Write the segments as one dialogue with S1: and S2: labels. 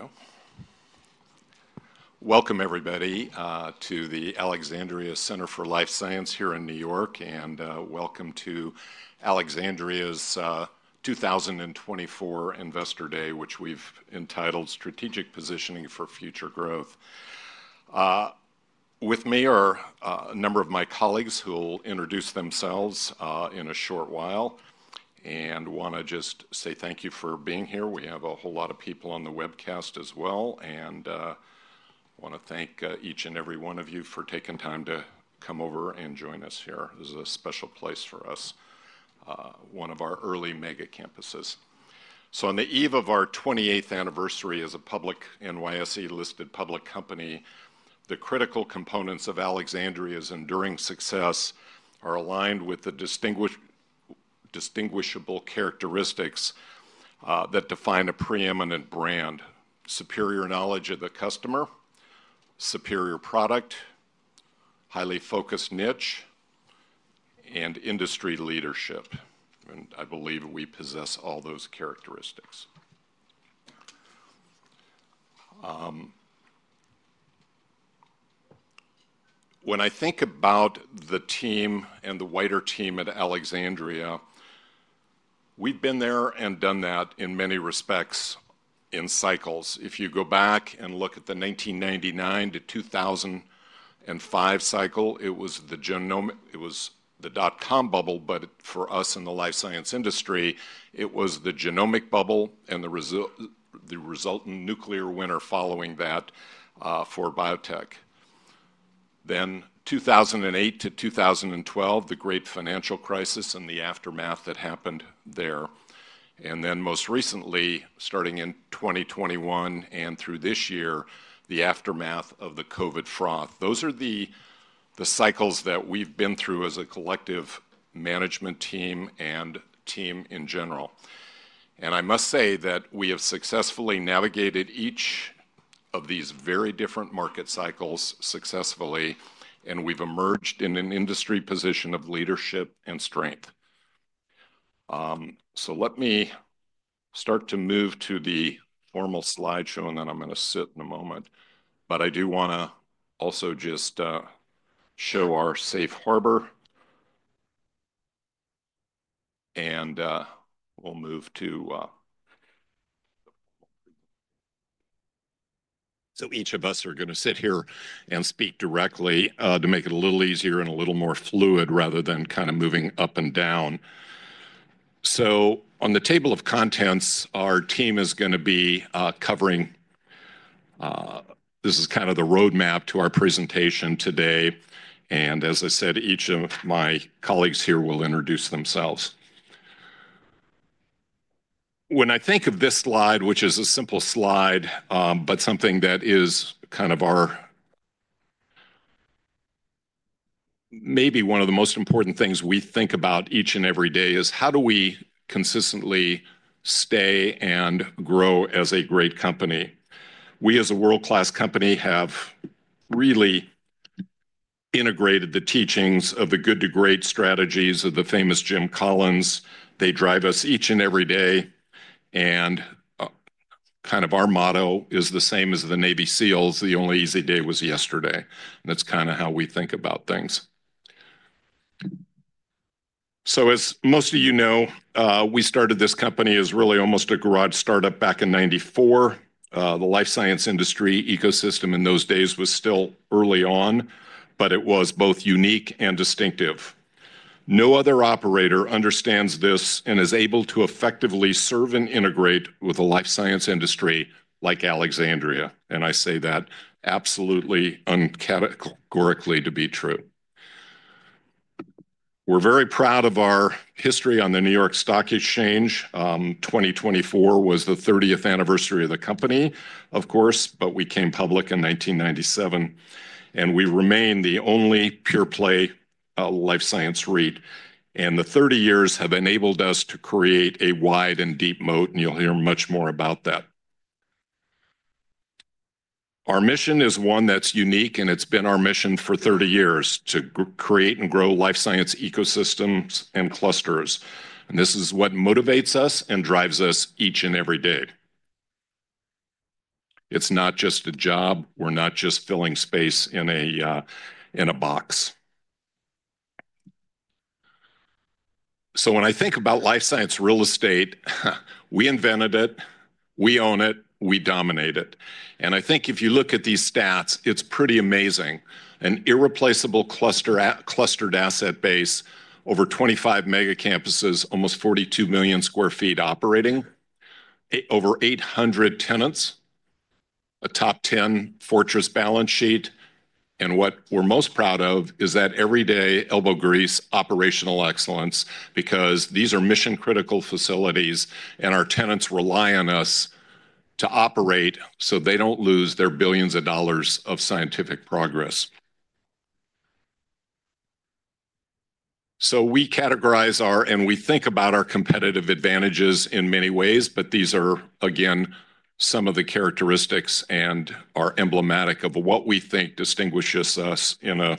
S1: There we go. Welcome, everybody, to the Alexandria Center for Life Science here in New York, and welcome to Alexandria's 2024 Investor Day, which we've entitled Strategic Positioning for Future Growth. With me are a number of my colleagues who'll introduce themselves in a short while, and I want to just say thank you for being here. We have a whole lot of people on the webcast as well, and I want to thank each and every one of you for taking time to come over and join us here. This is a special place for us, one of our early mega campuses. So, on the eve of our 28th anniversary as a public NYSE-listed public company, the critical components of Alexandria's enduring success are aligned with the distinguishable characteristics that define a preeminent brand: superior knowledge of the customer, superior product, highly focused niche, and industry leadership. I believe we possess all those characteristics. When I think about the team and the wider team at Alexandria, we've been there and done that in many respects in cycles. If you go back and look at the 1999 to 2005 cycle, it was the dot-com bubble, but for us in the life science industry, it was the genomic bubble and the resultant nuclear winter following that for biotech. Then, 2008 to 2012, the great financial crisis and the aftermath that happened there. Most recently, starting in 2021 and through this year, the aftermath of the COVID froth. Those are the cycles that we've been through as a collective management team and team in general. I must say that we have successfully navigated each of these very different market cycles successfully, and we've emerged in an industry position of leadership and strength. So, let me start to move to the formal slideshow, and then I'm going to sit in a moment. But I do want to also just show our safe harbor, and we'll move to. So, each of us are going to sit here and speak directly to make it a little easier and a little more fluid rather than kind of moving up and down. So, on the table of contents, our team is going to be covering. This is kind of the roadmap to our presentation today, and as I said, each of my colleagues here will introduce themselves. When I think of this slide, which is a simple slide but something that is kind of our maybe one of the most important things we think about each and every day, is how do we consistently stay and grow as a great company. We, as a world-class company, have really integrated the teachings of the Good to Great strategies of the famous Jim Collins. They drive us each and every day, and kind of our motto is the same as the Navy SEALs: "The only easy day was yesterday," and that's kind of how we think about things, so as most of you know, we started this company as really almost a garage startup back in 1994. The life science industry ecosystem in those days was still early on, but it was both unique and distinctive. No other operator understands this and is able to effectively serve and integrate with a life science industry like Alexandria, and I say that absolutely categorically to be true. We're very proud of our history on the New York Stock Exchange. 2024 was the 30th anniversary of the company, of course, but we came public in 1997, and we remain the only pure-play life science REIT, and the 30 years have enabled us to create a wide and deep moat, and you'll hear much more about that. Our mission is one that's unique, and it's been our mission for 30 years to create and grow life science ecosystems and clusters, and this is what motivates us and drives us each and every day. It's not just a job. We're not just filling space in a box, so when I think about life science real estate, we invented it, we own it, we dominate it, and I think if you look at these stats, it's pretty amazing. An irreplaceable clustered asset base, over 25 mega campuses, almost 42 million sq ft operating, over 800 tenants, a top 10 fortress balance sheet. What we're most proud of is that every day, elbow grease, operational excellence, because these are mission-critical facilities, and our tenants rely on us to operate so they don't lose their billions of dollars of scientific progress. We categorize our and we think about our competitive advantages in many ways, but these are, again, some of the characteristics and are emblematic of what we think distinguishes us in an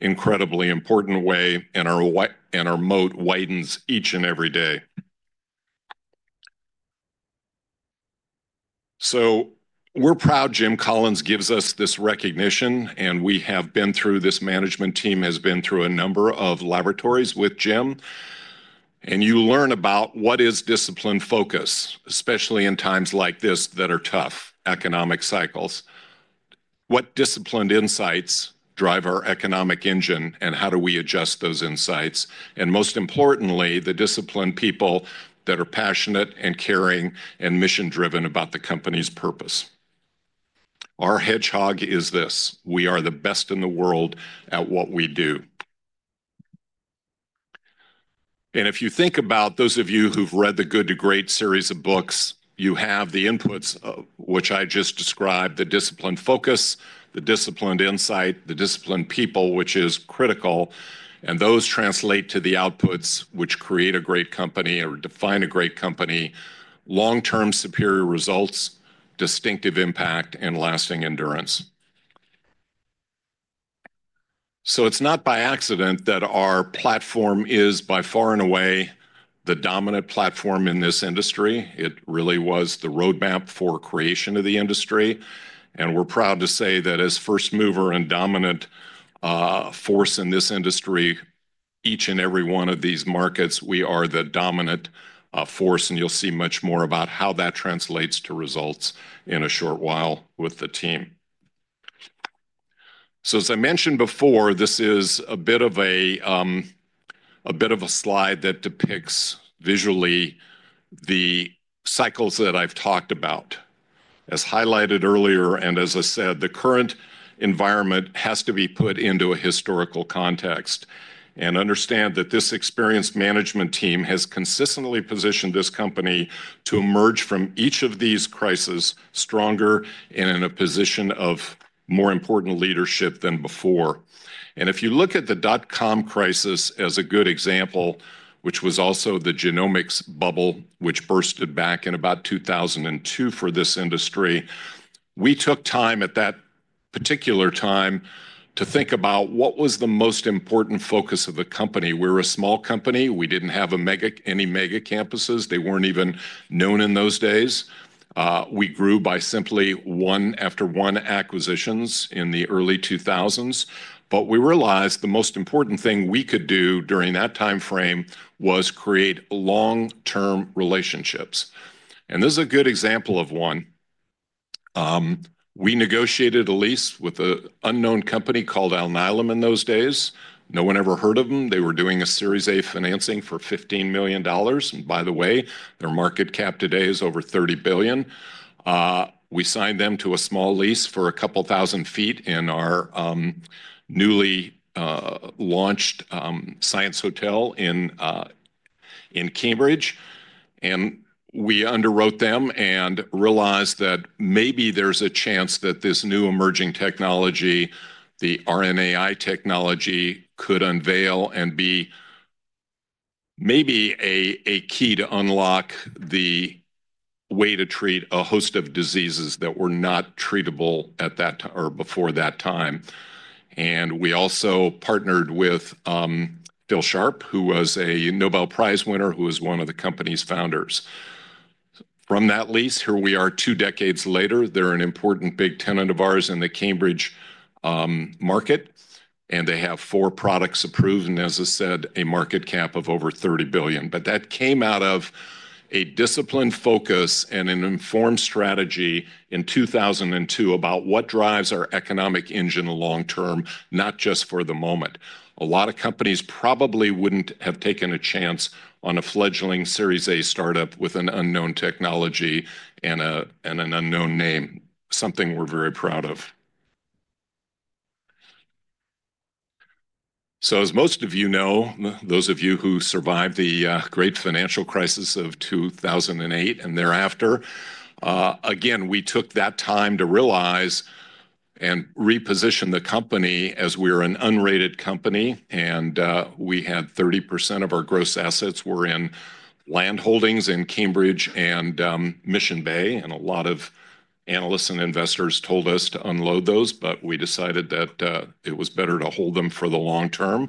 S1: incredibly important way, and our moat widens each and every day. We're proud Jim Collins gives us this recognition, and this management team has been through a number of laboratories with Jim. You learn about what is discipline focus, especially in times like this that are tough economic cycles. What disciplined insights drive our economic engine, and how do we adjust those insights? And most importantly, the disciplined people that are passionate and caring and mission-driven about the company's purpose. Our hedgehog is this. We are the best in the world at what we do. And if you think about those of you who've read the Good to Great series of books, you have the inputs which I just described: the disciplined focus, the disciplined insight, the disciplined people, which is critical. And those translate to the outputs which create a great company or define a great company: long-term superior results, distinctive impact, and lasting endurance. So, it's not by accident that our platform is by far and away the dominant platform in this industry. It really was the roadmap for creation of the industry. And we're proud to say that as first mover and dominant force in this industry, each and every one of these markets, we are the dominant force. You'll see much more about how that translates to results in a short while with the team. As I mentioned before, this is a bit of a slide that depicts visually the cycles that I've talked about. As highlighted earlier, and as I said, the current environment has to be put into a historical context. Understand that this experienced management team has consistently positioned this company to emerge from each of these crises stronger and in a position of more important leadership than before. If you look at the dot-com crisis as a good example, which was also the genomics bubble which burst back in about 2002 for this industry, we took time at that particular time to think about what was the most important focus of the company. We were a small company. We didn't have any mega campuses. They weren't even known in those days. We grew by simply one after one acquisitions in the early 2000s, but we realized the most important thing we could do during that timeframe was create long-term relationships, and this is a good example of one. We negotiated a lease with an unknown company called Alnylam in those days. No one ever heard of them. They were doing a Series A financing for $15 million, and by the way, their market cap today is over $30 billion. We signed them to a small lease for a couple thousand sq ft in our newly launched science hotel in Cambridge. And we underwrote them and realized that maybe there's a chance that this new emerging technology, the RNAi technology, could unveil and be maybe a key to unlock the way to treat a host of diseases that were not treatable at that time or before that time. And we also partnered with Phil Sharp, who was a Nobel Prize winner, who was one of the company's founders. From that lease, here we are two decades later. They're an important big tenant of ours in the Cambridge market, and they have four products approved and, as I said, a market cap of over $30 billion. But that came out of a disciplined focus and an informed strategy in 2002 about what drives our economic engine long-term, not just for the moment. A lot of companies probably wouldn't have taken a chance on a fledgling Series A startup with an unknown technology and an unknown name, something we're very proud of. So, as most of you know, those of you who survived the great financial crisis of 2008 and thereafter, again, we took that time to realize and reposition the company as we were an unrated company. And we had 30% of our gross assets were in land holdings in Cambridge and Mission Bay. And a lot of analysts and investors told us to unload those, but we decided that it was better to hold them for the long term.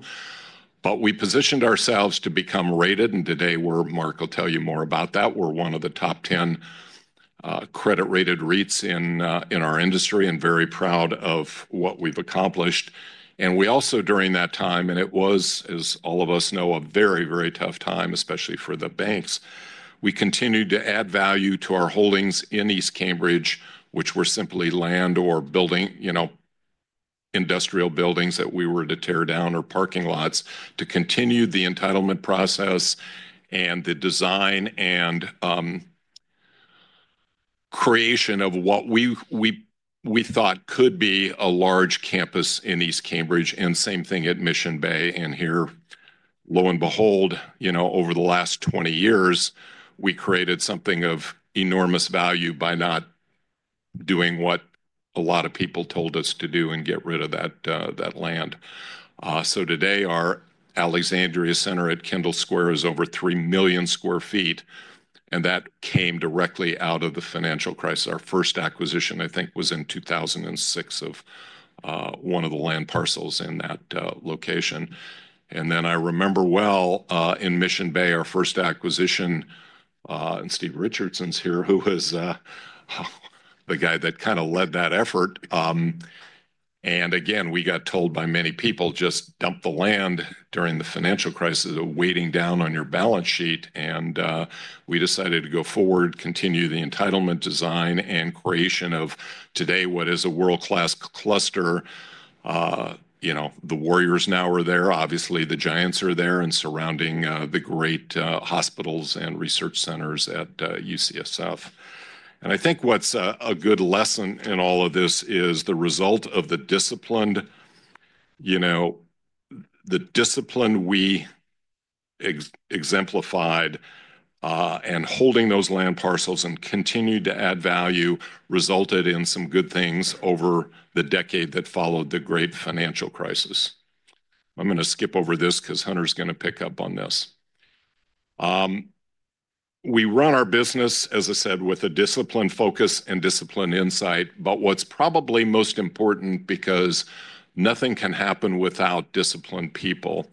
S1: But we positioned ourselves to become rated. And today, we're. Marc will tell you more about that. We're one of the top 10 credit-rated REITs in our industry and very proud of what we've accomplished. And we also, during that time, and it was, as all of us know, a very, very tough time, especially for the banks. We continued to add value to our holdings in East Cambridge, which were simply land or building industrial buildings that we were to tear down or parking lots to continue the entitlement process and the design and creation of what we thought could be a large campus in East Cambridge. And same thing at Mission Bay. And here, lo and behold, over the last 20 years, we created something of enormous value by not doing what a lot of people told us to do and get rid of that land. So, today, our Alexandria Center at Kendall Square is over 3 million sq ft. And that came directly out of the financial crisis. Our first acquisition, I think, was in 2006 of one of the land parcels in that location, and then I remember well in Mission Bay, our first acquisition, and Steve Richardson's here, who was the guy that kind of led that effort. And again, we got told by many people, just dump the land during the financial crisis, weighing down on your balance sheet. And we decided to go forward, continue the entitlement, design and creation of today, what is a world-class cluster. The Warriors now are there. Obviously, the Giants are there and surrounding the great hospitals and research centers at UCSF. And I think what's a good lesson in all of this is the result of the discipline we exemplified and holding those land parcels and continued to add value resulted in some good things over the decade that followed the great financial crisis. I'm going to skip over this because Hunter's going to pick up on this. We run our business, as I said, with a disciplined focus and disciplined insight. But what's probably most important because nothing can happen without disciplined people.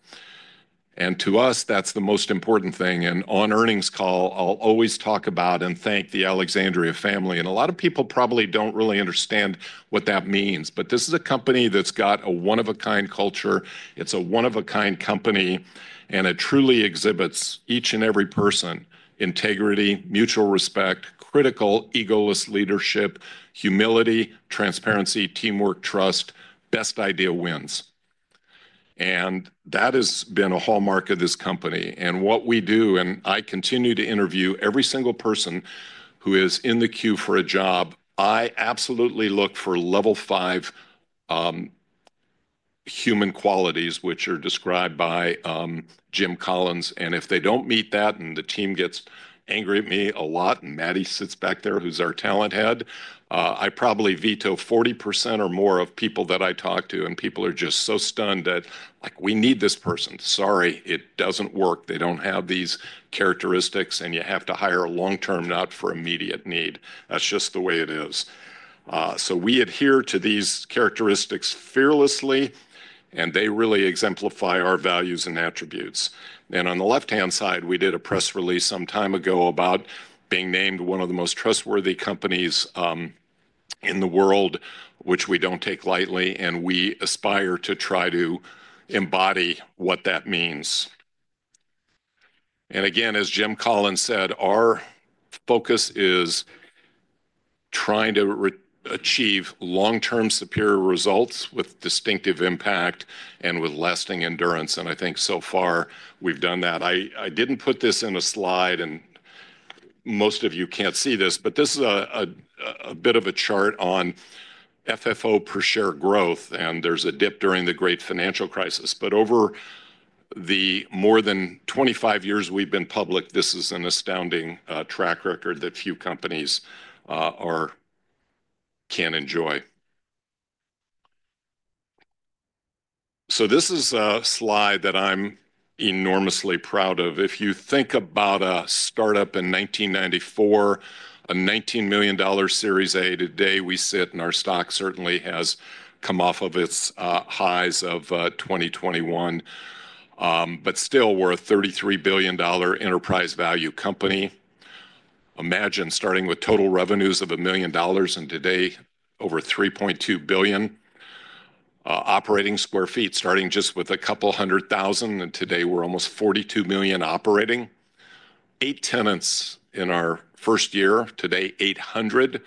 S1: And to us, that's the most important thing. And on earnings call, I'll always talk about and thank the Alexandria family. And a lot of people probably don't really understand what that means. But this is a company that's got a one-of-a-kind culture. It's a one-of-a-kind company. And it truly exhibits each and every person: integrity, mutual respect, critical, egoless leadership, humility, transparency, teamwork, trust. Best idea wins. And that has been a hallmark of this company. And what we do, and I continue to interview every single person who is in the queue for a job. I absolutely look for level five human qualities, which are described by Jim Collins. And if they don't meet that and the team gets angry at me a lot, and Maddie sits back there, who's our talent head, I probably veto 40% or more of people that I talk to. And people are just so stunned that, like, we need this person. Sorry, it doesn't work. They don't have these characteristics. And you have to hire long-term, not for immediate need. That's just the way it is. So, we adhere to these characteristics fearlessly. And they really exemplify our values and attributes. And on the left-hand side, we did a press release some time ago about being named one of the most trustworthy companies in the world, which we don't take lightly. And we aspire to try to embody what that means. And again, as Jim Collins said, our focus is trying to achieve long-term superior results with distinctive impact and with lasting endurance. And I think so far we've done that. I didn't put this in a slide, and most of you can't see this, but this is a bit of a chart on FFO per share growth. And there's a dip during the great financial crisis. But over the more than 25 years we've been public, this is an astounding track record that few companies can enjoy. So, this is a slide that I'm enormously proud of. If you think about a startup in 1994, a $19 million Series A, today we sit, and our stock certainly has come off of its highs of 2021, but still, we're a $33 billion enterprise value company. Imagine starting with total revenues of a million dollars and today over 3.2 billion operating sq ft, starting just with a couple hundred thousand, and today we're almost 42 million operating sq ft. Eight tenants in our first year, today 800,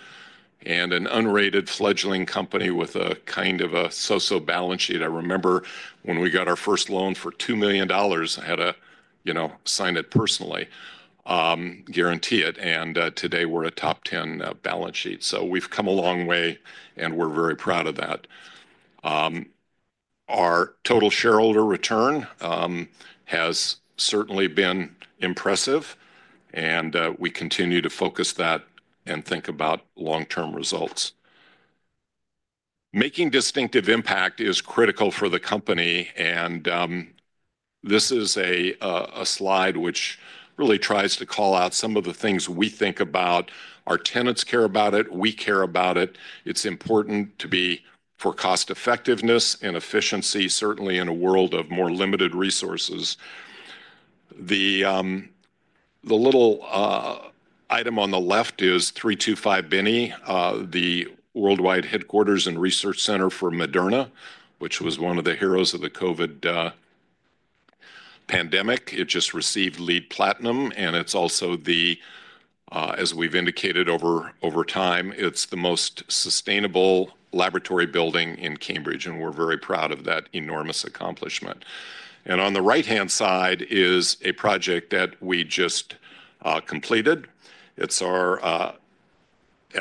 S1: and an unrated fledgling company with a kind of a so-so balance sheet. I remember when we got our first loan for $2 million, I had to sign it personally, guarantee it, and today we're a top 10 balance sheet, so we've come a long way, and we're very proud of that. Our total shareholder return has certainly been impressive, and we continue to focus that and think about long-term results. Making distinctive impact is critical for the company, and this is a slide which really tries to call out some of the things we think about. Our tenants care about it. We care about it. It's important to be for cost-effectiveness and efficiency, certainly in a world of more limited resources. The little item on the left is 325 Binney, the worldwide headquarters and research center for Moderna, which was one of the heroes of the COVID pandemic. It just received LEED Platinum, and it's also the, as we've indicated over time, it's the most sustainable laboratory building in Cambridge, and we're very proud of that enormous accomplishment, and on the right-hand side is a project that we just completed. It's our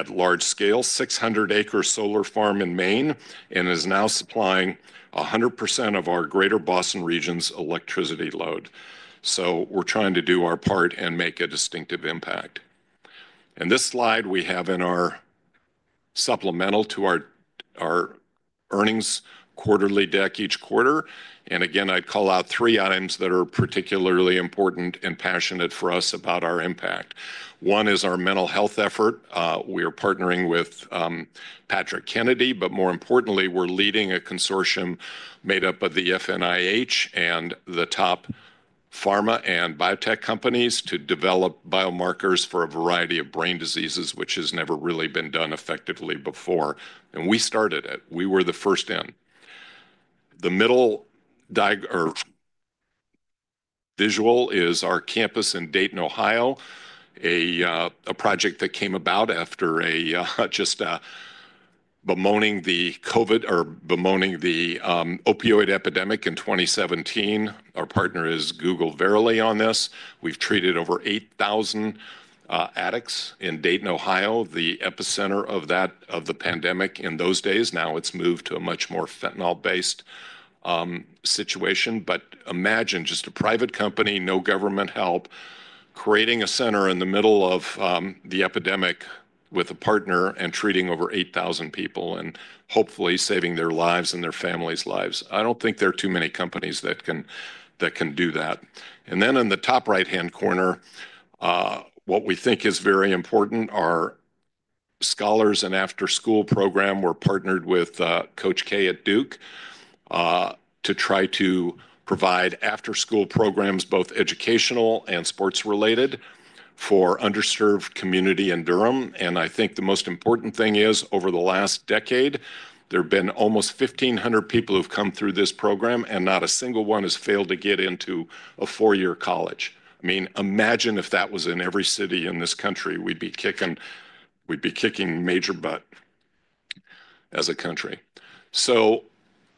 S1: large-scale 600-acre solar farm in Maine, and is now supplying 100% of our greater Boston region's electricity load. We're trying to do our part and make a distinctive impact. This slide we have in our supplemental to our earnings quarterly deck each quarter. Again, I'd call out three items that are particularly important and passionate for us about our impact. One is our mental health effort. We are partnering with Patrick Kennedy. More importantly, we're leading a consortium made up of the FNIH and the top pharma and biotech companies to develop biomarkers for a variety of brain diseases, which has never really been done effectively before. We started it. We were the first in. The middle visual is our campus in Dayton, Ohio, a project that came about after just bemoaning the COVID or bemoaning the opioid epidemic in 2017. Our partner is Google Verily on this. We've treated over 8,000 addicts in Dayton, Ohio, the epicenter of the pandemic in those days. Now it's moved to a much more fentanyl-based situation. But imagine just a private company, no government help, creating a center in the middle of the epidemic with a partner and treating over 8,000 people and hopefully saving their lives and their families' lives. I don't think there are too many companies that can do that. And then in the top right-hand corner, what we think is very important are scholars and after-school program. We're partnered with Coach K at Duke to try to provide after-school programs, both educational and sports-related, for underserved community in Durham. And I think the most important thing is over the last decade, there have been almost 1,500 people who've come through this program, and not a single one has failed to get into a four-year college. I mean, imagine if that was in every city in this country, we'd be kicking major butt as a country. So,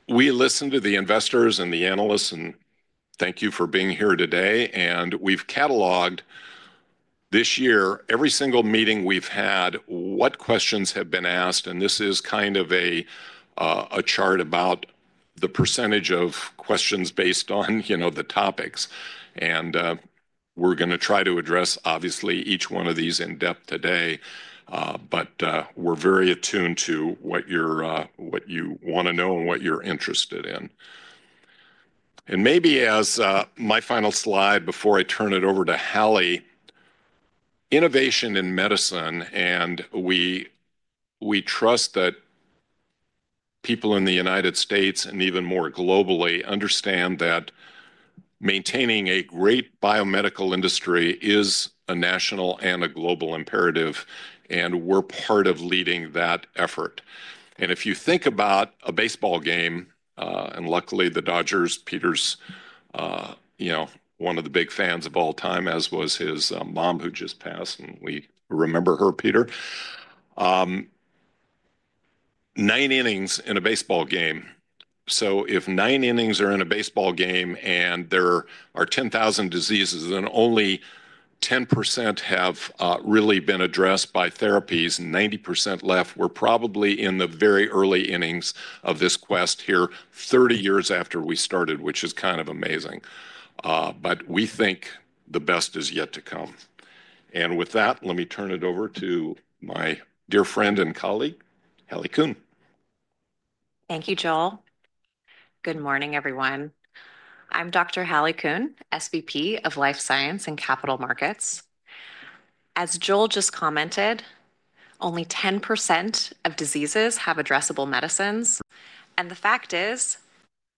S1: we listen to the investors and the analysts, and thank you for being here today, and we've cataloged this year every single meeting we've had, what questions have been asked. And this is kind of a chart about the percentage of questions based on the topics, and we're going to try to address, obviously, each one of these in depth today. But we're very attuned to what you want to know and what you're interested in, and maybe as my final slide before I turn it over to Hallie, innovation in medicine, and we trust that people in the United States and even more globally understand that maintaining a great biomedical industry is a national and a global imperative, and we're part of leading that effort. If you think about a baseball game, and luckily the Dodgers, Peter, one of the big fans of all time, as was his mom who just passed. We remember her, Peter. Nine innings in a baseball game. If nine innings are in a baseball game and there are 10,000 diseases and only 10% have really been addressed by therapies, 90% left, we're probably in the very early innings of this quest here, 30 years after we started, which is kind of amazing. We think the best is yet to come. With that, let me turn it over to my dear friend and colleague, Hallie Kuhn.
S2: Thank you, Joel. Good morning, everyone. I'm Dr. Hallie Kuhn, SVP of Life Science and Capital Markets. As Joel just commented, only 10% of diseases have addressable medicines. The fact is,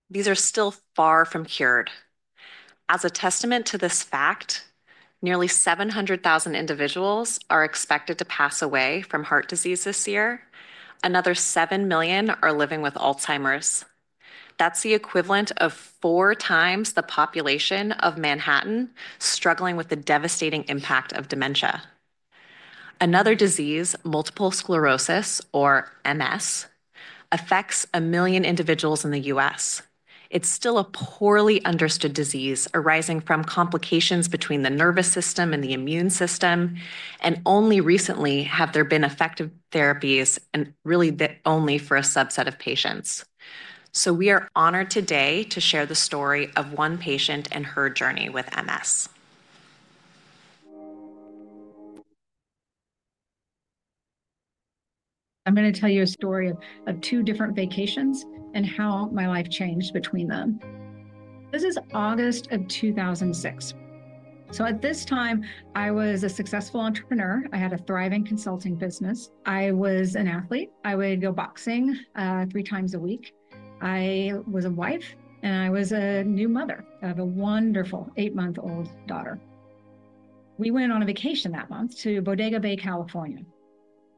S2: these are still far from cured. As a testament to this fact, nearly 700,000 individuals are expected to pass away from heart disease this year. Another seven million are living with Alzheimer's. That's the equivalent of four times the population of Manhattan struggling with the devastating impact of dementia. Another disease, multiple sclerosis, or MS, affects a million individuals in the U.S. It's still a poorly understood disease arising from complications between the nervous system and the immune system, and only recently have there been effective therapies, and really only for a subset of patients, so we are honored today to share the story of one patient and her journey with MS. I'm going to tell you a story of two different vacations and how my life changed between them. This is August of 2006, so at this time, I was a successful entrepreneur. I had a thriving consulting business. I was an athlete. I would go boxing three times a week. I was a wife, and I was a new mother of a wonderful eight-month-old daughter. We went on a vacation that month to Bodega Bay, California.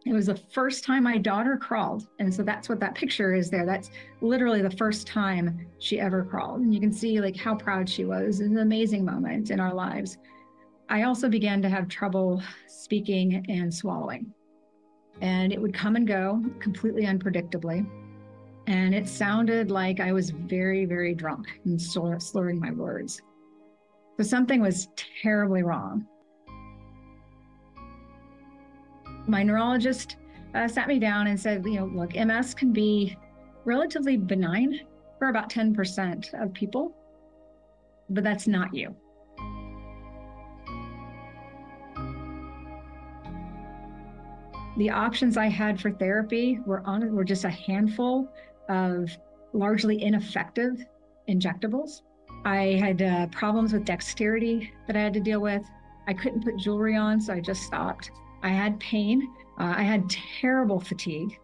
S2: It was the first time my daughter crawled. And so, that's what that picture is there. That's literally the first time she ever crawled. And you can see how proud she was. It was an amazing moment in our lives. I also began to have trouble speaking and swallowing. And it would come and go completely unpredictably. And it sounded like I was very, very drunk and slurring my words. So, something was terribly wrong. My neurologist sat me down and said, "Look, MS can be relatively benign for about 10% of people, but that's not you." The options I had for therapy were just a handful of largely ineffective injectables. I had problems with dexterity that I had to deal with. I couldn't put jewelry on, so I just stopped. I had pain. I had terrible fatigue.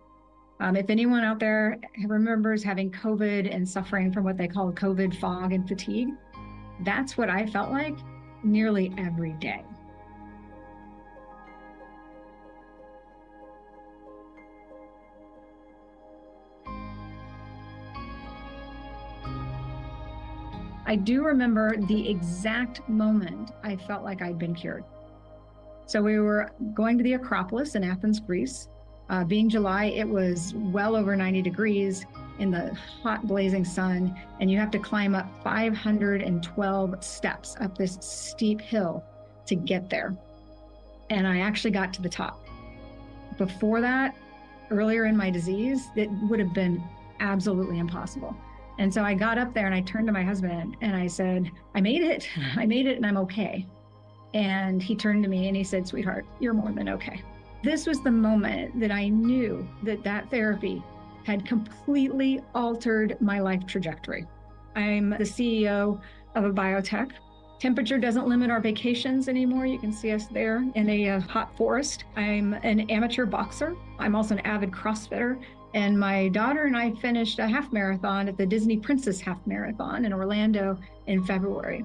S2: If anyone out there remembers having COVID and suffering from what they call COVID fog and fatigue, that's what I felt like nearly every day. I do remember the exact moment I felt like I'd been cured. So, we were going to the Acropolis in Athens, Greece. Being July, it was well over 90 degrees in the hot, blazing sun. And you have to climb up 512 steps up this steep hill to get there. And I actually got to the top. Before that, earlier in my disease, it would have been absolutely impossible. And so, I got up there and I turned to my husband and I said, "I made it. I made it and I'm okay." And he turned to me and he said, "Sweetheart, you're more than okay." This was the moment that I knew that that therapy had completely altered my life trajectory. I'm the CEO of a biotech. Temperature doesn't limit our vacations anymore. You can see us there in a hot forest. I'm an amateur boxer. I'm also an avid crossfitter. And my daughter and I finished a half marathon at the Disney Princess Half Marathon in Orlando in February.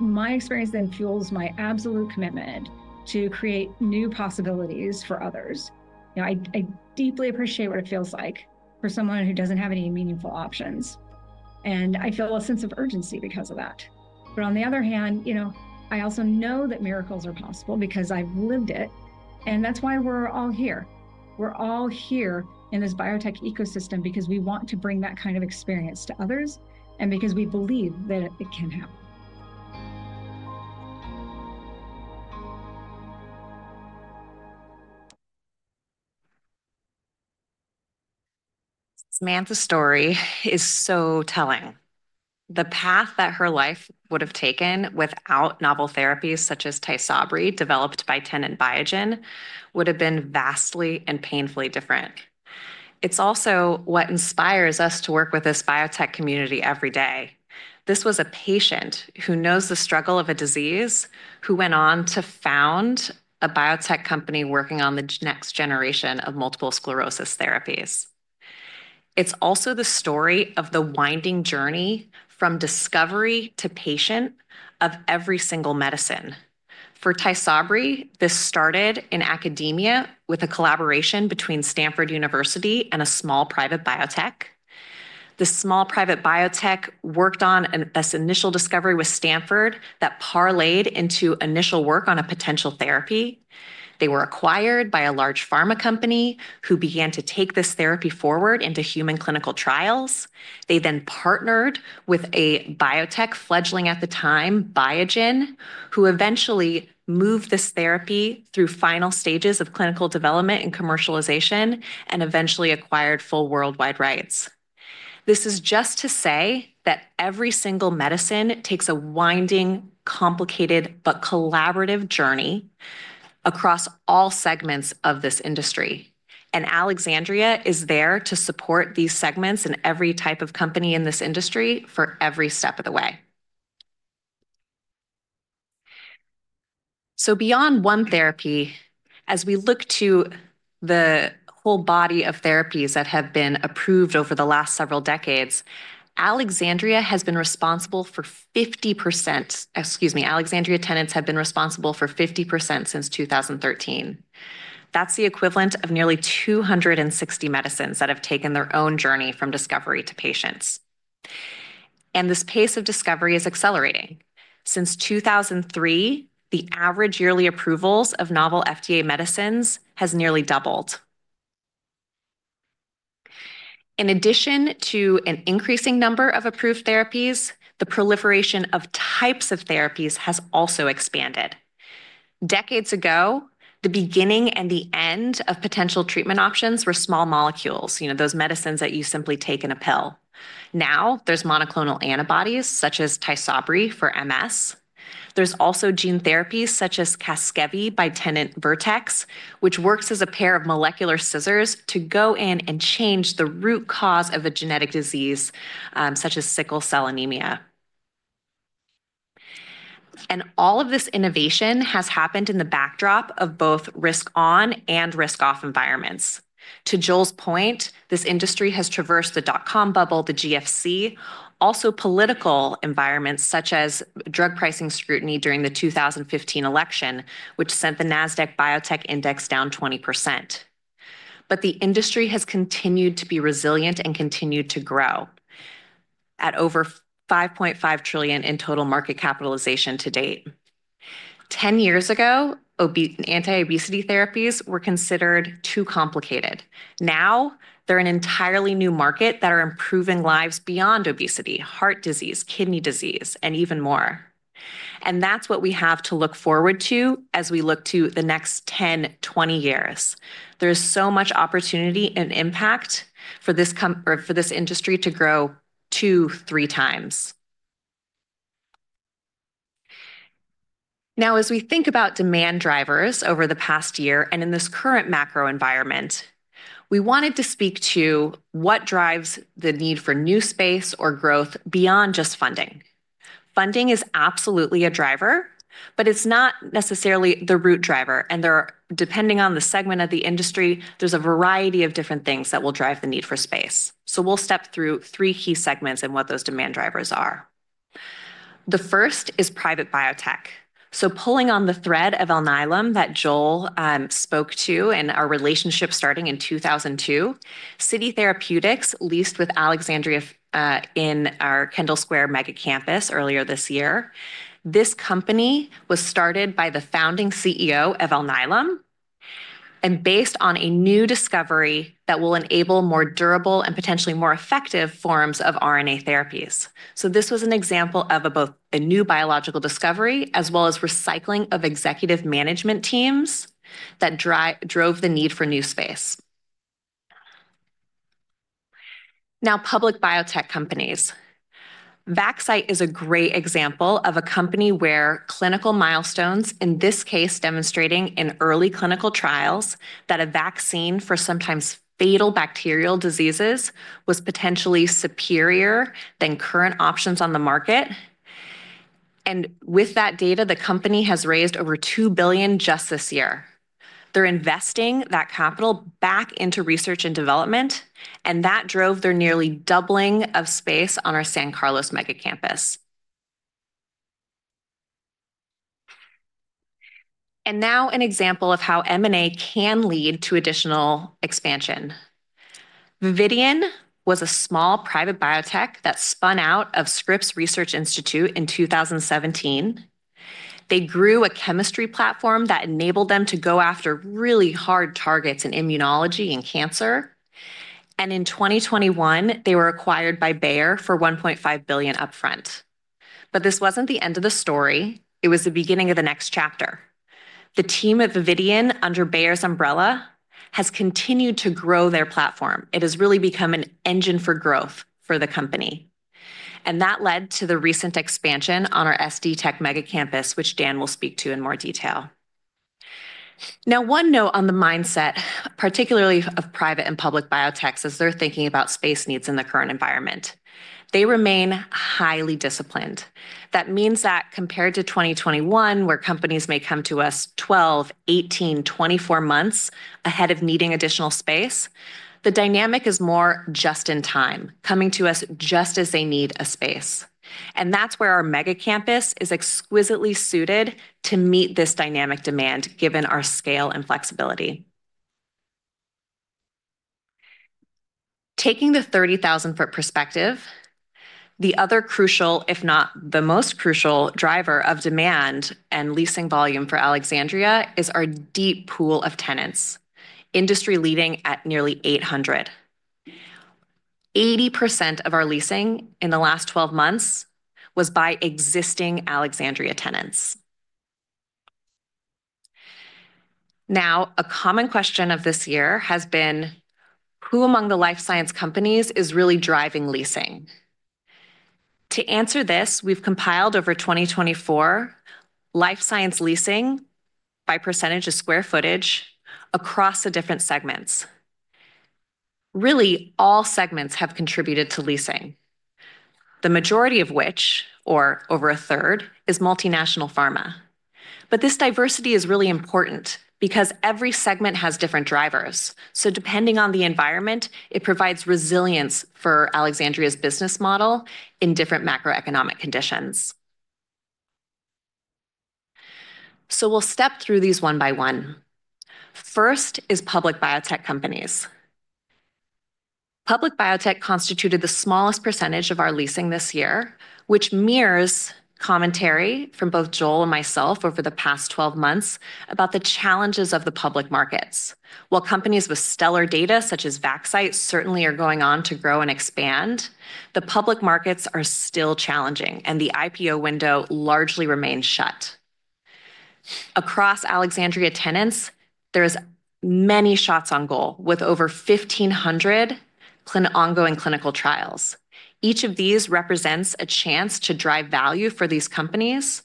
S2: My experience then fuels my absolute commitment to create new possibilities for others. I deeply appreciate what it feels like for someone who doesn't have any meaningful options. And I feel a sense of urgency because of that. But on the other hand, I also know that miracles are possible because I've lived it. And that's why we're all here. We're all here in this biotech ecosystem because we want to bring that kind of experience to others and because we believe that it can happen. Samantha's story is so telling. The path that her life would have taken without novel therapies such as TYSABRI, developed by tenant Biogen, would have been vastly and painfully different. It's also what inspires us to work with this biotech community every day. This was a patient who knows the struggle of a disease who went on to found a biotech company working on the next generation of multiple sclerosis therapies. It's also the story of the winding journey from discovery to patient of every single medicine. For TYSABRI, this started in academia with a collaboration between Stanford University and a small private biotech. The small private biotech worked on this initial discovery with Stanford that parlayed into initial work on a potential therapy. They were acquired by a large pharma company who began to take this therapy forward into human clinical trials. They then partnered with a biotech fledgling at the time, Biogen, who eventually moved this therapy through final stages of clinical development and commercialization and eventually acquired full worldwide rights. This is just to say that every single medicine takes a winding, complicated, but collaborative journey across all segments of this industry, and Alexandria is there to support these segments in every type of company in this industry for every step of the way, so, beyond one therapy, as we look to the whole body of therapies that have been approved over the last several decades, Alexandria has been responsible for 50%. Excuse me, Alexandria tenants have been responsible for 50% since 2013. That's the equivalent of nearly 260 medicines that have taken their own journey from discovery to patients. And this pace of discovery is accelerating. Since 2003, the average yearly approvals of novel FDA medicines has nearly doubled. In addition to an increasing number of approved therapies, the proliferation of types of therapies has also expanded. Decades ago, the beginning and the end of potential treatment options were small molecules, those medicines that you simply take in a pill. Now there's monoclonal antibodies such as TYSABRI for M.S. There's also gene therapies such as CASGEVY by tenant Vertex, which works as a pair of molecular scissors to go in and change the root cause of a genetic disease such as sickle cell anemia. And all of this innovation has happened in the backdrop of both risk-on and risk-off environments. To Joel's point, this industry has traversed the dot-com bubble, the GFC, also political environments such as drug pricing scrutiny during the 2015 election, which sent the NASDAQ Biotech Index down 20%. But the industry has continued to be resilient and continued to grow at over $5.5 trillion in total market capitalization to date. 10 years ago, anti-obesity therapies were considered too complicated. Now they're an entirely new market that are improving lives beyond obesity, heart disease, kidney disease, and even more. And that's what we have to look forward to as we look to the next 10, 20 years. There is so much opportunity and impact for this industry to grow two, three times. Now, as we think about demand drivers over the past year and in this current macro environment, we wanted to speak to what drives the need for new space or growth beyond just funding. Funding is absolutely a driver, but it's not necessarily the root driver. Depending on the segment of the industry, there's a variety of different things that will drive the need for space. We'll step through three key segments and what those demand drivers are. The first is private biotech. Pulling on the thread of Alnylam that Joel spoke to and our relationship starting in 2002, City Therapeutics leased with Alexandria in our Kendall Square mega campus earlier this year. This company was started by the founding CEO of Alnylam and based on a new discovery that will enable more durable and potentially more effective forms of RNA therapies. This was an example of both a new biological discovery as well as recycling of executive management teams that drove the need for new space. Now, public biotech companies. Vaxcyte is a great example of a company where clinical milestones, in this case, demonstrating in early clinical trials that a vaccine for sometimes fatal bacterial diseases was potentially superior than current options on the market. With that data, the company has raised over $2 billion just this year. They're investing that capital back into research and development, and that drove their nearly doubling of space on our San Carlos mega campus. Now an example of how M&A can lead to additional expansion. Vividion was a small private biotech that spun out of Scripps Research in 2017. They grew a chemistry platform that enabled them to go after really hard targets in immunology and cancer. In 2021, they were acquired by Bayer for $1.5 billion upfront. But this wasn't the end of the story. It was the beginning of the next chapter. The team at Vividion under Bayer's umbrella has continued to grow their platform. It has really become an engine for growth for the company, and that led to the recent expansion on our SD Tech mega campus, which Dan will speak to in more detail. Now, one note on the mindset, particularly of private and public biotechs, as they're thinking about space needs in the current environment. They remain highly disciplined. That means that compared to 2021, where companies may come to us 12, 18, 24 months ahead of needing additional space, the dynamic is more just in time, coming to us just as they need a space, and that's where our mega campus is exquisitely suited to meet this dynamic demand, given our scale and flexibility. Taking the 30,000-foot perspective, the other crucial, if not the most crucial, driver of demand and leasing volume for Alexandria is our deep pool of tenants, industry-leading at nearly 800. 80% of our leasing in the last 12 months was by existing Alexandria tenants. Now, a common question of this year has been, who among the life science companies is really driving leasing? To answer this, we've compiled over 2024 life science leasing by percentage of square footage across the different segments. Really, all segments have contributed to leasing, the majority of which, or over a third, is multinational pharma. But this diversity is really important because every segment has different drivers. So, depending on the environment, it provides resilience for Alexandria's business model in different macroeconomic conditions. So, we'll step through these one by one. First is public biotech companies. Public biotech constituted the smallest percentage of our leasing this year, which mirrors commentary from both Joel and myself over the past 12 months about the challenges of the public markets. While companies with stellar data such as Vaxcyte certainly are going on to grow and expand, the public markets are still challenging and the IPO window largely remains shut. Across Alexandria tenants, there are many shots on goal with over 1,500 ongoing clinical trials. Each of these represents a chance to drive value for these companies,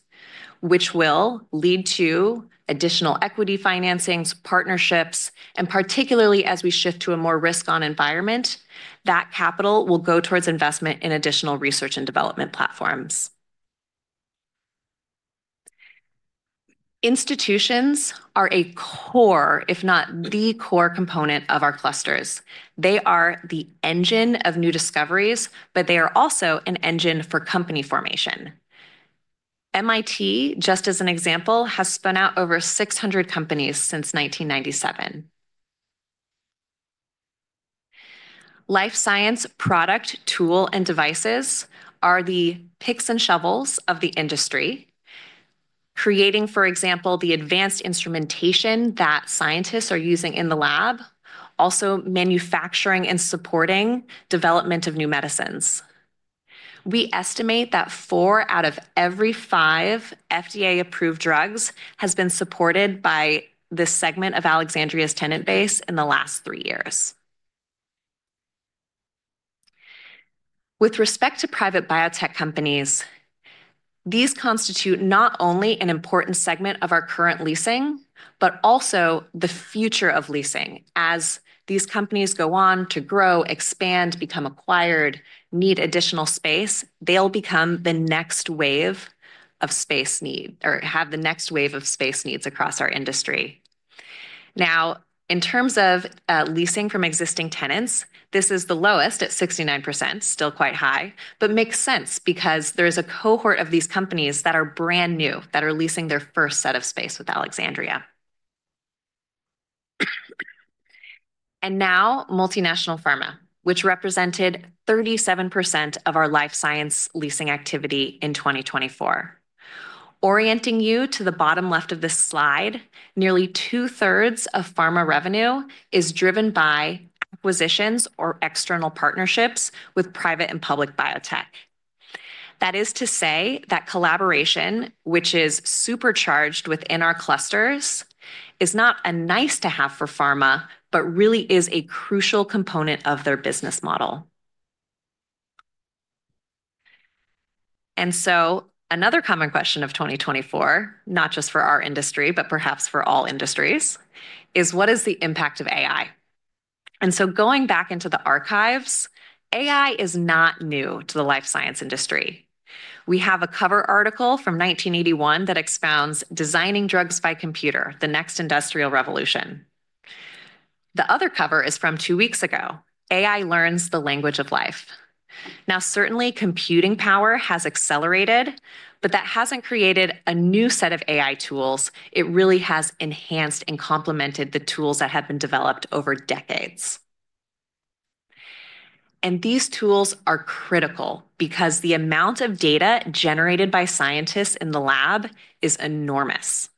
S2: which will lead to additional equity financings, partnerships, and particularly as we shift to a more risk-on environment, that capital will go towards investment in additional research and development platforms. Institutions are a core, if not the core component of our clusters. They are the engine of new discoveries, but they are also an engine for company formation. MIT, just as an example, has spun out over 600 companies since 1997. Life science product tools and devices are the picks and shovels of the industry, creating, for example, the advanced instrumentation that scientists are using in the lab, also manufacturing and supporting development of new medicines. We estimate that four out of every five FDA-approved drugs have been supported by this segment of Alexandria's tenant base in the last three years. With respect to private biotech companies, these constitute not only an important segment of our current leasing, but also the future of leasing. As these companies go on to grow, expand, become acquired, and need additional space, they'll become the next wave of space need or have the next wave of space needs across our industry. Now, in terms of leasing from existing tenants, this is the lowest at 69%, still quite high, but makes sense because there is a cohort of these companies that are brand new that are leasing their first set of space with Alexandria. And now, multinational pharma, which represented 37% of our life science leasing activity in 2024. Orienting you to the bottom left of this slide, nearly two-thirds of pharma revenue is driven by acquisitions or external partnerships with private and public biotech. That is to say that collaboration, which is supercharged within our clusters, is not a nice-to-have for pharma, but really is a crucial component of their business model. And so, another common question of 2024, not just for our industry, but perhaps for all industries, is what is the impact of AI? Going back into the archives, AI is not new to the life science industry. We have a cover article from 1981 that expounds designing drugs by computer, the next industrial revolution. The other cover is from two weeks ago, AI learns the language of life. Now, certainly computing power has accelerated, but that hasn't created a new set of AI tools. It really has enhanced and complemented the tools that have been developed over decades. And these tools are critical because the amount of data generated by scientists in the lab is enormous.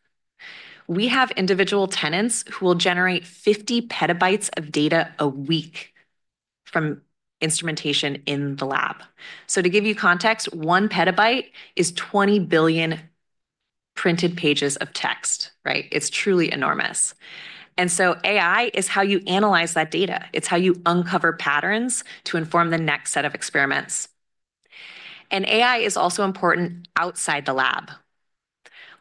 S2: We have individual tenants who will generate 50 PB of data a week from instrumentation in the lab. So, to give you context, one PB is 20 billion printed pages of text. It's truly enormous. And so, AI is how you analyze that data. It's how you uncover patterns to inform the next set of experiments. And AI is also important outside the lab.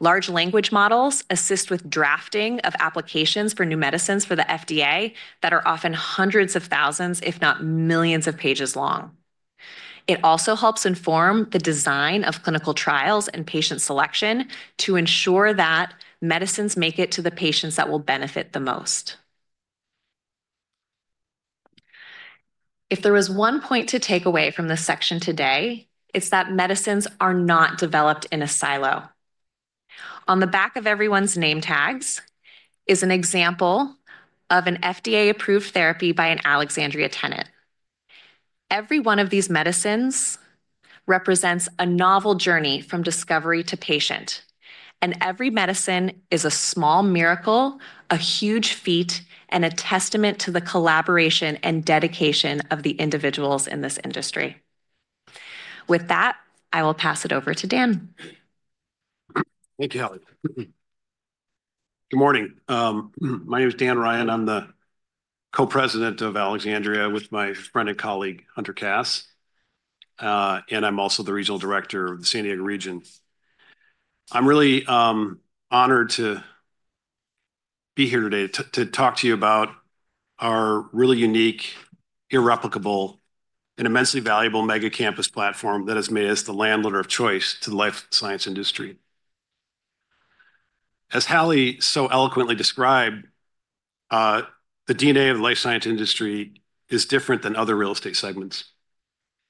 S2: Large language models assist with drafting of applications for new medicines for the FDA that are often hundreds of thousands, if not millions of pages long. It also helps inform the design of clinical trials and patient selection to ensure that medicines make it to the patients that will benefit the most. If there was one point to take away from this section today, it's that medicines are not developed in a silo. On the back of everyone's name tags is an example of an FDA-approved therapy by an Alexandria tenant. Every one of these medicines represents a novel journey from discovery to patient. And every medicine is a small miracle, a huge feat, and a testament to the collaboration and dedication of the individuals in this industry. With that, I will pass it over to Dan.
S3: Thank you, Hallie. Good morning. My name is Dan Ryan. I'm the Co-President of Alexandria with my friend and colleague Hunter Kass. And I'm also the Regional Director of the San Diego region. I'm really honored to be here today to talk to you about our really unique, irreplicable, and immensely valuable mega campus platform that has made us the landlord of choice to the life science industry. As Hallie so eloquently described, the DNA of the life science industry is different than other real estate segments.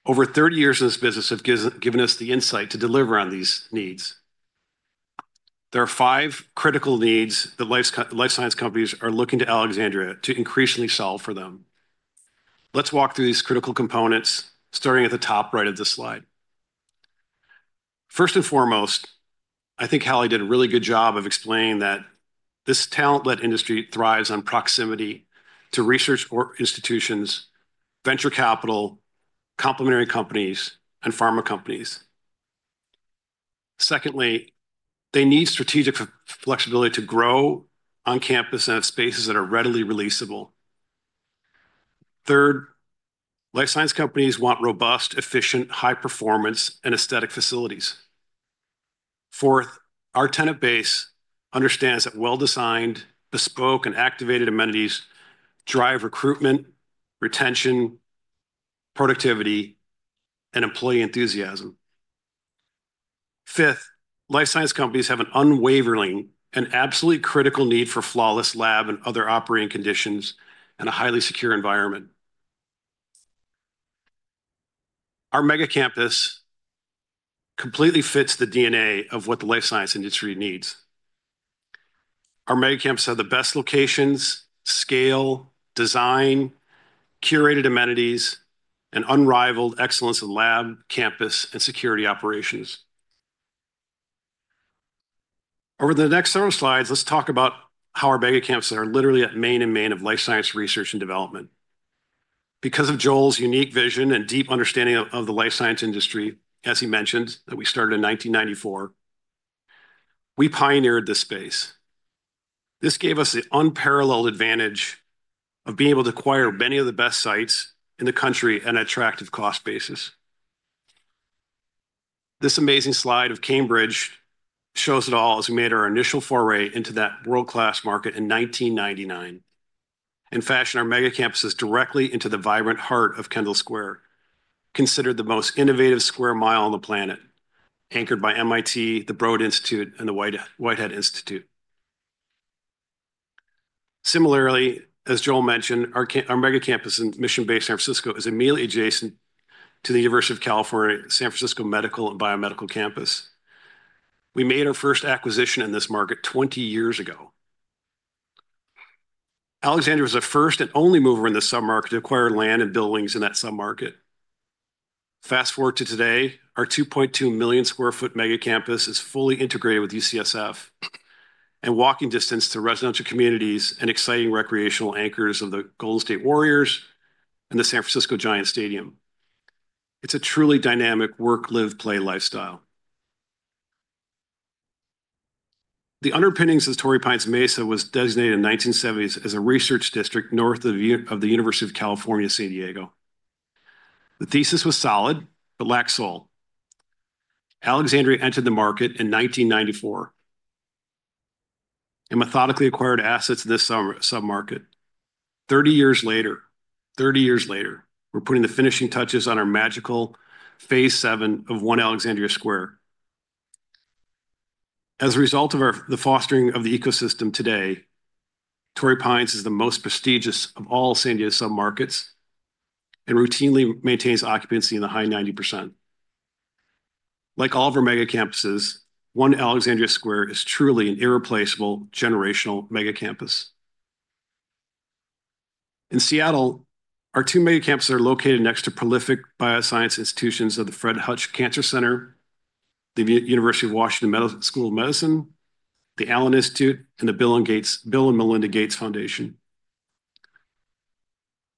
S3: Over 30 years in this business have given us the insight to deliver on these needs. There are five critical needs that life science companies are looking to Alexandria to increasingly solve for them. Let's walk through these critical components starting at the top right of this slide. First and foremost, I think Hallie did a really good job of explaining that this talent-led industry thrives on proximity to research institutions, venture capital, complementary companies, and pharma companies. Secondly, they need strategic flexibility to grow on campus and have spaces that are readily releasable. Third, life science companies want robust, efficient, high-performance, and aesthetic facilities. Fourth, our tenant base understands that well-designed, bespoke, and activated amenities drive recruitment, retention, productivity, and employee enthusiasm. Fifth, life science companies have an unwavering and absolutely critical need for flawless lab and other operating conditions and a highly secure environment. Our mega campus completely fits the DNA of what the life science industry needs. Our mega campus has the best locations, scale, design, curated amenities, and unrivaled excellence in lab, campus, and security operations. Over the next several slides, let's talk about how our mega campuses are literally at main and main of life science research and development. Because of Joel's unique vision and deep understanding of the life science industry, as he mentioned, that we started in 1994, we pioneered this space. This gave us the unparalleled advantage of being able to acquire many of the best sites in the country at an attractive cost basis. This amazing slide of Cambridge shows it all as we made our initial foray into that world-class market in 1999 and fashioned our mega campuses directly into the vibrant heart of Kendall Square, considered the most innovative square mile on the planet, anchored by MIT, the Broad Institute, and the Whitehead Institute. Similarly, as Joel mentioned, our mega campus in Mission Bay, San Francisco, is immediately adjacent to the University of California, San Francisco Medical and Biomedical Campus. We made our first acquisition in this market 20 years ago. Alexandria was the first and only mover in the submarket to acquire land and buildings in that submarket. Fast forward to today, our 2.2 million sq ft mega campus is fully integrated with UCSF and walking distance to residential communities and exciting recreational anchors of the Golden State Warriors and the San Francisco Giants Stadium. It's a truly dynamic work-live-play lifestyle. The underpinnings of Torrey Pines Mesa was designated in the 1970s as a research district north of the University of California, San Diego. The thesis was solid, but lacked soul. Alexandria entered the market in 1994 and methodically acquired assets in this submarket. 30 years later, 30 years later, we're putting the finishing touches on our magical phase VII of One Alexandria Square. As a result of the fostering of the ecosystem today, Torrey Pines is the most prestigious of all San Diego submarkets and routinely maintains occupancy in the high 90%. Like all of our mega campuses, One Alexandria Square is truly an irreplaceable generational mega campus. In Seattle, our two mega campuses are located next to prolific bioscience institutions of the Fred Hutchinson Cancer Center, the University of Washington School of Medicine, the Allen Institute, and the Bill and Melinda Gates Foundation.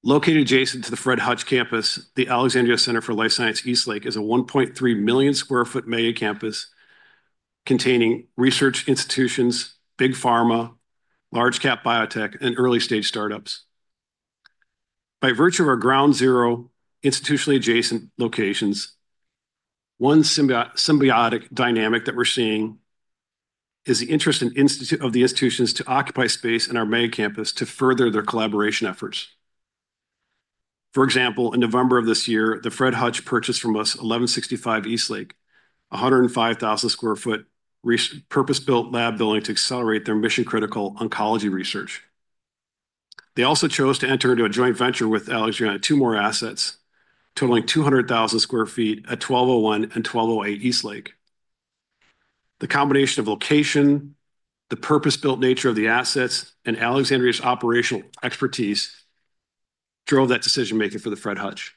S3: Located adjacent to the Fred Hutchinson campus, the Alexandria Center for Life Science Eastlake is a 1.3 million sq ft mega campus containing research institutions, big pharma, large-cap biotech, and early-stage startups. By virtue of our ground zero institutionally adjacent locations, one symbiotic dynamic that we're seeing is the interest of the institutions to occupy space in our mega campus to further their collaboration efforts. For example, in November of this year, the Fred Hutch purchased from us 1165 Eastlake, a 105,000 sq ft purpose-built lab building to accelerate their mission-critical oncology research. They also chose to enter into a joint venture with Alexandria on two more assets totaling 200,000 sq ft at 1201 and 1208 Eastlake. The combination of location, the purpose-built nature of the assets, and Alexandria's operational expertise drove that decision-making for the Fred Hutch.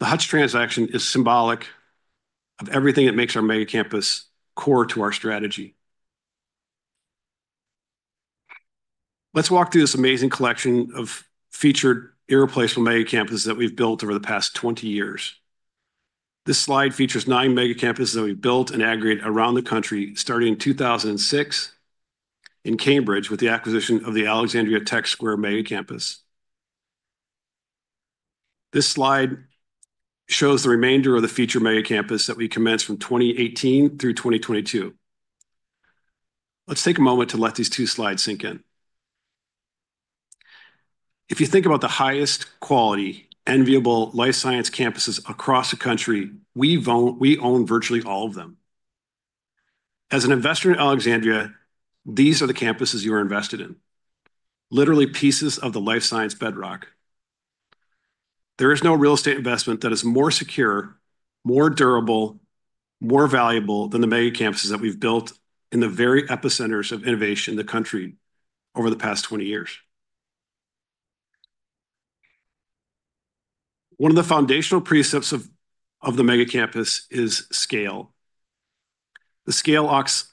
S3: The Hutch transaction is symbolic of everything that makes our mega campus core to our strategy. Let's walk through this amazing collection of featured irreplaceable mega campuses that we've built over the past 20 years. This slide features nine mega campuses that we've built and aggregated around the country starting in 2006 in Cambridge with the acquisition of the Alexandria Technology Square mega campus. This slide shows the remainder of the featured mega campuses that we commenced from 2018 through 2022. Let's take a moment to let these two slides sink in. If you think about the highest quality enviable life science campuses across the country, we own virtually all of them. As an investor in Alexandria, these are the campuses you are invested in, literally pieces of the life science bedrock. There is no real estate investment that is more secure, more durable, more valuable than the mega campuses that we've built in the very epicenters of innovation in the country over the past 20 years. One of the foundational precepts of the mega campus is scale. The scale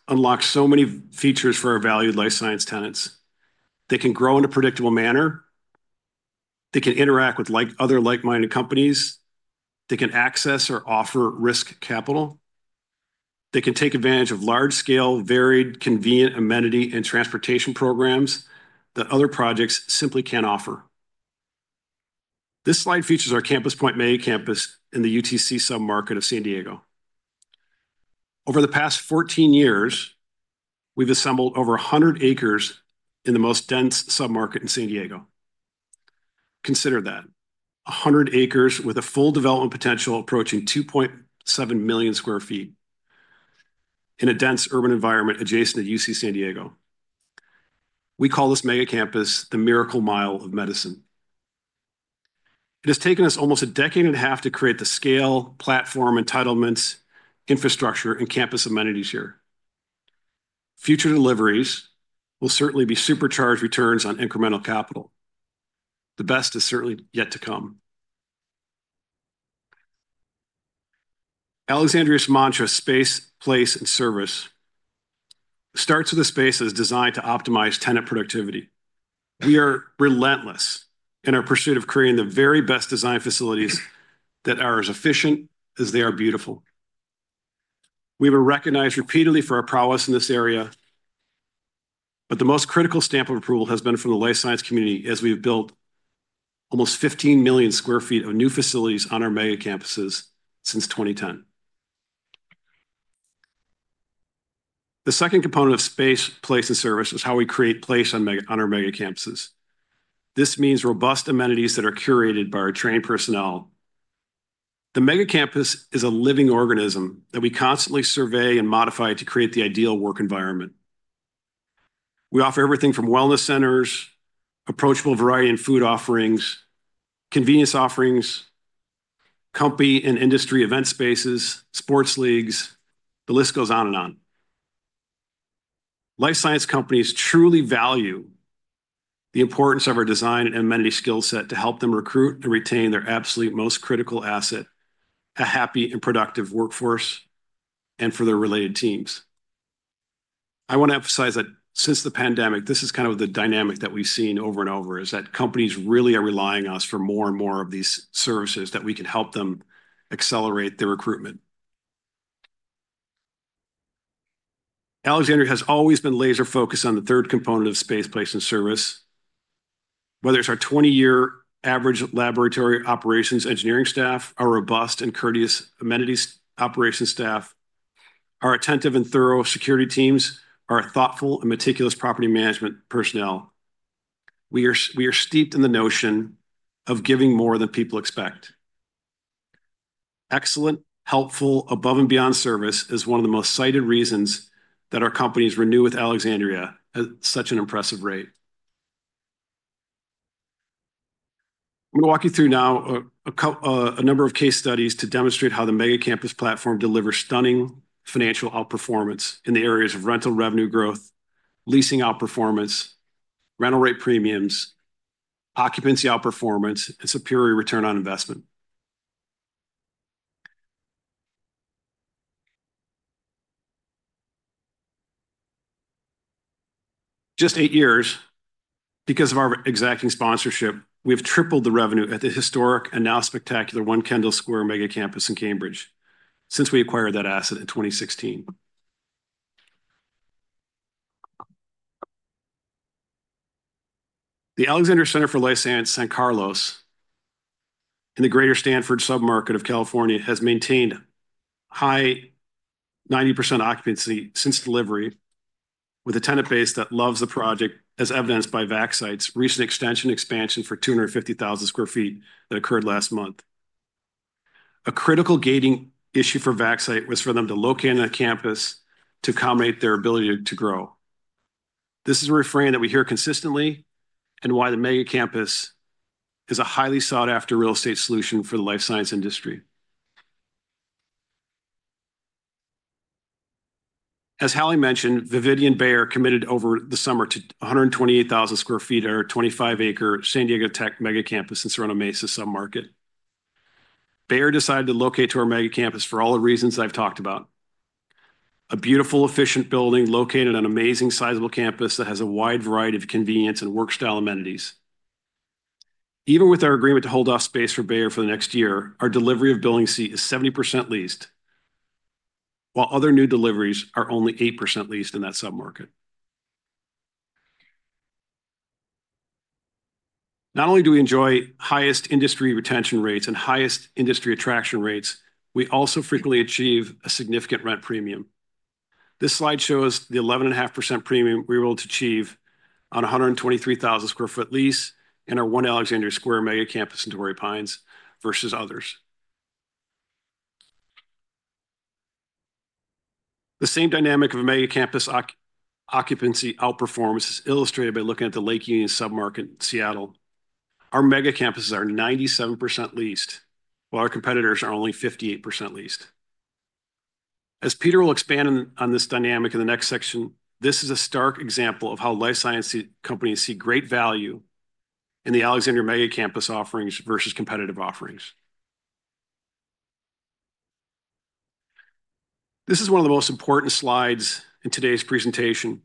S3: unlocks so many features for our valued life science tenants. They can grow in a predictable manner. They can interact with other like-minded companies. They can access or offer risk capital. They can take advantage of large-scale, varied, convenient amenity and transportation programs that other projects simply can't offer. This slide features our Campus Point mega campus in the UTC submarket of San Diego. Over the past 14 years, we've assembled over 100 acres in the most dense submarket in San Diego. Consider that: 100 acres with a full development potential approaching 2.7 million sq ft in a dense urban environment adjacent to UC San Diego. We call this mega campus the miracle mile of medicine. It has taken us almost a decade and a half to create the scale, platform, entitlements, infrastructure, and campus amenities here. Future deliveries will certainly be supercharged returns on incremental capital. The best is certainly yet to come. Alexandria's mantra of space, place, and service starts with a space that is designed to optimize tenant productivity. We are relentless in our pursuit of creating the very best design facilities that are as efficient as they are beautiful. We were recognized repeatedly for our prowess in this area, but the most critical stamp of approval has been from the life science community as we've built almost 15 million sq ft of new facilities on our mega campuses since 2010. The second component of space, place, and service is how we create place on our mega campuses. This means robust amenities that are curated by our trained personnel. The mega campus is a living organism that we constantly survey and modify to create the ideal work environment. We offer everything from wellness centers, approachable variety in food offerings, convenience offerings, company and industry event spaces, sports leagues. The list goes on and on. Life science companies truly value the importance of our design and amenity skill set to help them recruit and retain their absolute most critical asset, a happy and productive workforce, and for their related teams. I want to emphasize that since the pandemic, this is kind of the dynamic that we've seen over and over, is that companies really are relying on us for more and more of these services that we can help them accelerate their recruitment. Alexandria has always been laser-focused on the third component of space, place, and service. Whether it's our 20-year average laboratory operations engineering staff, our robust and courteous amenities operations staff, our attentive and thorough security teams, or our thoughtful and meticulous property management personnel, we are steeped in the notion of giving more than people expect. Excellent, helpful, above-and-beyond service is one of the most cited reasons that our companies renew with Alexandria at such an impressive rate. I'm going to walk you through now a number of case studies to demonstrate how the mega campus platform delivers stunning financial outperformance in the areas of rental revenue growth, leasing outperformance, rental rate premiums, occupancy outperformance, and superior return on investment. Just eight years, because of our exacting sponsorship, we have tripled the revenue at the historic and now spectacular One Kendall Square mega campus in Cambridge since we acquired that asset in 2016. The Alexandria Center for Life Science San Carlos in the greater Stanford submarket of California has maintained high 90% occupancy since delivery with a tenant base that loves the project, as evidenced by Vaxcyte's recent extension expansion for 250,000 sq ft that occurred last month. A critical gating issue for Vaxcyte was for them to locate on a campus to accommodate their ability to grow. This is a refrain that we hear consistently and why the mega campus is a highly sought-after real estate solution for the life science industry. As Hallie mentioned, Vividion and Bayer committed over the summer to 128,000 sq ft at our 25-acre San Diego Tech mega campus in Sorrento Mesa submarket. Bayer decided to locate to our mega campus for all the reasons I've talked about: a beautiful, efficient building located on an amazing sizable campus that has a wide variety of convenience and work-style amenities. Even with our agreement to hold office space for Bayer for the next year, our delivery of Building C is 70% leased, while other new deliveries are only 8% leased in that submarket. Not only do we enjoy highest industry retention rates and highest industry attraction rates, we also frequently achieve a significant rent premium. This slide shows the 11.5% premium we were able to achieve on 123,000 sq ft lease in our One Alexandria Square mega campus in Torrey Pines versus others. The same dynamic of mega campus occupancy outperformance is illustrated by looking at the Lake Union submarket in Seattle. Our mega campuses are 97% leased, while our competitors are only 58% leased. As Peter will expand on this dynamic in the next section, this is a stark example of how life science companies see great value in the Alexandria mega campus offerings versus competitive offerings. This is one of the most important slides in today's presentation.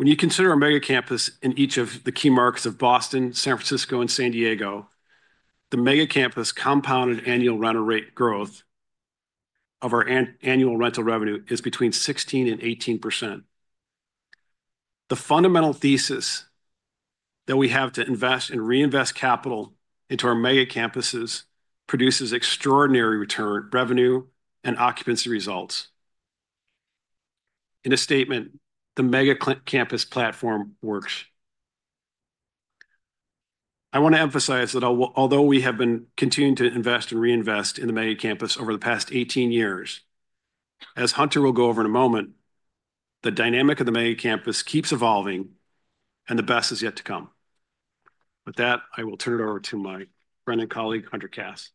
S3: When you consider our mega campus in each of the key markets of Boston, San Francisco, and San Diego, the mega campus compounded annual rental rate growth of our annual rental revenue is between 16% and 18%. The fundamental thesis that we have to invest and reinvest capital into our mega campuses produces extraordinary return revenue and occupancy results. In a statement, the mega campus platform works. I want to emphasize that although we have been continuing to invest and reinvest in the mega campus over the past 18 years, as Hunter will go over in a moment, the dynamic of the mega campus keeps evolving and the best is yet to come. With that, I will turn it over to my friend and colleague, Hunter Kass.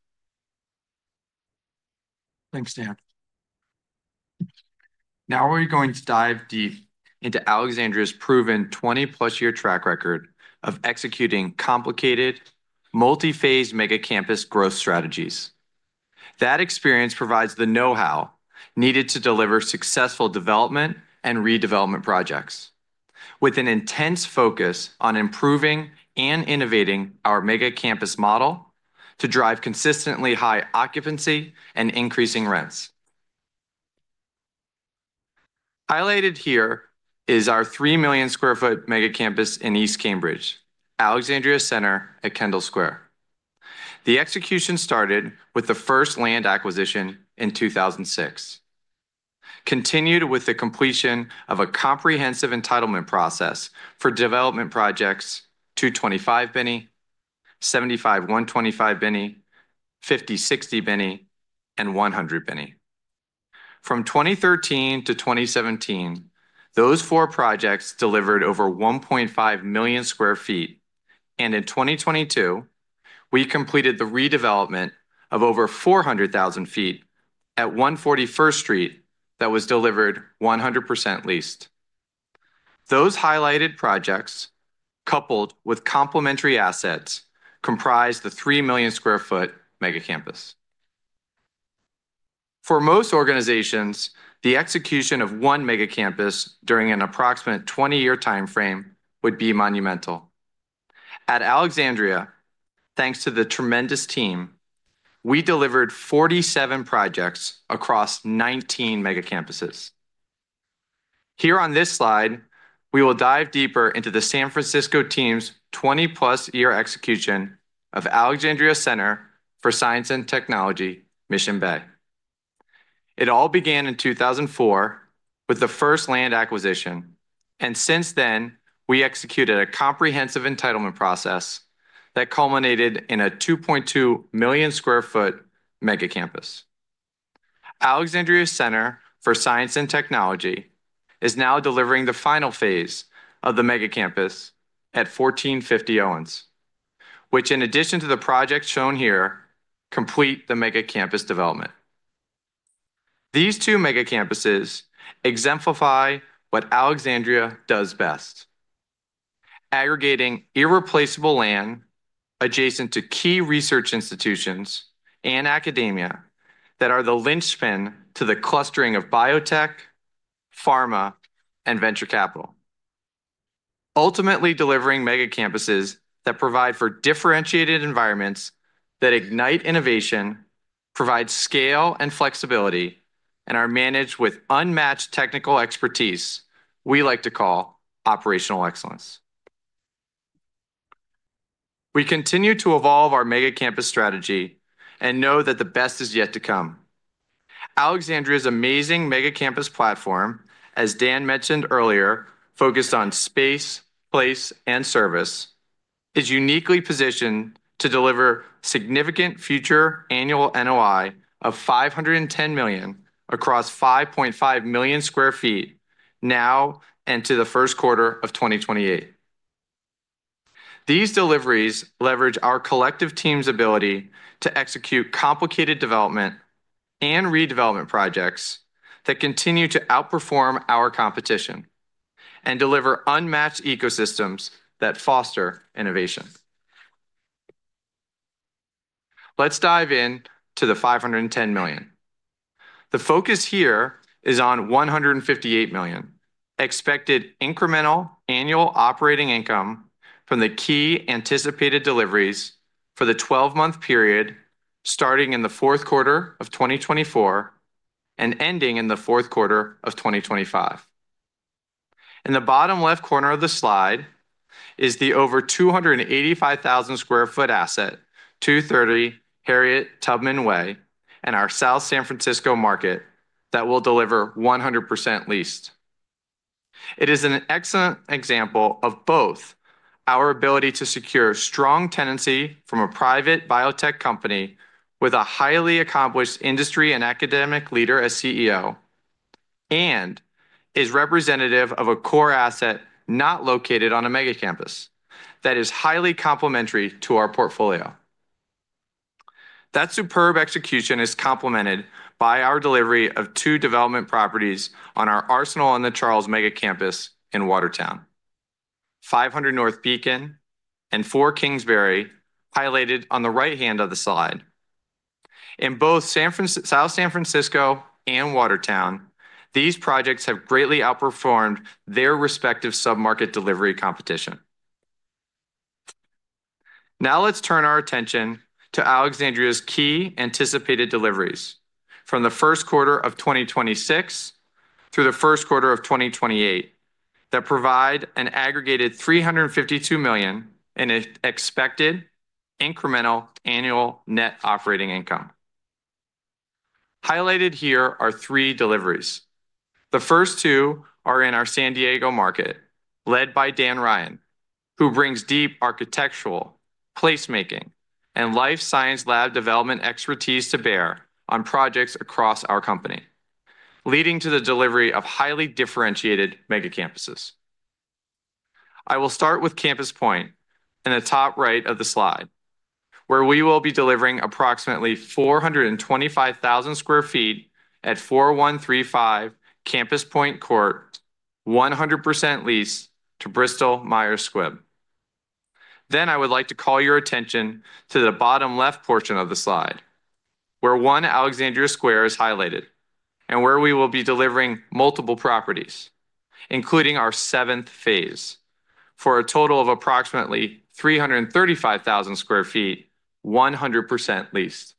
S4: Thanks, Dan. Now we're going to dive deep into Alexandria's proven 20-plus-year track record of executing complicated, multi-phased mega campus growth strategies. That experience provides the know-how needed to deliver successful development and redevelopment projects with an intense focus on improving and innovating our mega campus model to drive consistently high occupancy and increasing rents. Highlighted here is our 3 million sq ft mega campus in East Cambridge, Alexandria Center at Kendall Square. The execution started with the first land acquisition in 2006, continued with the completion of a comprehensive entitlement process for development projects 225 Binney, 75-125 Binney, 50-60 Binney, and 100 Binney. From 2013 to 2017, those four projects delivered over 1.5 million sq ft, and in 2022, we completed the redevelopment of over 400,000 sq ft at 141 First Street that was delivered 100% leased. Those highlighted projects, coupled with complementary assets, comprise the 3 million-sq-ft mega campus. For most organizations, the execution of one mega campus during an approximate 20-year timeframe would be monumental. At Alexandria, thanks to the tremendous team, we delivered 47 projects across 19 mega campuses. Here on this slide, we will dive deeper into the San Francisco team's 20-plus-year execution of Alexandria Center for Science and Technology, Mission Bay. It all began in 2004 with the first land acquisition, and since then, we executed a comprehensive entitlement process that culminated in a 2.2 million sq ft mega campus. Alexandria Center for Life Science is now delivering the final phase of the mega campus at 1450 Owens, which, in addition to the projects shown here, complete the mega campus development. These two mega campuses exemplify what Alexandria does best: aggregating irreplaceable land adjacent to key research institutions and academia that are the linchpin to the clustering of biotech, pharma, and venture capital, ultimately delivering mega campuses that provide for differentiated environments that ignite innovation, provide scale and flexibility, and are managed with unmatched technical expertise we like to call operational excellence. We continue to evolve our mega campus strategy and know that the best is yet to come. Alexandria's amazing mega campus platform, as Dan mentioned earlier, focused on space, place, and service, is uniquely positioned to deliver significant future annual NOI of $510 million across 5.5 million sq ft now and to the first quarter of 2028. These deliveries leverage our collective team's ability to execute complicated development and redevelopment projects that continue to outperform our competition and deliver unmatched ecosystems that foster innovation. Let's dive into the $510 million. The focus here is on $158 million, expected incremental annual operating income from the key anticipated deliveries for the 12-month period starting in the fourth quarter of 2024 and ending in the fourth quarter of 2025. In the bottom left corner of the slide is the over 285,000 sq ft asset, 230 Harriet Tubman Way, and our South San Francisco market that will deliver 100% leased. It is an excellent example of both our ability to secure strong tenancy from a private biotech company with a highly accomplished industry and academic leader as CEO and is representative of a core asset not located on a mega campus that is highly complementary to our portfolio. That superb execution is complemented by our delivery of two development properties on our Arsenal on the Charles mega campus in Watertown, 500 North Beacon and 4 Kingsbury, highlighted on the right hand of the slide. In both South San Francisco and Watertown, these projects have greatly outperformed their respective submarket delivery competition. Now let's turn our attention to Alexandria's key anticipated deliveries from the first quarter of 2026 through the first quarter of 2028 that provide an aggregated $352 million in expected incremental annual net operating income. Highlighted here are three deliveries. The first two are in our San Diego market, led by Dan Ryan, who brings deep architectural, placemaking, and life science lab development expertise to bear on projects across our company, leading to the delivery of highly differentiated mega campuses. I will start with Campus Point in the top right of the slide, where we will be delivering approximately 425,000 sq ft at 4135 Campus Point Court, 100% lease to Bristol Myers Squibb. Then I would like to call your attention to the bottom left portion of the slide, where One Alexandria Square is highlighted and where we will be delivering multiple properties, including our seventh phase for a total of approximately 335,000 sq ft, 100% leased.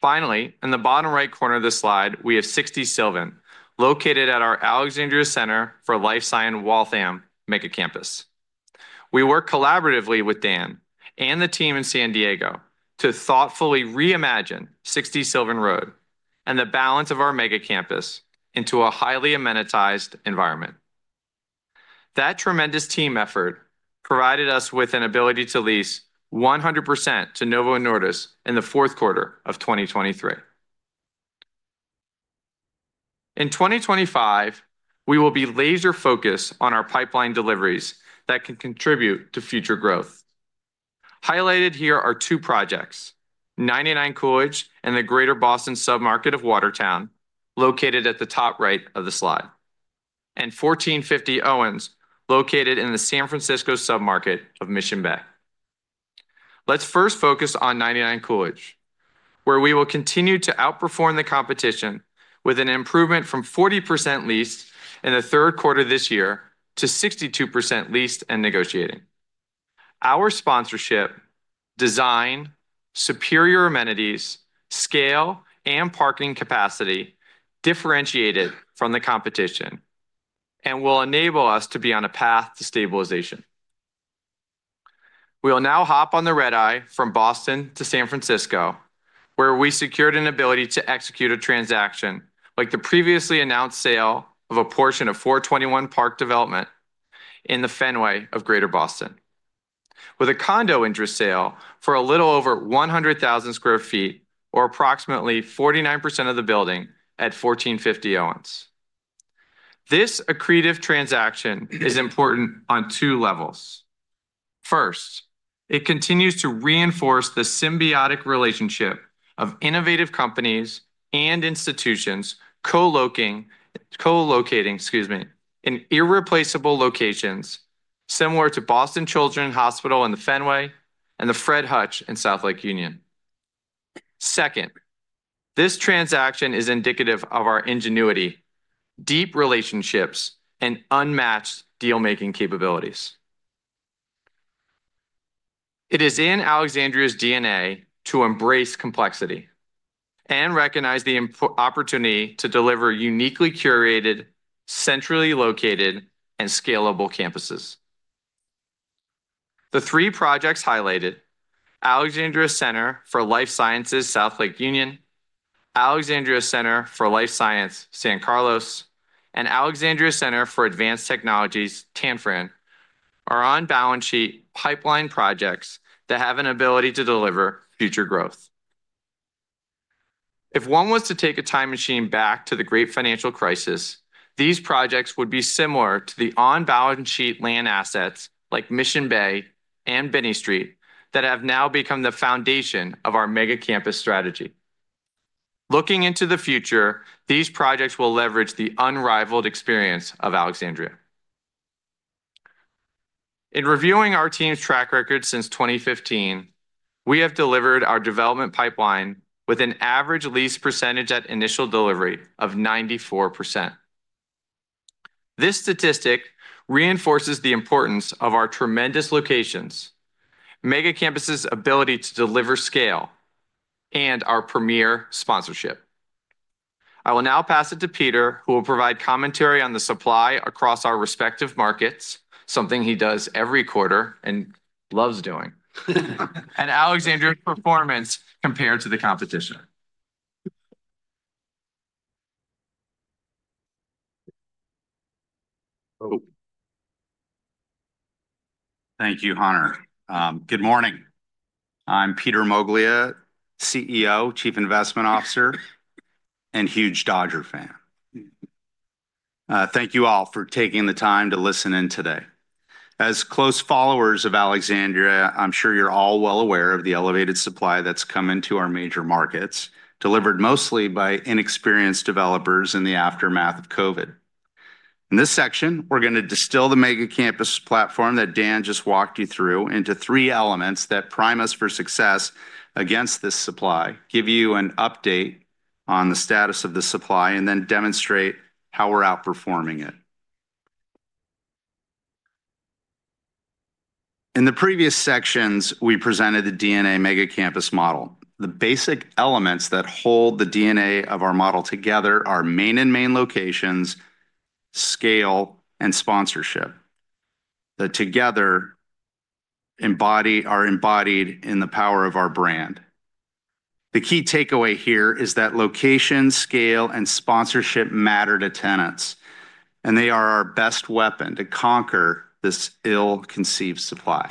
S4: Finally, in the bottom right corner of the slide, we have 60 Sylvan located at our Alexandria Center for Life Science Waltham mega campus. We work collaboratively with Dan and the team in San Diego to thoughtfully reimagine 60 Sylvan Road and the balance of our mega campus into a highly amenitized environment. That tremendous team effort provided us with an ability to lease 100% to Novo Nordisk in the fourth quarter of 2023. In 2025, we will be laser-focused on our pipeline deliveries that can contribute to future growth. Highlighted here are two projects: 99 Coolidge and the greater Boston submarket of Watertown, located at the top right of the slide, and 1450 Owens, located in the San Francisco submarket of Mission Bay. Let's first focus on 99 Coolidge, where we will continue to outperform the competition with an improvement from 40% leased in the third quarter this year to 62% leased and negotiating. Our sponsorship, design, superior amenities, scale, and parking capacity differentiated from the competition and will enable us to be on a path to stabilization. We'll now hop on the red-eye from Boston to San Francisco, where we secured an ability to execute a transaction like the previously announced sale of a portion of 421 Park development in the Fenway of Greater Boston, with a condo interest sale for a little over 100,000 sq ft, or approximately 49% of the building at 1450 Owens. This accretive transaction is important on two levels. First, it continues to reinforce the symbiotic relationship of innovative companies and institutions co-locating, excuse me, in irreplaceable locations similar to Boston Children's Hospital in the Fenway and the Fred Hutch in South Lake Union. Second, this transaction is indicative of our ingenuity, deep relationships, and unmatched deal-making capabilities. It is in Alexandria's DNA to embrace complexity and recognize the opportunity to deliver uniquely curated, centrally located, and scalable campuses. The three projects highlighted, Alexandria Center for Life Science South Lake Union, Alexandria Center for Life Science San Carlos, and Alexandria Center for Advanced Technologies San Francisco, are on balance sheet pipeline projects that have an ability to deliver future growth. If one was to take a time machine back to the great financial crisis, these projects would be similar to the on-balance sheet land assets like Mission Bay and Binney Street that have now become the foundation of our mega campus strategy. Looking into the future, these projects will leverage the unrivaled experience of Alexandria. In reviewing our team's track record since 2015, we have delivered our development pipeline with an average lease percentage at initial delivery of 94%. This statistic reinforces the importance of our tremendous locations, mega campuses' ability to deliver scale, and our premier sponsorship. I will now pass it to Peter, who will provide commentary on the supply across our respective markets, something he does every quarter and loves doing, and Alexandria's performance compared to the competition.
S5: Thank you, Hunter. Good morning. I'm Peter Moglia, CEO, Chief Investment Officer, and huge Dodger fan. Thank you all for taking the time to listen in today. As close followers of Alexandria, I'm sure you're all well aware of the elevated supply that's come into our major markets, delivered mostly by inexperienced developers in the aftermath of COVID. In this section, we're going to distill the mega campus platform that Dan just walked you through into three elements that prime us for success against this supply, give you an update on the status of the supply, and then demonstrate how we're outperforming it. In the previous sections, we presented the DNA mega campus model. The basic elements that hold the DNA of our model together are prime locations, scale, and sponsorship that together are embodied in the power of our brand. The key takeaway here is that location, scale, and sponsorship matter to tenants, and they are our best weapon to conquer this ill-conceived supply.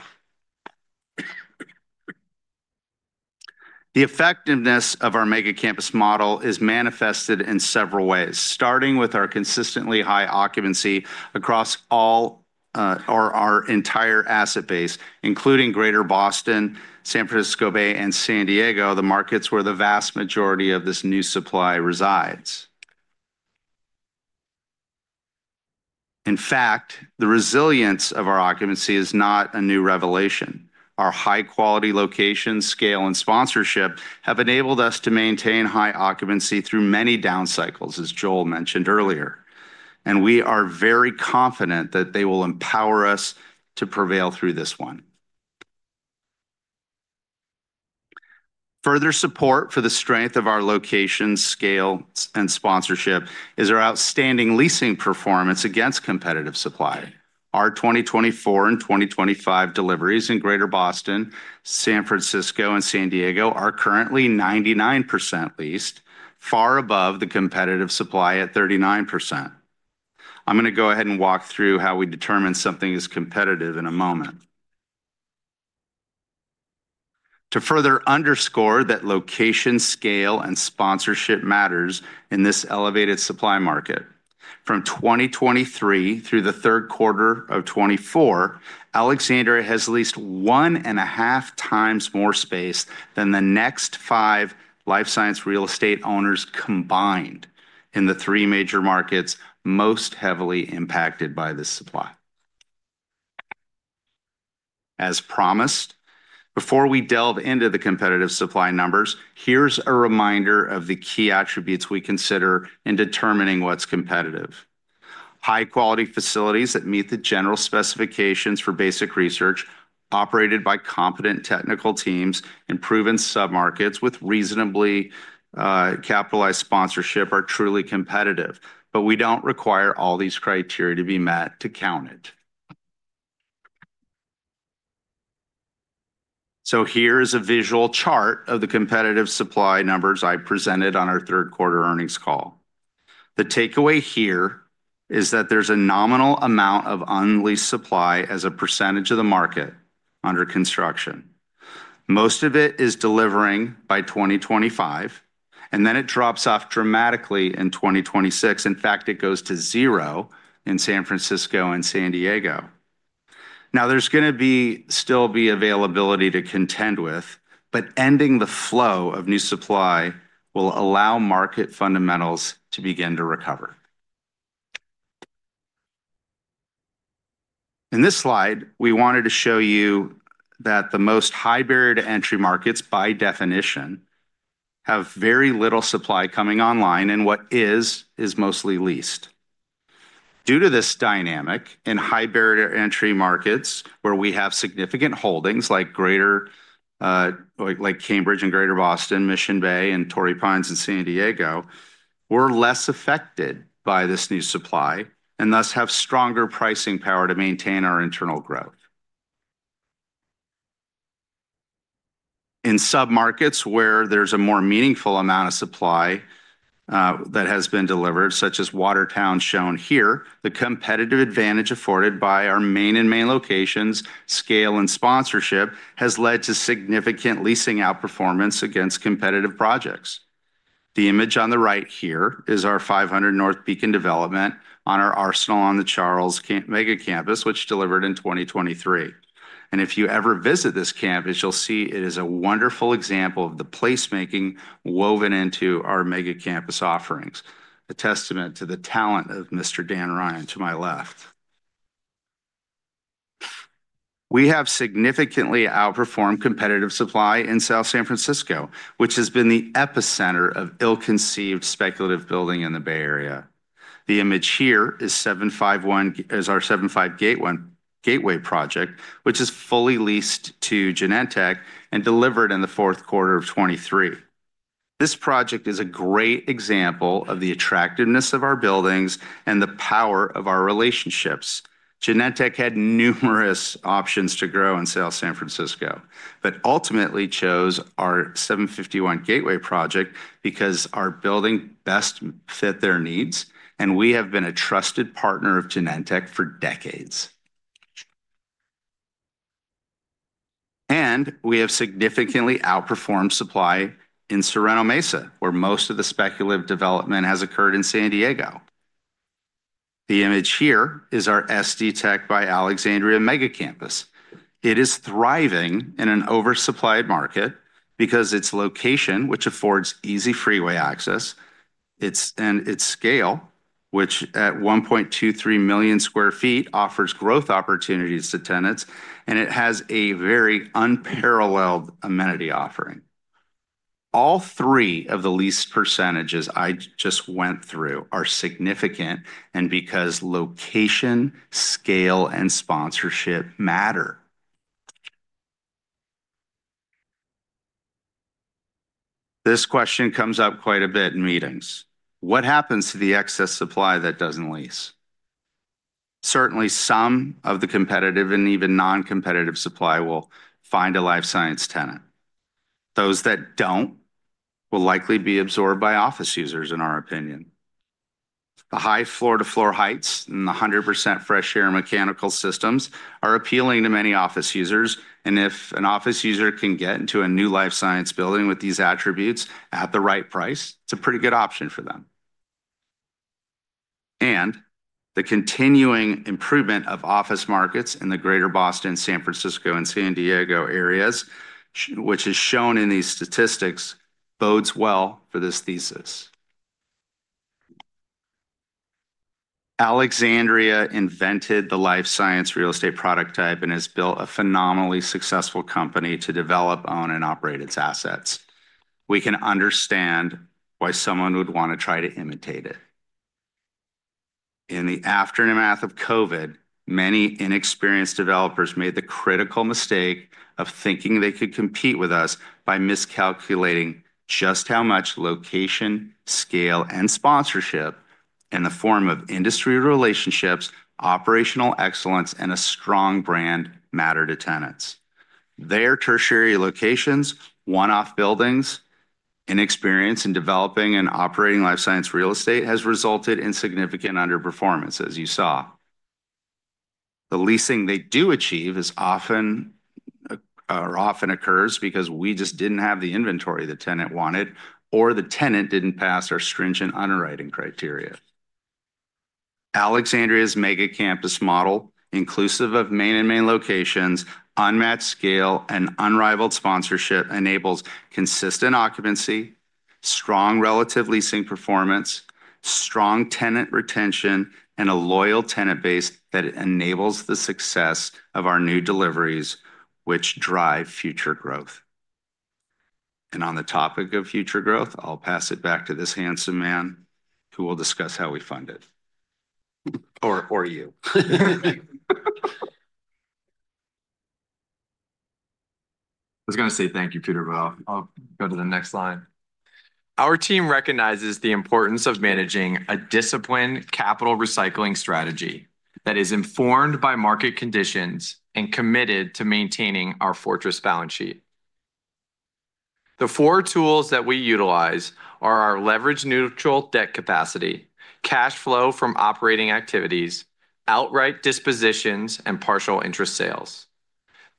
S5: The effectiveness of our mega campus model is manifested in several ways, starting with our consistently high occupancy across our entire asset base, including Greater Boston, San Francisco Bay, and San Diego, the markets where the vast majority of this new supply resides. In fact, the resilience of our occupancy is not a new revelation. Our high-quality locations, scale, and sponsorship have enabled us to maintain high occupancy through many down cycles, as Joel mentioned earlier, and we are very confident that they will empower us to prevail through this one. Further support for the strength of our locations, scale, and sponsorship is our outstanding leasing performance against competitive supply. Our 2024 and 2025 deliveries in Greater Boston, San Francisco, and San Diego are currently 99% leased, far above the competitive supply at 39%. I'm going to go ahead and walk through how we determine something is competitive in a moment to further underscore that location, scale, and sponsorship matters in this elevated supply market. From 2023 through the third quarter of 2024, Alexandria has leased one and a half times more space than the next five life science real estate owners combined in the three major markets most heavily impacted by this supply. As promised, before we delve into the competitive supply numbers, here's a reminder of the key attributes we consider in determining what's competitive: high-quality facilities that meet the general specifications for basic research, operated by competent technical teams, and proven submarkets with reasonably capitalized sponsorship are truly competitive. But we don't require all these criteria to be met to count it. So here is a visual chart of the competitive supply numbers I presented on our third quarter earnings call. The takeaway here is that there's a nominal amount of unleased supply as a percentage of the market under construction. Most of it is delivering by 2025, and then it drops off dramatically in 2026. In fact, it goes to zero in San Francisco and San Diego. Now, there's going to still be availability to contend with, but ending the flow of new supply will allow market fundamentals to begin to recover. In this slide, we wanted to show you that the highest barrier to entry markets, by definition, have very little supply coming online, and what is, is mostly leased. Due to this dynamic in high barrier to entry markets, where we have significant holdings like Cambridge and Greater Boston, Mission Bay, and Torrey Pines in San Diego, we're less affected by this new supply and thus have stronger pricing power to maintain our internal growth. In submarkets where there's a more meaningful amount of supply that has been delivered, such as Watertown shown here, the competitive advantage afforded by our main locations, scale, and sponsorship has led to significant leasing outperformance against competitive projects. The image on the right here is our 500 North Beacon development on our Arsenal on the Charles mega campus, which delivered in 2023. And if you ever visit this campus, you'll see it is a wonderful example of the placemaking woven into our mega campus offerings, a testament to the talent of Mr. Dan Ryan to my left. We have significantly outperformed competitive supply in South San Francisco, which has been the epicenter of ill-conceived speculative building in the Bay Area. The image here is our 751 Gateway project, which is fully leased to Genentech and delivered in the fourth quarter of 2023. This project is a great example of the attractiveness of our buildings and the power of our relationships. Genentech had numerous options to grow in South San Francisco, but ultimately chose our 751 Gateway project because our building best fit their needs, and we have been a trusted partner of Genentech for decades. We have significantly outperformed supply in Sorrento Mesa, where most of the speculative development has occurred in San Diego. The image here is our SD Tech by Alexandria mega campus. It is thriving in an oversupplied market because its location, which affords easy freeway access, and its scale, which at 1.23 million sq ft offers growth opportunities to tenants, and it has a very unparalleled amenity offering. All three of the lease percentages I just went through are significant because location, scale, and sponsorship matter. This question comes up quite a bit in meetings. What happens to the excess supply that doesn't lease? Certainly, some of the competitive and even non-competitive supply will find a life science tenant. Those that don't will likely be absorbed by office users, in our opinion. The high floor-to-floor heights and the 100% fresh air mechanical systems are appealing to many office users. And if an office user can get into a new life science building with these attributes at the right price, it's a pretty good option for them. And the continuing improvement of office markets in the Greater Boston, San Francisco, and San Diego areas, which is shown in these statistics, bodes well for this thesis. Alexandria invented the life science real estate product type and has built a phenomenally successful company to develop, own, and operate its assets. We can understand why someone would want to try to imitate it. In the aftermath of COVID, many inexperienced developers made the critical mistake of thinking they could compete with us by miscalculating just how much location, scale, and sponsorship in the form of industry relationships, operational excellence, and a strong brand matter to tenants. Their tertiary locations, one-off buildings, inexperience in developing and operating life science real estate has resulted in significant underperformance, as you saw. The leasing they do achieve often occurs because we just didn't have the inventory the tenant wanted, or the tenant didn't pass our stringent underwriting criteria. Alexandria's mega campus model, inclusive of main and main locations, unmatched scale, and unrivaled sponsorship, enables consistent occupancy, strong relative leasing performance, strong tenant retention, and a loyal tenant base that enables the success of our new deliveries, which drive future growth. On the topic of future growth, I'll pass it back to this handsome man who will discuss how we fund it, or you.
S4: I was going to say thank you, Peter, but I'll go to the next line. Our team recognizes the importance of managing a disciplined capital recycling strategy that is informed by market conditions and committed to maintaining our fortress balance sheet. The four tools that we utilize are our leverage neutral debt capacity, cash flow from operating activities, outright dispositions, and partial interest sales.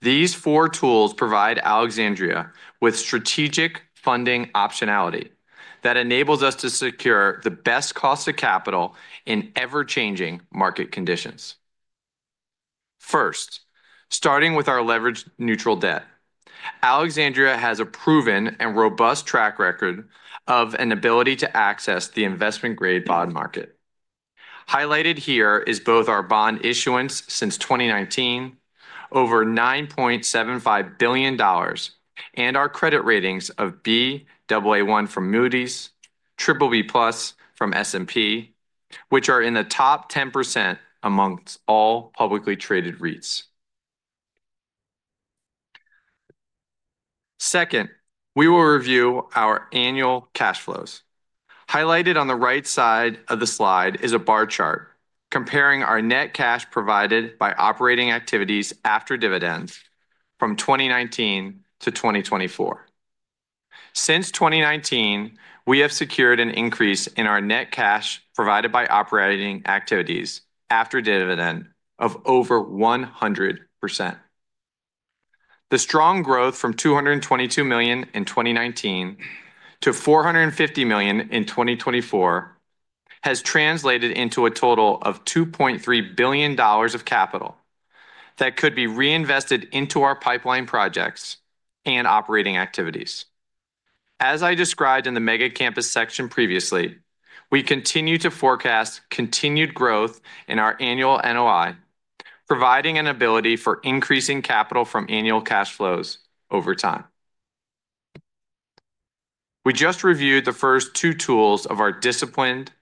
S4: These four tools provide Alexandria with strategic funding optionality that enables us to secure the best cost of capital in ever-changing market conditions. First, starting with our leverage neutral debt, Alexandria has a proven and robust track record of an ability to access the investment-grade bond market. Highlighted here is both our bond issuance since 2019, over $9.75 billion, and our credit ratings of Baa1 from Moody's, BBB Plus from S&P, which are in the top 10% among all publicly traded REITs. Second, we will review our annual cash flows. Highlighted on the right side of the slide is a bar chart comparing our net cash provided by operating activities after dividends from 2019 to 2024. Since 2019, we have secured an increase in our net cash provided by operating activities after dividend of over 100%. The strong growth from $222 million in 2019 to $450 million in 2024 has translated into a total of $2.3 billion of capital that could be reinvested into our pipeline projects and operating activities. As I described in the mega campus section previously, we continue to forecast continued growth in our annual NOI, providing an ability for increasing capital from annual cash flows over time. We just reviewed the first two tools of our disciplined,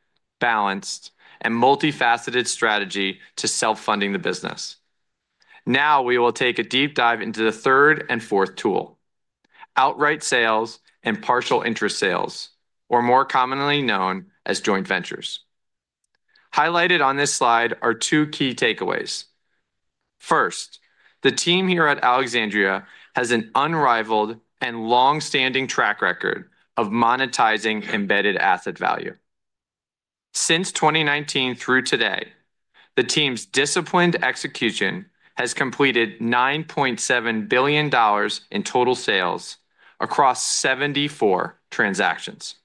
S4: balanced, and multifaceted strategy to self-funding the business. Now we will take a deep dive into the third and fourth tool, outright sales and partial interest sales, or more commonly known as joint ventures. Highlighted on this slide are two key takeaways. First, the team here at Alexandria has an unrivaled and long-standing track record of monetizing embedded asset value. Since 2019 through today, the team's disciplined execution has completed $9.7 billion in total sales across 74 transactions.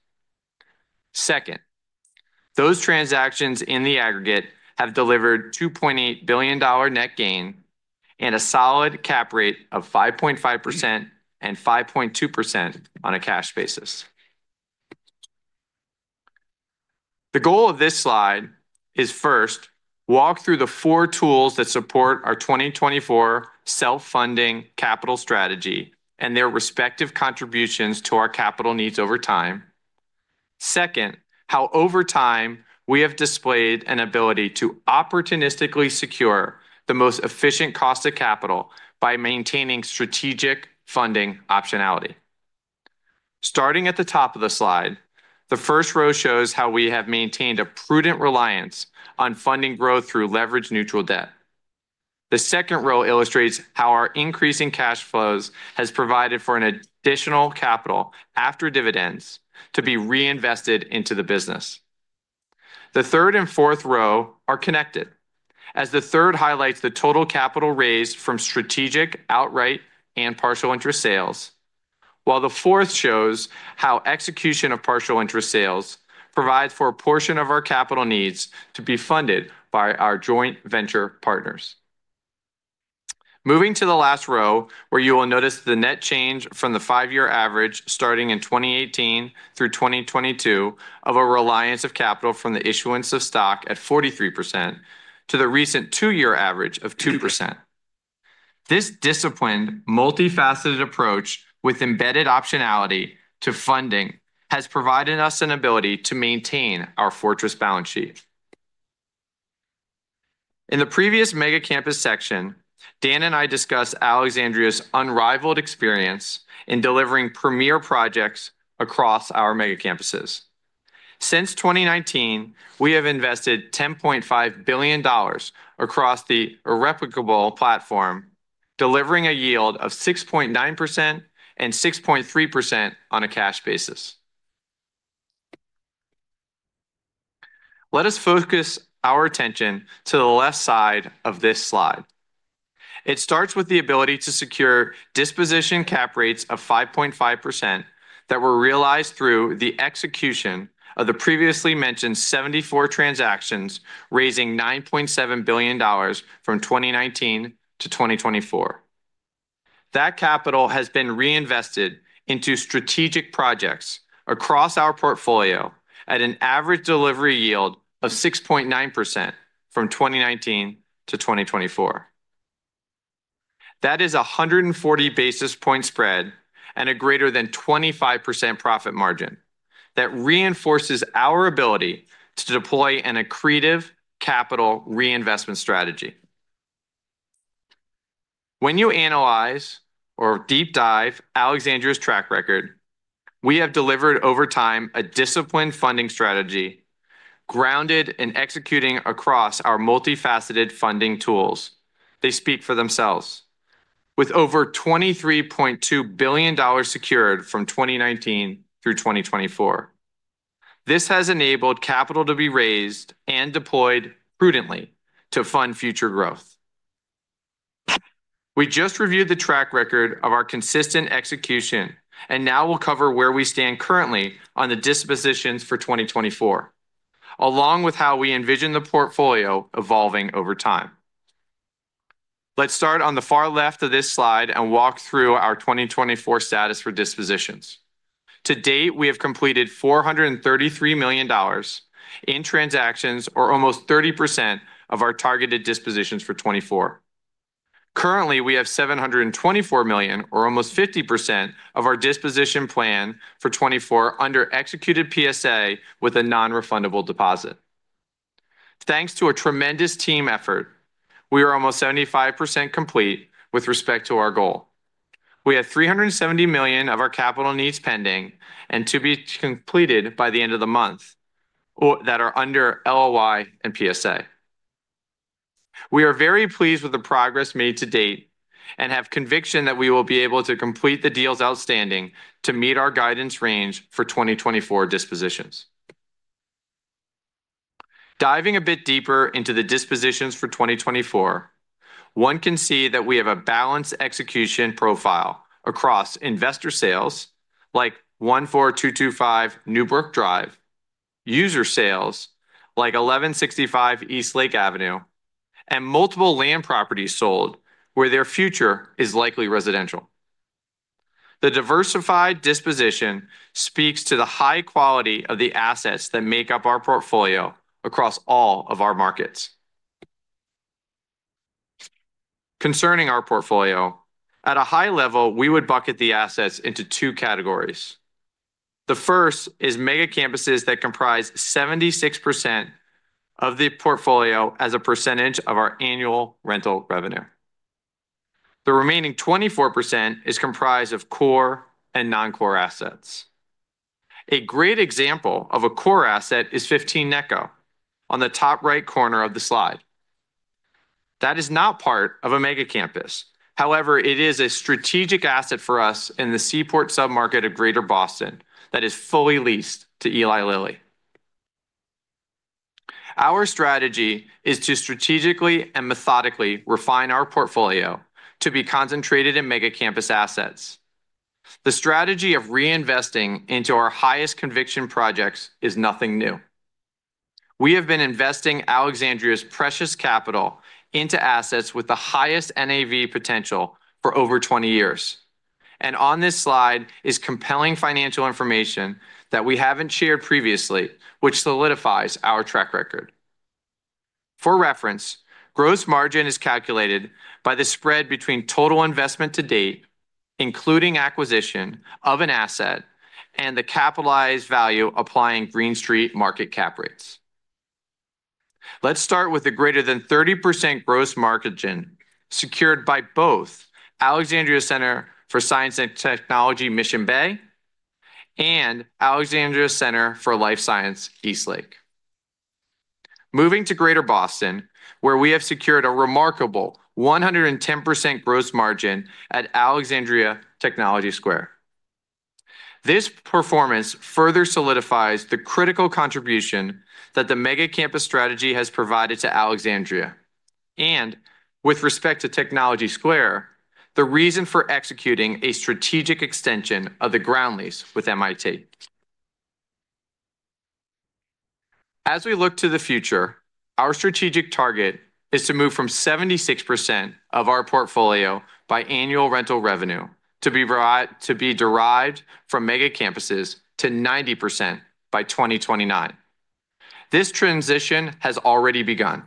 S4: Second, those transactions in the aggregate have delivered $2.8 billion net gain and a solid cap rate of 5.5% and 5.2% on a cash basis. The goal of this slide is first, walk through the four tools that support our 2024 self-funding capital strategy and their respective contributions to our capital needs over time. Second, how over time we have displayed an ability to opportunistically secure the most efficient cost of capital by maintaining strategic funding optionality. Starting at the top of the slide, the first row shows how we have maintained a prudent reliance on funding growth through leverage neutral debt. The second row illustrates how our increasing cash flows has provided for an additional capital after dividends to be reinvested into the business. The third and fourth row are connected, as the third highlights the total capital raised from strategic, outright, and partial interest sales, while the fourth shows how execution of partial interest sales provides for a portion of our capital needs to be funded by our joint venture partners. Moving to the last row, where you will notice the net change from the five-year average starting in 2018 through 2022 of a reliance of capital from the issuance of stock at 43% to the recent two-year average of 2%. This disciplined, multifaceted approach with embedded optionality to funding has provided us an ability to maintain our fortress balance sheet. In the previous mega campus section, Dan and I discussed Alexandria's unrivaled experience in delivering premier projects across our mega campuses. Since 2019, we have invested $10.5 billion across the irreplicable platform, delivering a yield of 6.9% and 6.3% on a cash basis. Let us focus our attention to the left side of this slide. It starts with the ability to secure disposition cap rates of 5.5% that were realized through the execution of the previously mentioned 74 transactions raising $9.7 billion from 2019 to 2024. That capital has been reinvested into strategic projects across our portfolio at an average delivery yield of 6.9% from 2019 to 2024. That is a 140 basis points spread and a greater than 25% profit margin that reinforces our ability to deploy an accretive capital reinvestment strategy. When you analyze or deep dive Alexandria's track record, we have delivered over time a disciplined funding strategy grounded in executing across our multifaceted funding tools. They speak for themselves, with over $23.2 billion secured from 2019 through 2024. This has enabled capital to be raised and deployed prudently to fund future growth. We just reviewed the track record of our consistent execution, and now we'll cover where we stand currently on the dispositions for 2024, along with how we envision the portfolio evolving over time. Let's start on the far left of this slide and walk through our 2024 status for dispositions. To date, we have completed $433 million in transactions, or almost 30% of our targeted dispositions for 2024. Currently, we have $724 million, or almost 50% of our disposition plan for 2024 under executed PSA with a non-refundable deposit. Thanks to a tremendous team effort, we are almost 75% complete with respect to our goal. We have $370 million of our capital needs pending and to be completed by the end of the month that are under LOI and PSA. We are very pleased with the progress made to date and have conviction that we will be able to complete the deals outstanding to meet our guidance range for 2024 dispositions. Diving a bit deeper into the dispositions for 2024, one can see that we have a balanced execution profile across investor sales like 14225 Newbrook Drive, user sales like 1165 Eastlake Avenue, and multiple land properties sold where their future is likely residential. The diversified disposition speaks to the high quality of the assets that make up our portfolio across all of our markets. Concerning our portfolio, at a high level, we would bucket the assets into two categories. The first is mega campuses that comprise 76% of the portfolio as a percentage of our annual rental revenue. The remaining 24% is comprised of core and non-core assets. A great example of a core asset is 15 Necco on the top right corner of the slide. That is not part of a mega campus. However, it is a strategic asset for us in the Seaport submarket of Greater Boston that is fully leased to Eli Lilly. Our strategy is to strategically and methodically refine our portfolio to be concentrated in mega campus assets. The strategy of reinvesting into our highest conviction projects is nothing new. We have been investing Alexandria's precious capital into assets with the highest NAV potential for over 20 years. And on this slide is compelling financial information that we haven't shared previously, which solidifies our track record. For reference, gross margin is calculated by the spread between total investment to date, including acquisition of an asset, and the capitalized value applying Green Street market cap rates. Let's start with the greater than 30% gross margin secured by both Alexandria Center for Life Science Mission Bay and Alexandria Center for Life Science East Lake Union. Moving to Greater Boston, where we have secured a remarkable 110% gross margin at Alexandria Technology Square. This performance further solidifies the critical contribution that the mega campus strategy has provided to Alexandria, and with respect to Technology Square, the reason for executing a strategic extension of the ground lease with MIT. As we look to the future, our strategic target is to move from 76% of our portfolio by annual rental revenue to be derived from mega campuses to 90% by 2029. This transition has already begun,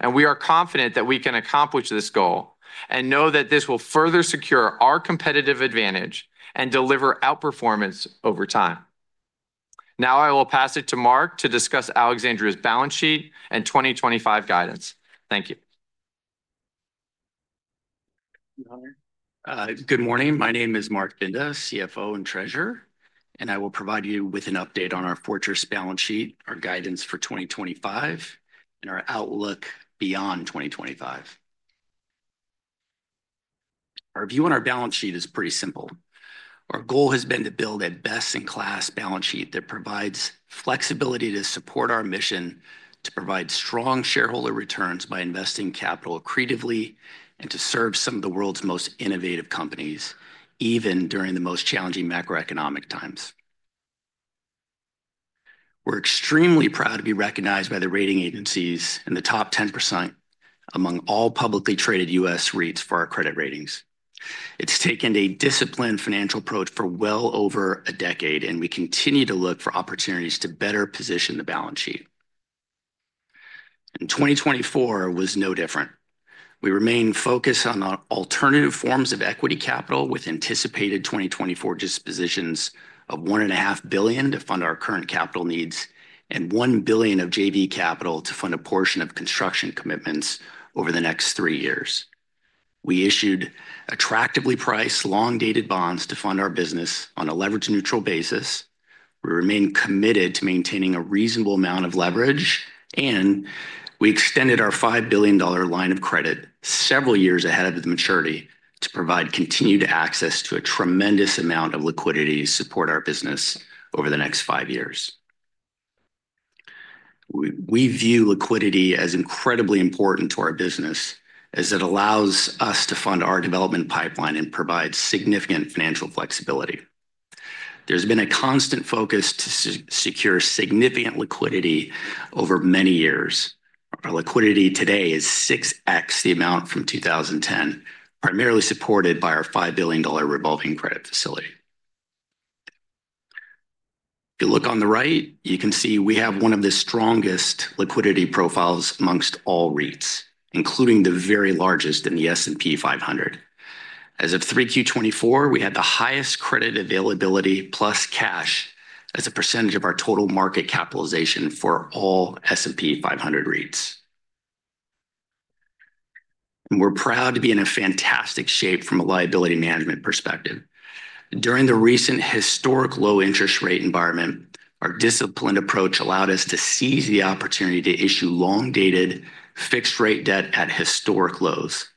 S4: and we are confident that we can accomplish this goal and know that this will further secure our competitive advantage and deliver outperformance over time. Now I will pass it to Marc to discuss Alexandria's balance sheet and 2025 guidance. Thank you.
S6: Good morning. My name is Marc Binda, CFO and Treasurer, and I will provide you with an update on our fortress balance sheet, our guidance for 2025, and our outlook beyond 2025. Our view on our balance sheet is pretty simple. Our goal has been to build a best-in-class balance sheet that provides flexibility to support our mission, to provide strong shareholder returns by investing capital accretively, and to serve some of the world's most innovative companies, even during the most challenging macroeconomic times. We're extremely proud to be recognized by the rating agencies in the top 10% among all publicly traded U.S. REITs for our credit ratings. It's taken a disciplined financial approach for well over a decade, and we continue to look for opportunities to better position the balance sheet, and 2024 was no different. We remain focused on our alternative forms of equity capital with anticipated 2024 dispositions of $1.5 billion to fund our current capital needs and $1 billion of JV capital to fund a portion of construction commitments over the next three years. We issued attractively priced long-dated bonds to fund our business on a leverage neutral basis. We remain committed to maintaining a reasonable amount of leverage, and we extended our $5 billion line of credit several years ahead of its maturity to provide continued access to a tremendous amount of liquidity to support our business over the next five years. We view liquidity as incredibly important to our business as it allows us to fund our development pipeline and provide significant financial flexibility. There's been a constant focus to secure significant liquidity over many years. Our liquidity today is 6x the amount from 2010, primarily supported by our $5 billion revolving credit facility. If you look on the right, you can see we have one of the strongest liquidity profiles among all REITs, including the very largest in the S&P 500. As of 3Q 2024, we had the highest credit availability plus cash as a percentage of our total market capitalization for all S&P 500 REITs, and we're proud to be in a fantastic shape from a liability management perspective. During the recent historic low-interest rate environment, our disciplined approach allowed us to seize the opportunity to issue long-dated fixed-rate debt at historic lows.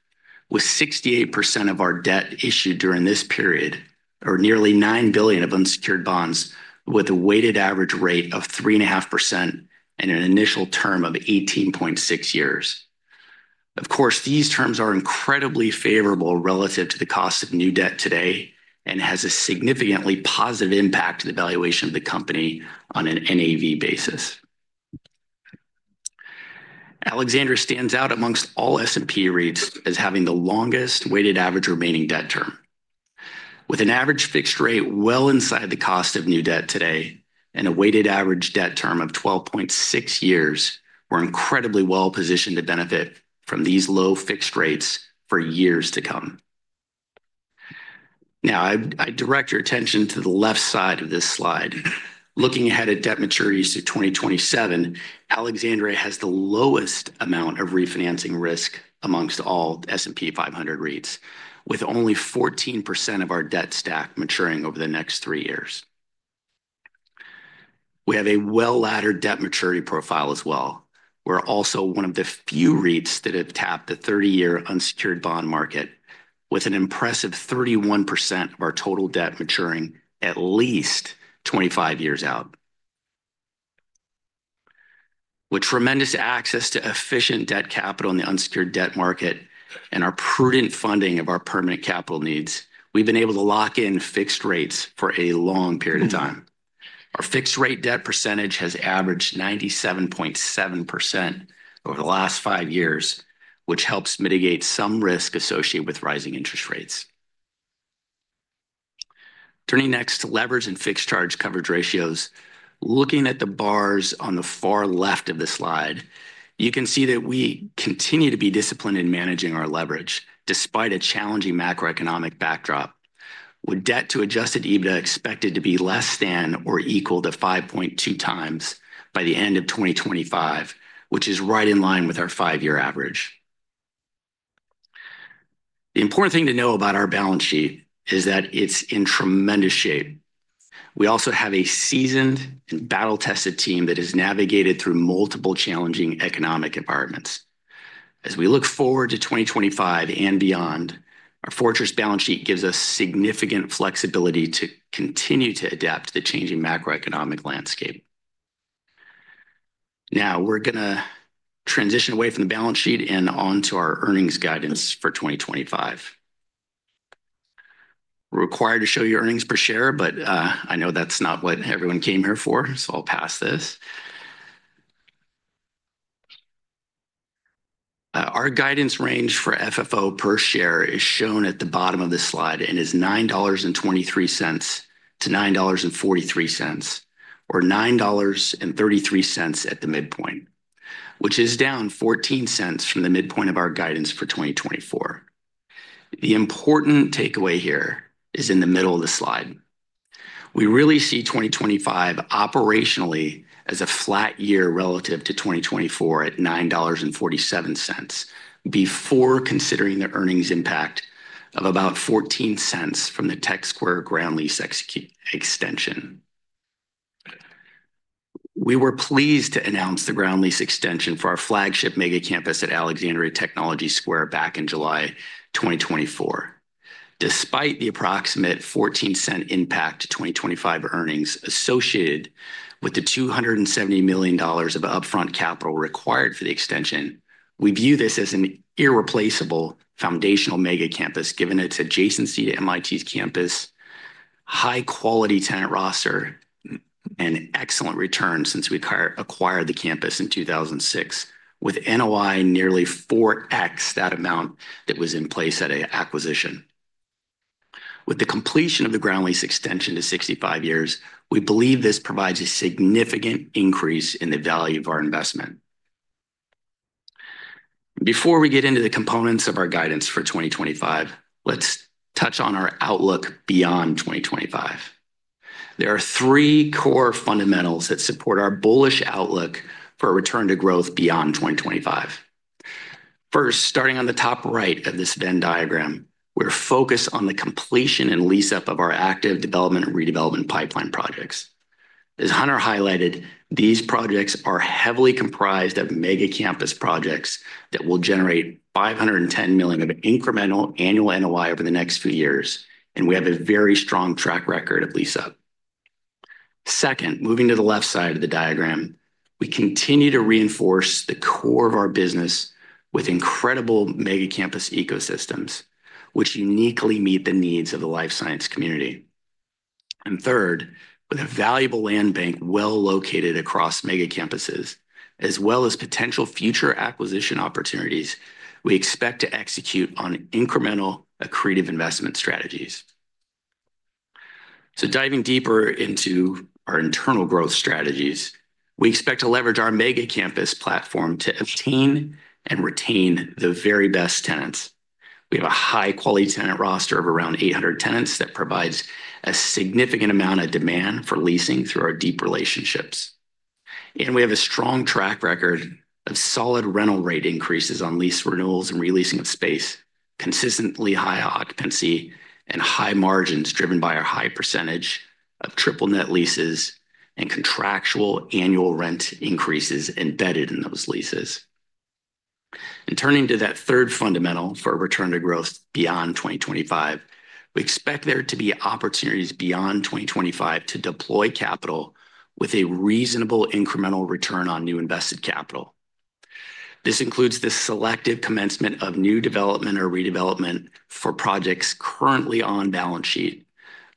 S6: With 68% of our debt issued during this period, or nearly $9 billion of unsecured bonds with a weighted average rate of 3.5% and an initial term of 18.6 years. Of course, these terms are incredibly favorable relative to the cost of new debt today and have a significantly positive impact on the valuation of the company on an NAV basis. Alexandria stands out amongst all S&P REITs as having the longest weighted average remaining debt term. With an average fixed rate well inside the cost of new debt today and a weighted average debt term of 12.6 years, we're incredibly well positioned to benefit from these low fixed rates for years to come. Now, I direct your attention to the left side of this slide. Looking ahead at debt maturities to 2027, Alexandria has the lowest amount of refinancing risk amongst all S&P 500 REITs, with only 14% of our debt stack maturing over the next three years. We have a well-laddered debt maturity profile as well. We're also one of the few REITs that have tapped the 30-year unsecured bond market, with an impressive 31% of our total debt maturing at least 25 years out. With tremendous access to efficient debt capital in the unsecured debt market and our prudent funding of our permanent capital needs, we've been able to lock in fixed rates for a long period of time. Our fixed-rate debt percentage has averaged 97.7% over the last five years, which helps mitigate some risk associated with rising interest rates. Turning next to leverage and fixed charge coverage ratios, looking at the bars on the far left of the slide, you can see that we continue to be disciplined in managing our leverage despite a challenging macroeconomic backdrop, with debt to adjusted EBITDA expected to be less than or equal to 5.2x by the end of 2025, which is right in line with our five-year average. The important thing to know about our balance sheet is that it's in tremendous shape. We also have a seasoned and battle-tested team that has navigated through multiple challenging economic environments. As we look forward to 2025 and beyond, our fortress balance sheet gives us significant flexibility to continue to adapt to the changing macroeconomic landscape. Now, we're going to transition away from the balance sheet and on to our earnings guidance for 2025. We're required to show your earnings per share, but I know that's not what everyone came here for, so I'll pass this. Our guidance range for FFO per share is shown at the bottom of the slide and is $9.23-$9.43, or $9.33 at the midpoint, which is down $0.14 from the midpoint of our guidance for 2024. The important takeaway here is in the middle of the slide. We really see 2025 operationally as a flat year relative to 2024 at $9.47, before considering the earnings impact of about $0.14 from the Tech Square ground lease extension. We were pleased to announce the ground lease extension for our flagship mega campus at Alexandria Technology Square back in July 2024. Despite the approximate $0.14 impact to 2025 earnings associated with the $270 million of upfront capital required for the extension, we view this as an irreplaceable foundational mega campus given its adjacency to MIT's campus, high-quality tenant roster, and excellent returns since we acquired the campus in 2006, with NOI nearly 4x that amount that was in place at an acquisition. With the completion of the ground lease extension to 65 years, we believe this provides a significant increase in the value of our investment. Before we get into the components of our guidance for 2025, let's touch on our outlook beyond 2025. There are three core fundamentals that support our bullish outlook for a return to growth beyond 2025. First, starting on the top right of this Venn diagram, we're focused on the completion and lease-up of our active development and redevelopment pipeline projects. As Hunter highlighted, these projects are heavily comprised of mega campus projects that will generate $510 million of incremental annual NOI over the next few years, and we have a very strong track record of lease-up. Second, moving to the left side of the diagram, we continue to reinforce the core of our business with incredible mega campus ecosystems, which uniquely meet the needs of the life science community. And third, with a valuable land bank well located across mega campuses, as well as potential future acquisition opportunities, we expect to execute on incremental accretive investment strategies. So diving deeper into our internal growth strategies, we expect to leverage our mega campus platform to obtain and retain the very best tenants. We have a high-quality tenant roster of around 800 tenants that provides a significant amount of demand for leasing through our deep relationships. We have a strong track record of solid rental rate increases on lease renewals and releasing of space, consistently high occupancy and high margins driven by our high percentage of triple-net leases and contractual annual rent increases embedded in those leases. Turning to that third fundamental for a return to growth beyond 2025, we expect there to be opportunities beyond 2025 to deploy capital with a reasonable incremental return on new invested capital. This includes the selective commencement of new development or redevelopment for projects currently on balance sheet,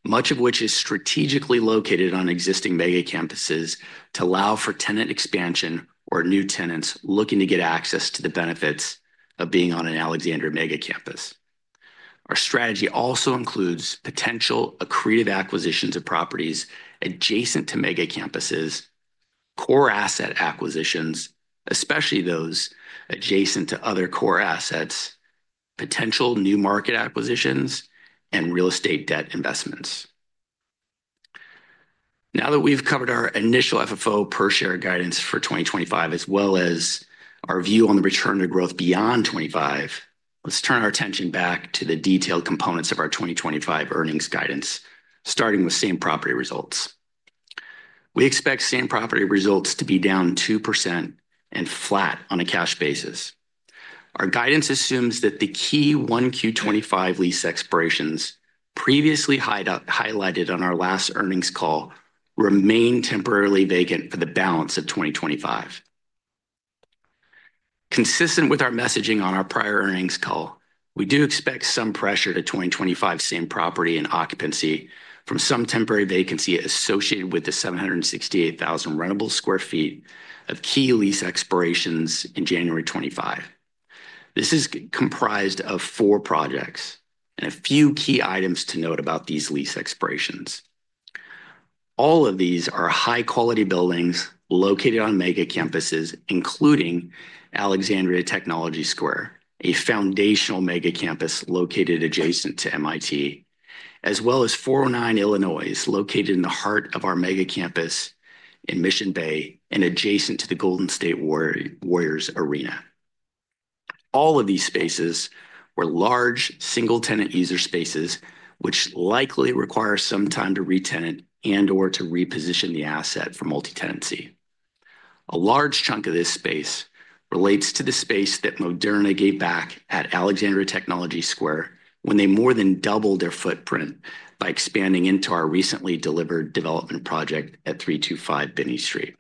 S6: much of which is strategically located on existing mega campuses to allow for tenant expansion or new tenants looking to get access to the benefits of being on an Alexandria mega campus. Our strategy also includes potential accretive acquisitions of properties adjacent to mega campuses, core asset acquisitions, especially those adjacent to other core assets, potential new market acquisitions, and real estate debt investments. Now that we've covered our initial FFO per share guidance for 2025, as well as our view on the return to growth beyond 2025, let's turn our attention back to the detailed components of our 2025 earnings guidance, starting with same property results. We expect same property results to be down 2% and flat on a cash basis. Our guidance assumes that the key 1Q 2025 lease expirations previously highlighted on our last earnings call remain temporarily vacant for the balance of 2025. Consistent with our messaging on our prior earnings call, we do expect some pressure to 2025 same property and occupancy from some temporary vacancy associated with the 768,000 rentable sq ft of key lease expirations in January 2025. This is comprised of four projects and a few key items to note about these lease expirations. All of these are high-quality buildings located on mega campuses, including Alexandria Technology Square, a foundational mega campus located adjacent to MIT, as well as 409 Illinois, located in the heart of our mega campus in Mission Bay and adjacent to the Golden State Warriors Arena. All of these spaces were large single-tenant user spaces, which likely require some time to retenant and/or to reposition the asset for multi-tenancy. A large chunk of this space relates to the space that Moderna gave back at Alexandria Technology Square when they more than doubled their footprint by expanding into our recently delivered development project at 325 Binney Street.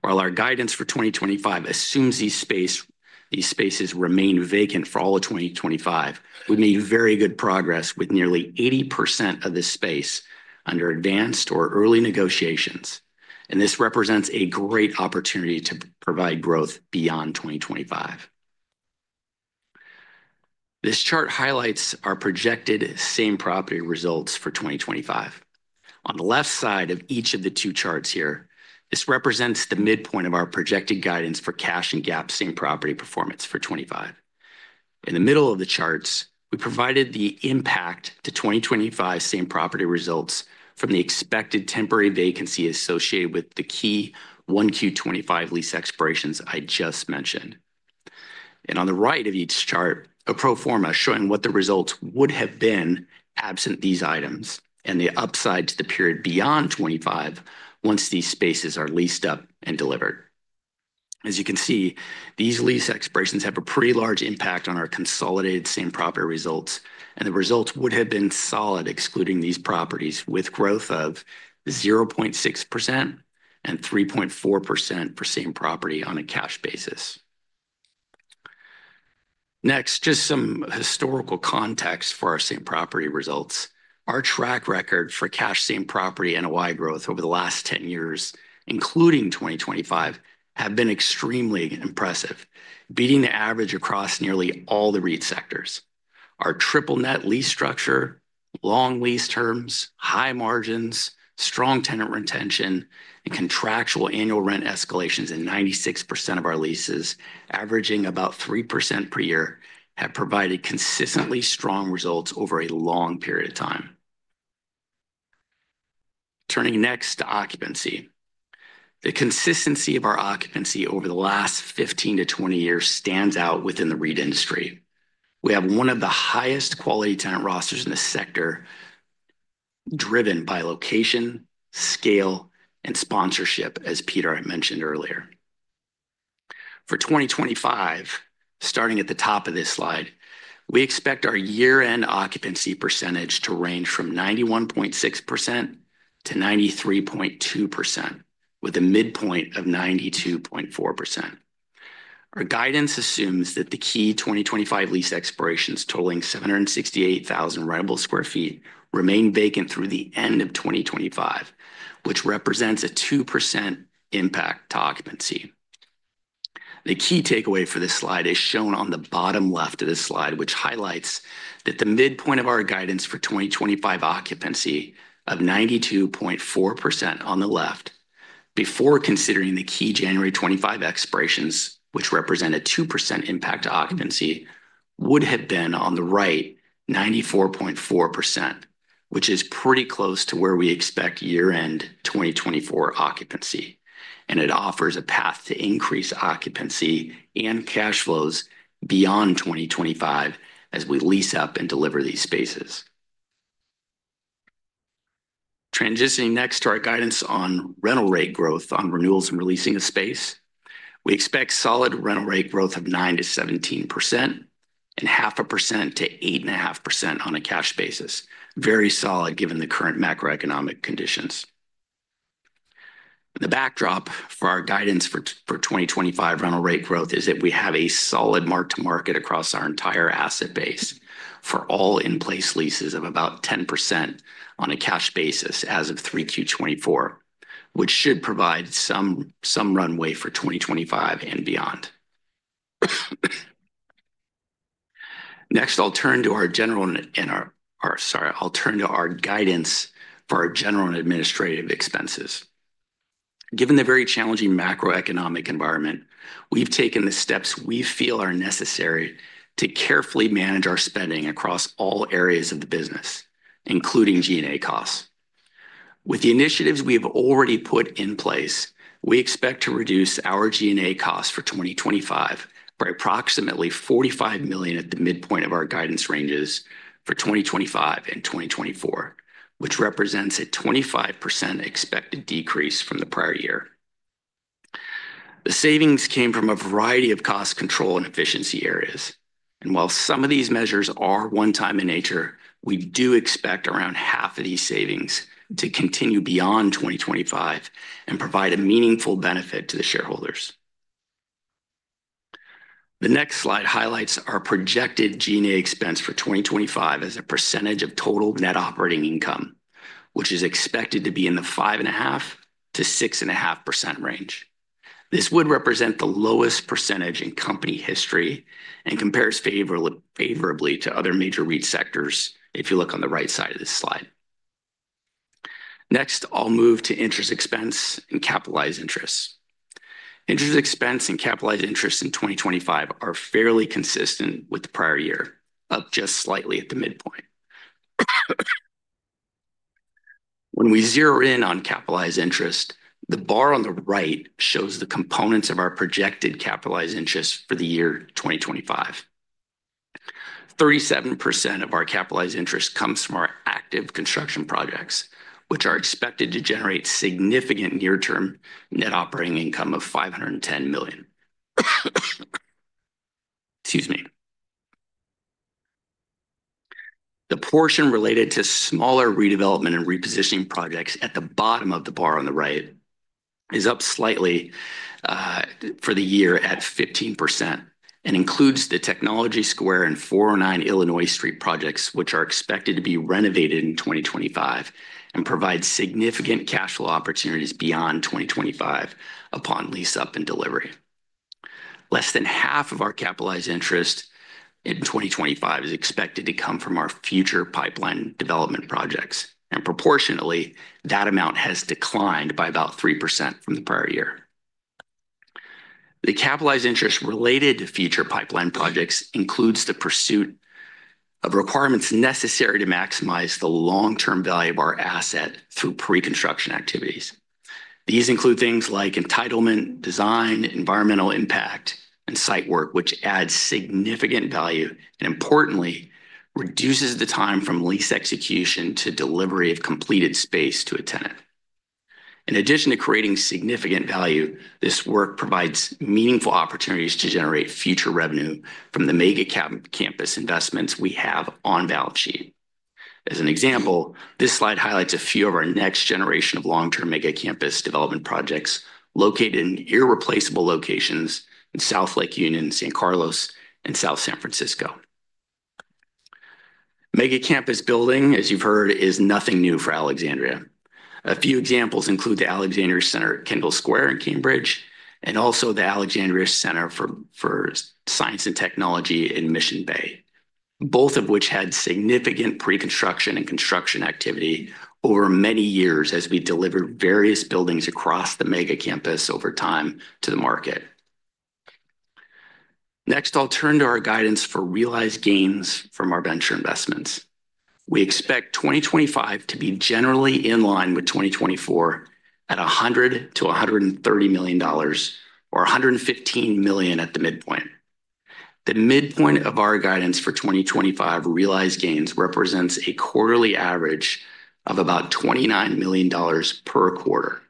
S6: While our guidance for 2025 assumes these spaces remain vacant for all of 2025, we made very good progress with nearly 80% of this space under advanced or early negotiations, and this represents a great opportunity to provide growth beyond 2025. This chart highlights our projected same property results for 2025. On the left side of each of the two charts here, this represents the midpoint of our projected guidance for cash and GAAP same property performance for 2025. In the middle of the charts, we provided the impact to 2025 same property results from the expected temporary vacancy associated with the key 1Q 2025 lease expirations I just mentioned. On the right of each chart, a pro forma showing what the results would have been absent these items and the upside to the period beyond 2025 once these spaces are leased up and delivered. As you can see, these lease expirations have a pretty large impact on our consolidated same property results, and the results would have been solid excluding these properties with growth of 0.6% and 3.4% for same property on a cash basis. Next, just some historical context for our same property results. Our track record for cash same property NOI growth over the last 10 years, including 2025, has been extremely impressive, beating the average across nearly all the REIT sectors. Our triple-net lease structure, long lease terms, high margins, strong tenant retention, and contractual annual rent escalations in 96% of our leases, averaging about 3% per year, have provided consistently strong results over a long period of time. Turning next to occupancy, the consistency of our occupancy over the last 15 to 20 years stands out within the REIT industry. We have one of the highest quality tenant rosters in the sector, driven by location, scale, and sponsorship, as Peter mentioned earlier. For 2025, starting at the top of this slide, we expect our year-end occupancy percentage to range from 91.6% to 93.2%, with a midpoint of 92.4%. Our guidance assumes that the key 2025 lease expirations totaling 768,000 rentable sq ft remain vacant through the end of 2025, which represents a 2% impact to occupancy. The key takeaway for this slide is shown on the bottom left of this slide, which highlights that the midpoint of our guidance for 2025 occupancy of 92.4% on the left, before considering the key January 25 expirations, which represent a 2% impact to occupancy, would have been on the right, 94.4%, which is pretty close to where we expect year-end 2024 occupancy, and it offers a path to increase occupancy and cash flows beyond 2025 as we lease up and deliver these spaces. Transitioning next to our guidance on rental rate growth on renewals and releasing of space, we expect solid rental rate growth of 9%-17% and 0.5%-8.5% on a cash basis, very solid given the current macroeconomic conditions. The backdrop for our guidance for 2025 rental rate growth is that we have a solid mark-to-market across our entire asset base for all in-place leases of about 10% on a cash basis as of 3Q 2024, which should provide some runway for 2025 and beyond. Next, I'll turn to our guidance for our general and administrative expenses. Given the very challenging macroeconomic environment, we've taken the steps we feel are necessary to carefully manage our spending across all areas of the business, including G&A costs. With the initiatives we have already put in place, we expect to reduce our G&A costs for 2025 by approximately $45 million at the midpoint of our guidance ranges for 2025 and 2024, which represents a 25% expected decrease from the prior year. The savings came from a variety of cost control and efficiency areas. While some of these measures are one-time in nature, we do expect around half of these savings to continue beyond 2025 and provide a meaningful benefit to the shareholders. The next slide highlights our projected G&A expense for 2025 as a percentage of total net operating income, which is expected to be in the 5.5%-6.5% range. This would represent the lowest percentage in company history and compares favorably to other major REIT sectors if you look on the right side of this slide. Next, I'll move to interest expense and capitalized interest. Interest expense and capitalized interest in 2025 are fairly consistent with the prior year, up just slightly at the midpoint. When we zero in on capitalized interest, the bar on the right shows the components of our projected capitalized interest for the year 2025. 37% of our capitalized interest comes from our active construction projects, which are expected to generate significant near-term net operating income of $510 million. Excuse me. The portion related to smaller redevelopment and repositioning projects at the bottom of the bar on the right is up slightly for the year at 15% and includes the Technology Square and 409 Illinois Street projects, which are expected to be renovated in 2025 and provide significant cash flow opportunities beyond 2025 upon lease-up and delivery. Less than half of our capitalized interest in 2025 is expected to come from our future pipeline development projects, and proportionately, that amount has declined by about 3% from the prior year. The capitalized interest related to future pipeline projects includes the pursuit of requirements necessary to maximize the long-term value of our asset through pre-construction activities. These include things like entitlement, design, environmental impact, and site work, which adds significant value and, importantly, reduces the time from lease execution to delivery of completed space to a tenant. In addition to creating significant value, this work provides meaningful opportunities to generate future revenue from the mega campus investments we have on balance sheet. As an example, this slide highlights a few of our next generation of long-term mega campus development projects located in irreplaceable locations in South Lake Union, San Carlos, and South San Francisco. Mega campus building, as you've heard, is nothing new for Alexandria. A few examples include the Alexandria Center at Kendall Square in Cambridge and also the Alexandria Center for Science and Technology in Mission Bay, both of which had significant pre-construction and construction activity over many years as we delivered various buildings across the mega campus over time to the market. Next, I'll turn to our guidance for realized gains from our venture investments. We expect 2025 to be generally in line with 2024 at $100 million-$130 million or $115 million at the midpoint. The midpoint of our guidance for 2025 realized gains represents a quarterly average of about $29 million per quarter,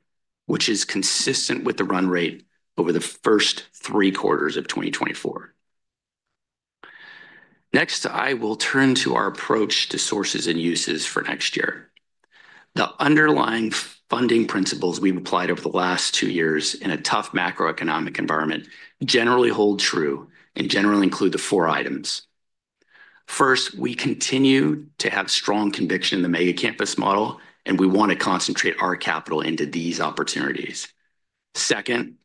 S6: which is consistent with the run rate over the first three quarters of 2024. Next, I will turn to our approach to sources and uses for next year. The underlying funding principles we've applied over the last two years in a tough macroeconomic environment generally hold true and generally include the four items. First, we continue to have strong conviction in the mega campus model, and we want to concentrate our capital into these opportunities. Second,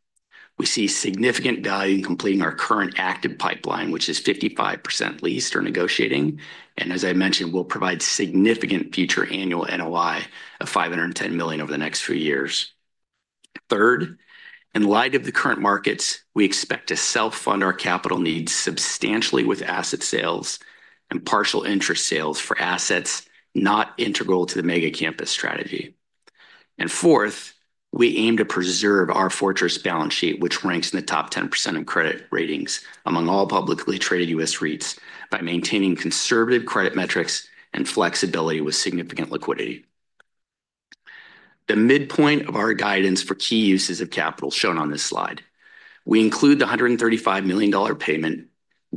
S6: we see significant value in completing our current active pipeline, which is 55% leased or negotiating. As I mentioned, we'll provide significant future annual NOI of $510 million over the next few years. Third, in light of the current markets, we expect to self-fund our capital needs substantially with asset sales and partial interest sales for assets not integral to the mega campus strategy. And fourth, we aim to preserve our fortress balance sheet, which ranks in the top 10% in credit ratings among all publicly traded U.S. REITs by maintaining conservative credit metrics and flexibility with significant liquidity. The midpoint of our guidance for key uses of capital, shown on this slide. We include the $135 million payment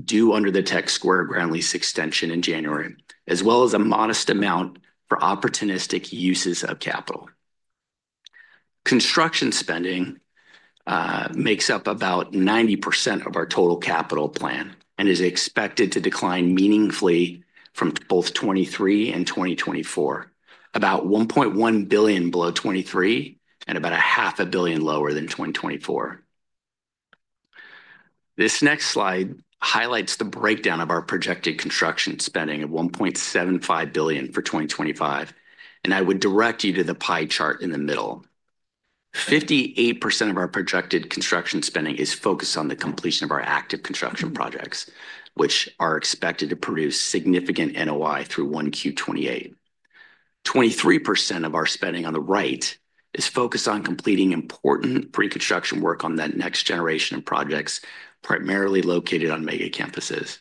S6: due under the Tech Square Ground Lease Extension in January, as well as a modest amount for opportunistic uses of capital. Construction spending makes up about 90% of our total capital plan and is expected to decline meaningfully from both 2023 and 2024, about $1.1 billion below 2023 and about $500 million lower than 2024. This next slide highlights the breakdown of our projected construction spending of $1.75 billion for 2025, and I would direct you to the pie chart in the middle. 58% of our projected construction spending is focused on the completion of our active construction projects, which are expected to produce significant NOI through 1Q 2028. 23% of our spending on the right is focused on completing important pre-construction work on that next generation of projects, primarily located on mega campuses.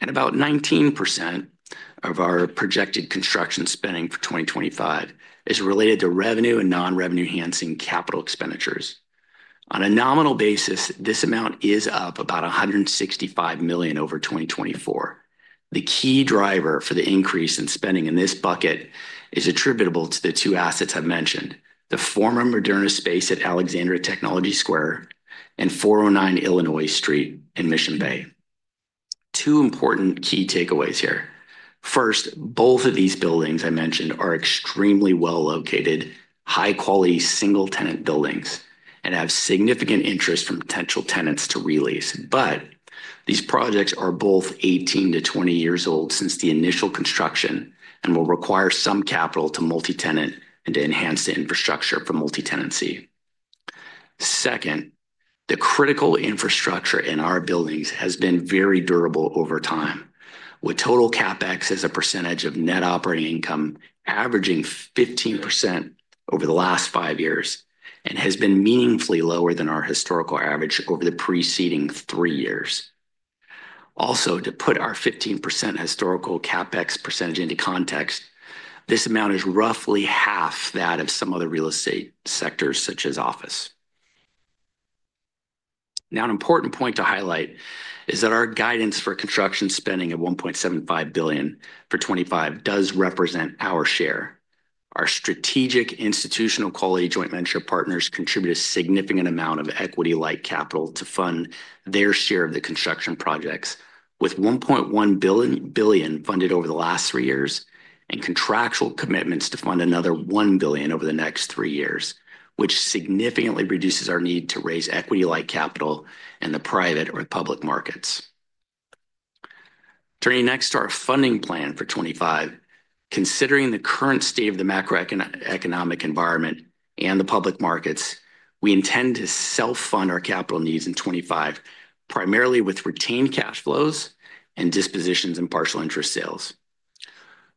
S6: And about 19% of our projected construction spending for 2025 is related to revenue and non-revenue enhancing capital expenditures. On a nominal basis, this amount is up about $165 million over 2024. The key driver for the increase in spending in this bucket is attributable to the two assets I've mentioned, the former Moderna space at Alexandria Technology Square and 409 Illinois Street in Mission Bay. Two important key takeaways here. First, both of these buildings I mentioned are extremely well-located, high-quality single-tenant buildings and have significant interest from potential tenants to re-lease, but these projects are both 18-20 years old since the initial construction and will require some capital to multi-tenant and to enhance the infrastructure for multi-tenancy. Second, the critical infrastructure in our buildings has been very durable over time, with total CapEx as a percentage of net operating income averaging 15% over the last five years and has been meaningfully lower than our historical average over the preceding three years. Also, to put our 15% historical CapEx percentage into context, this amount is roughly half that of some other real estate sectors such as office. Now, an important point to highlight is that our guidance for construction spending of $1.75 billion for 2025 does represent our share. Our strategic institutional quality joint venture partners contribute a significant amount of equity-like capital to fund their share of the construction projects, with $1.1 billion funded over the last three years and contractual commitments to fund another $1 billion over the next three years, which significantly reduces our need to raise equity-like capital in the private or public markets. Turning next to our funding plan for 2025, considering the current state of the macroeconomic environment and the public markets, we intend to self-fund our capital needs in 2025 primarily with retained cash flows and dispositions and partial interest sales.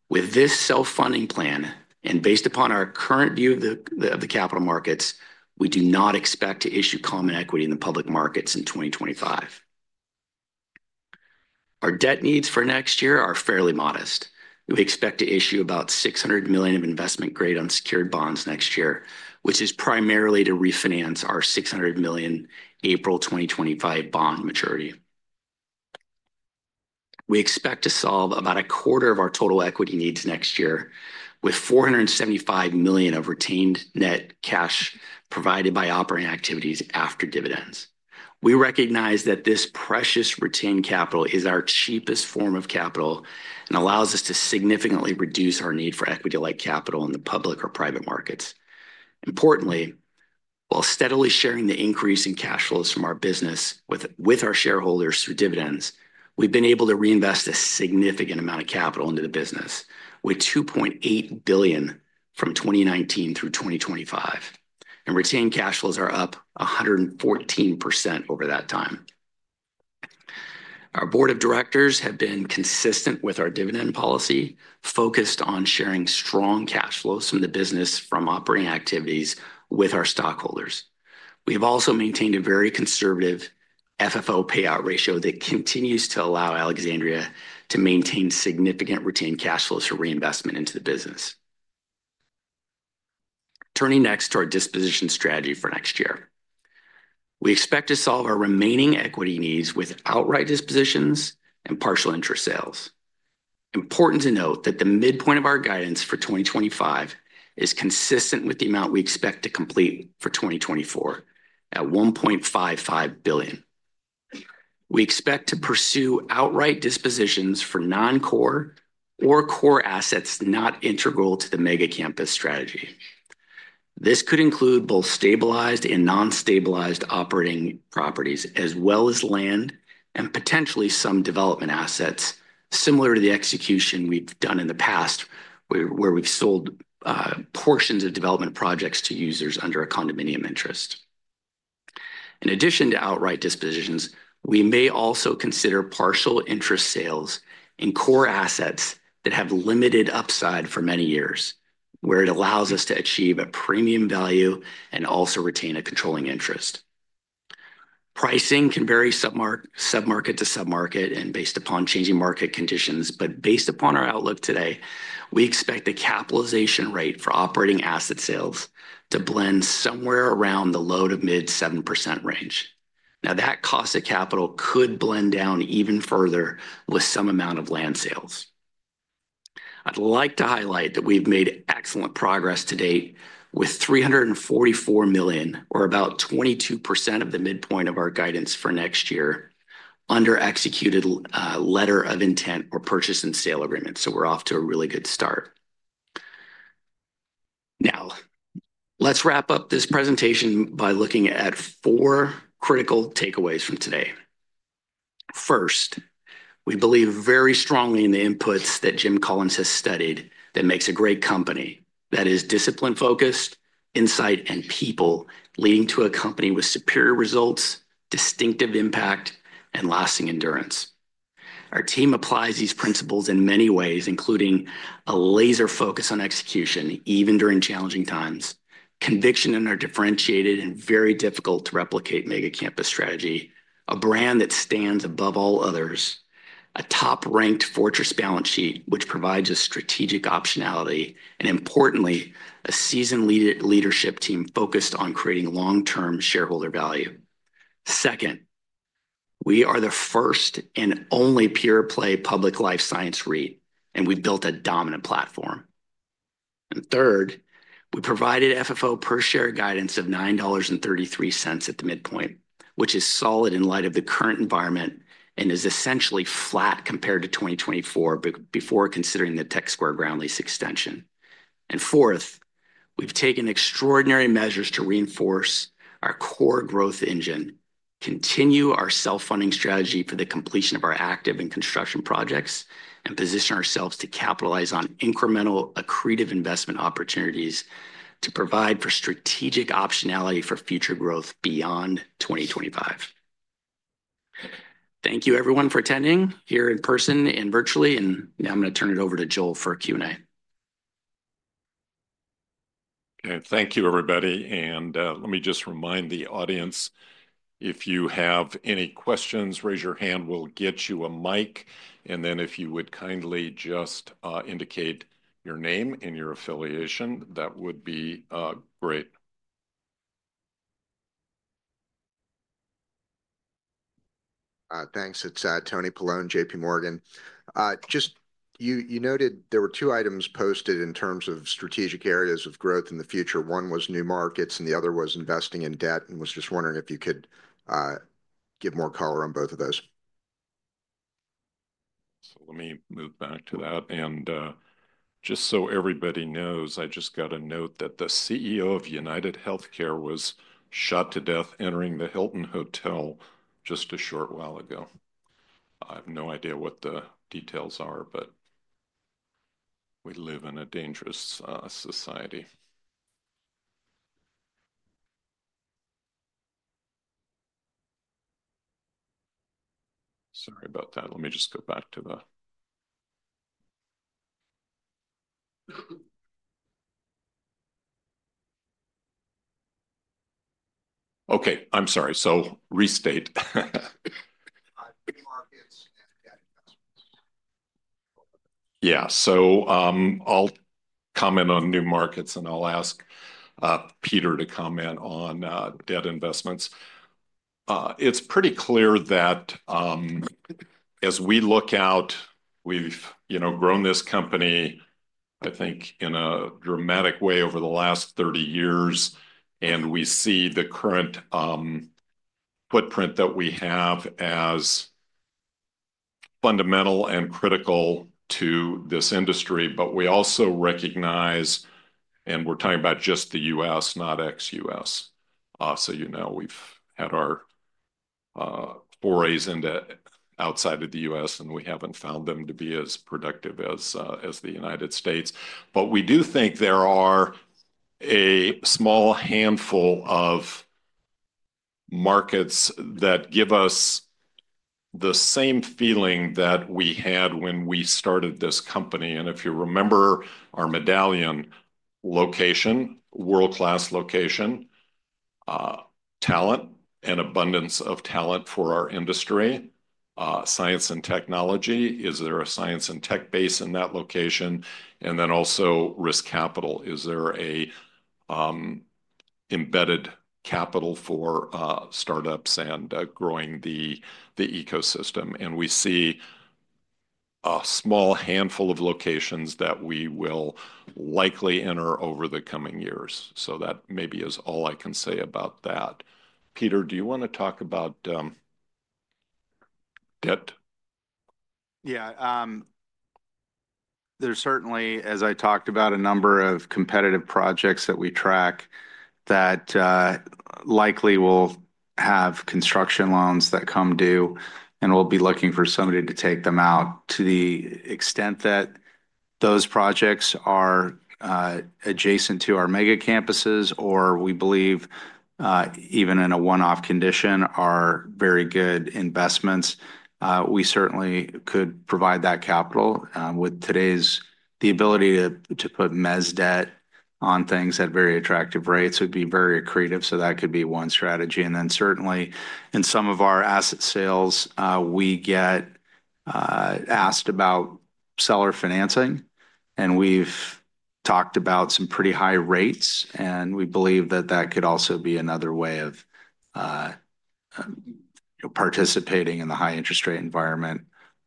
S6: With this self-funding plan and based upon our current view of the capital markets, we do not expect to issue common equity in the public markets in 2025. Our debt needs for next year are fairly modest. We expect to issue about $600 million of investment-grade unsecured bonds next year, which is primarily to refinance our $600 million April 2025 bond maturity. We expect to solve about a quarter of our total equity needs next year with $475 million of retained net cash provided by operating activities after dividends. We recognize that this precious retained capital is our cheapest form of capital and allows us to significantly reduce our need for equity-like capital in the public or private markets. Importantly, while steadily sharing the increase in cash flows from our business with our shareholders through dividends, we've been able to reinvest a significant amount of capital into the business with $2.8 billion from 2019 through 2025, and retained cash flows are up 114% over that time. Our board of directors have been consistent with our dividend policy, focused on sharing strong cash flows from the business from operating activities with our stockholders. We have also maintained a very conservative FFO payout ratio that continues to allow Alexandria to maintain significant retained cash flows for reinvestment into the business. Turning next to our disposition strategy for next year, we expect to solve our remaining equity needs with outright dispositions and partial interest sales. Important to note that the midpoint of our guidance for 2025 is consistent with the amount we expect to complete for 2024 at $1.55 billion. We expect to pursue outright dispositions for non-core or core assets not integral to the mega campus strategy. This could include both stabilized and non-stabilized operating properties as well as land and potentially some development assets similar to the execution we've done in the past where we've sold portions of development projects to users under a condominium interest. In addition to outright dispositions, we may also consider partial interest sales in core assets that have limited upside for many years, where it allows us to achieve a premium value and also retain a controlling interest. Pricing can vary submarket to submarket and based upon changing market conditions, but based upon our outlook today, we expect the capitalization rate for operating asset sales to blend somewhere around the low to mid 7% range. Now, that cost of capital could blend down even further with some amount of land sales. I'd like to highlight that we've made excellent progress to date with $344 million or about 22% of the midpoint of our guidance for next year under executed letter of intent or purchase and sale agreement. So we're off to a really good start. Now, let's wrap up this presentation by looking at four critical takeaways from today. First, we believe very strongly in the inputs that Jim Collins has studied that makes a great company that is discipline-focused, insight, and people leading to a company with superior results, distinctive impact, and lasting endurance. Our team applies these principles in many ways, including a laser focus on execution even during challenging times, conviction in our differentiated and very difficult-to-replicate mega campus strategy, a brand that stands above all others, a top-ranked fortress balance sheet, which provides a strategic optionality, and importantly, a seasoned leadership team focused on creating long-term shareholder value. Second, we are the first and only pure-play public life science REIT, and we've built a dominant platform. And third, we provided FFO per share guidance of $9.33 at the midpoint, which is solid in light of the current environment and is essentially flat compared to 2024 before considering the Technology Square Ground Lease Extension. And fourth, we've taken extraordinary measures to reinforce our core growth engine, continue our self-funding strategy for the completion of our active and construction projects, and position ourselves to capitalize on incremental accretive investment opportunities to provide for strategic optionality for future growth beyond 2025. Thank you, everyone, for attending here in person and virtually. And now I'm going to turn it over to Joel for a Q&A.
S1: Okay. Thank you, everybody. And let me just remind the audience, if you have any questions, raise your hand. We'll get you a mic. And then if you would kindly just indicate your name and your affiliation, that would be great.
S7: Thanks. It's Anthony Paolone, JPMorgan. As you noted there were two items posted in terms of strategic areas of growth in the future. One was new markets, and the other was investing in debt. And was just wondering if you could give more color on both of those.
S1: So let me move back to that, and just so everybody knows, I just got a note that the CEO of UnitedHealthcare was shot to death entering the Hilton Hotel just a short while ago. I have no idea what the details are, but we live in a dangerous society. Sorry about that. Let me just go back to the, okay, I'm sorry, so restate. Yeah, so I'll comment on new markets, and I'll ask Peter to comment on debt investments. It's pretty clear that as we look out, we've grown this company, I think, in a dramatic way over the last 30 years, and we see the current footprint that we have as fundamental and critical to this industry. But we also recognize, and we're talking about just the U.S., not ex-U.S. So you know, we've had our forays outside of the U.S., and we haven't found them to be as productive as the United States. But we do think there are a small handful of markets that give us the same feeling that we had when we started this company. And if you remember our medallion location, world-class location, talent and abundance of talent for our industry, science and technology, is there a science and tech base in that location? And then also risk capital, is there an embedded capital for startups and growing the ecosystem? And we see a small handful of locations that we will likely enter over the coming years. So that maybe is all I can say about that. Peter, do you want to talk about debt?
S5: Yeah. There's certainly, as I talked about, a number of competitive projects that we track that likely will have construction loans that come due, and we'll be looking for somebody to take them out to the extent that those projects are adjacent to our mega campuses, or we believe even in a one-off condition are very good investments. We certainly could provide that capital. With today’s ability to put mezz debt on things at very attractive rates, it would be very accretive. So that could be one strategy. And then certainly, in some of our asset sales, we get asked about seller financing, and we've talked about some pretty high rates. And we believe that that could also be another way of participating in the high interest rate environment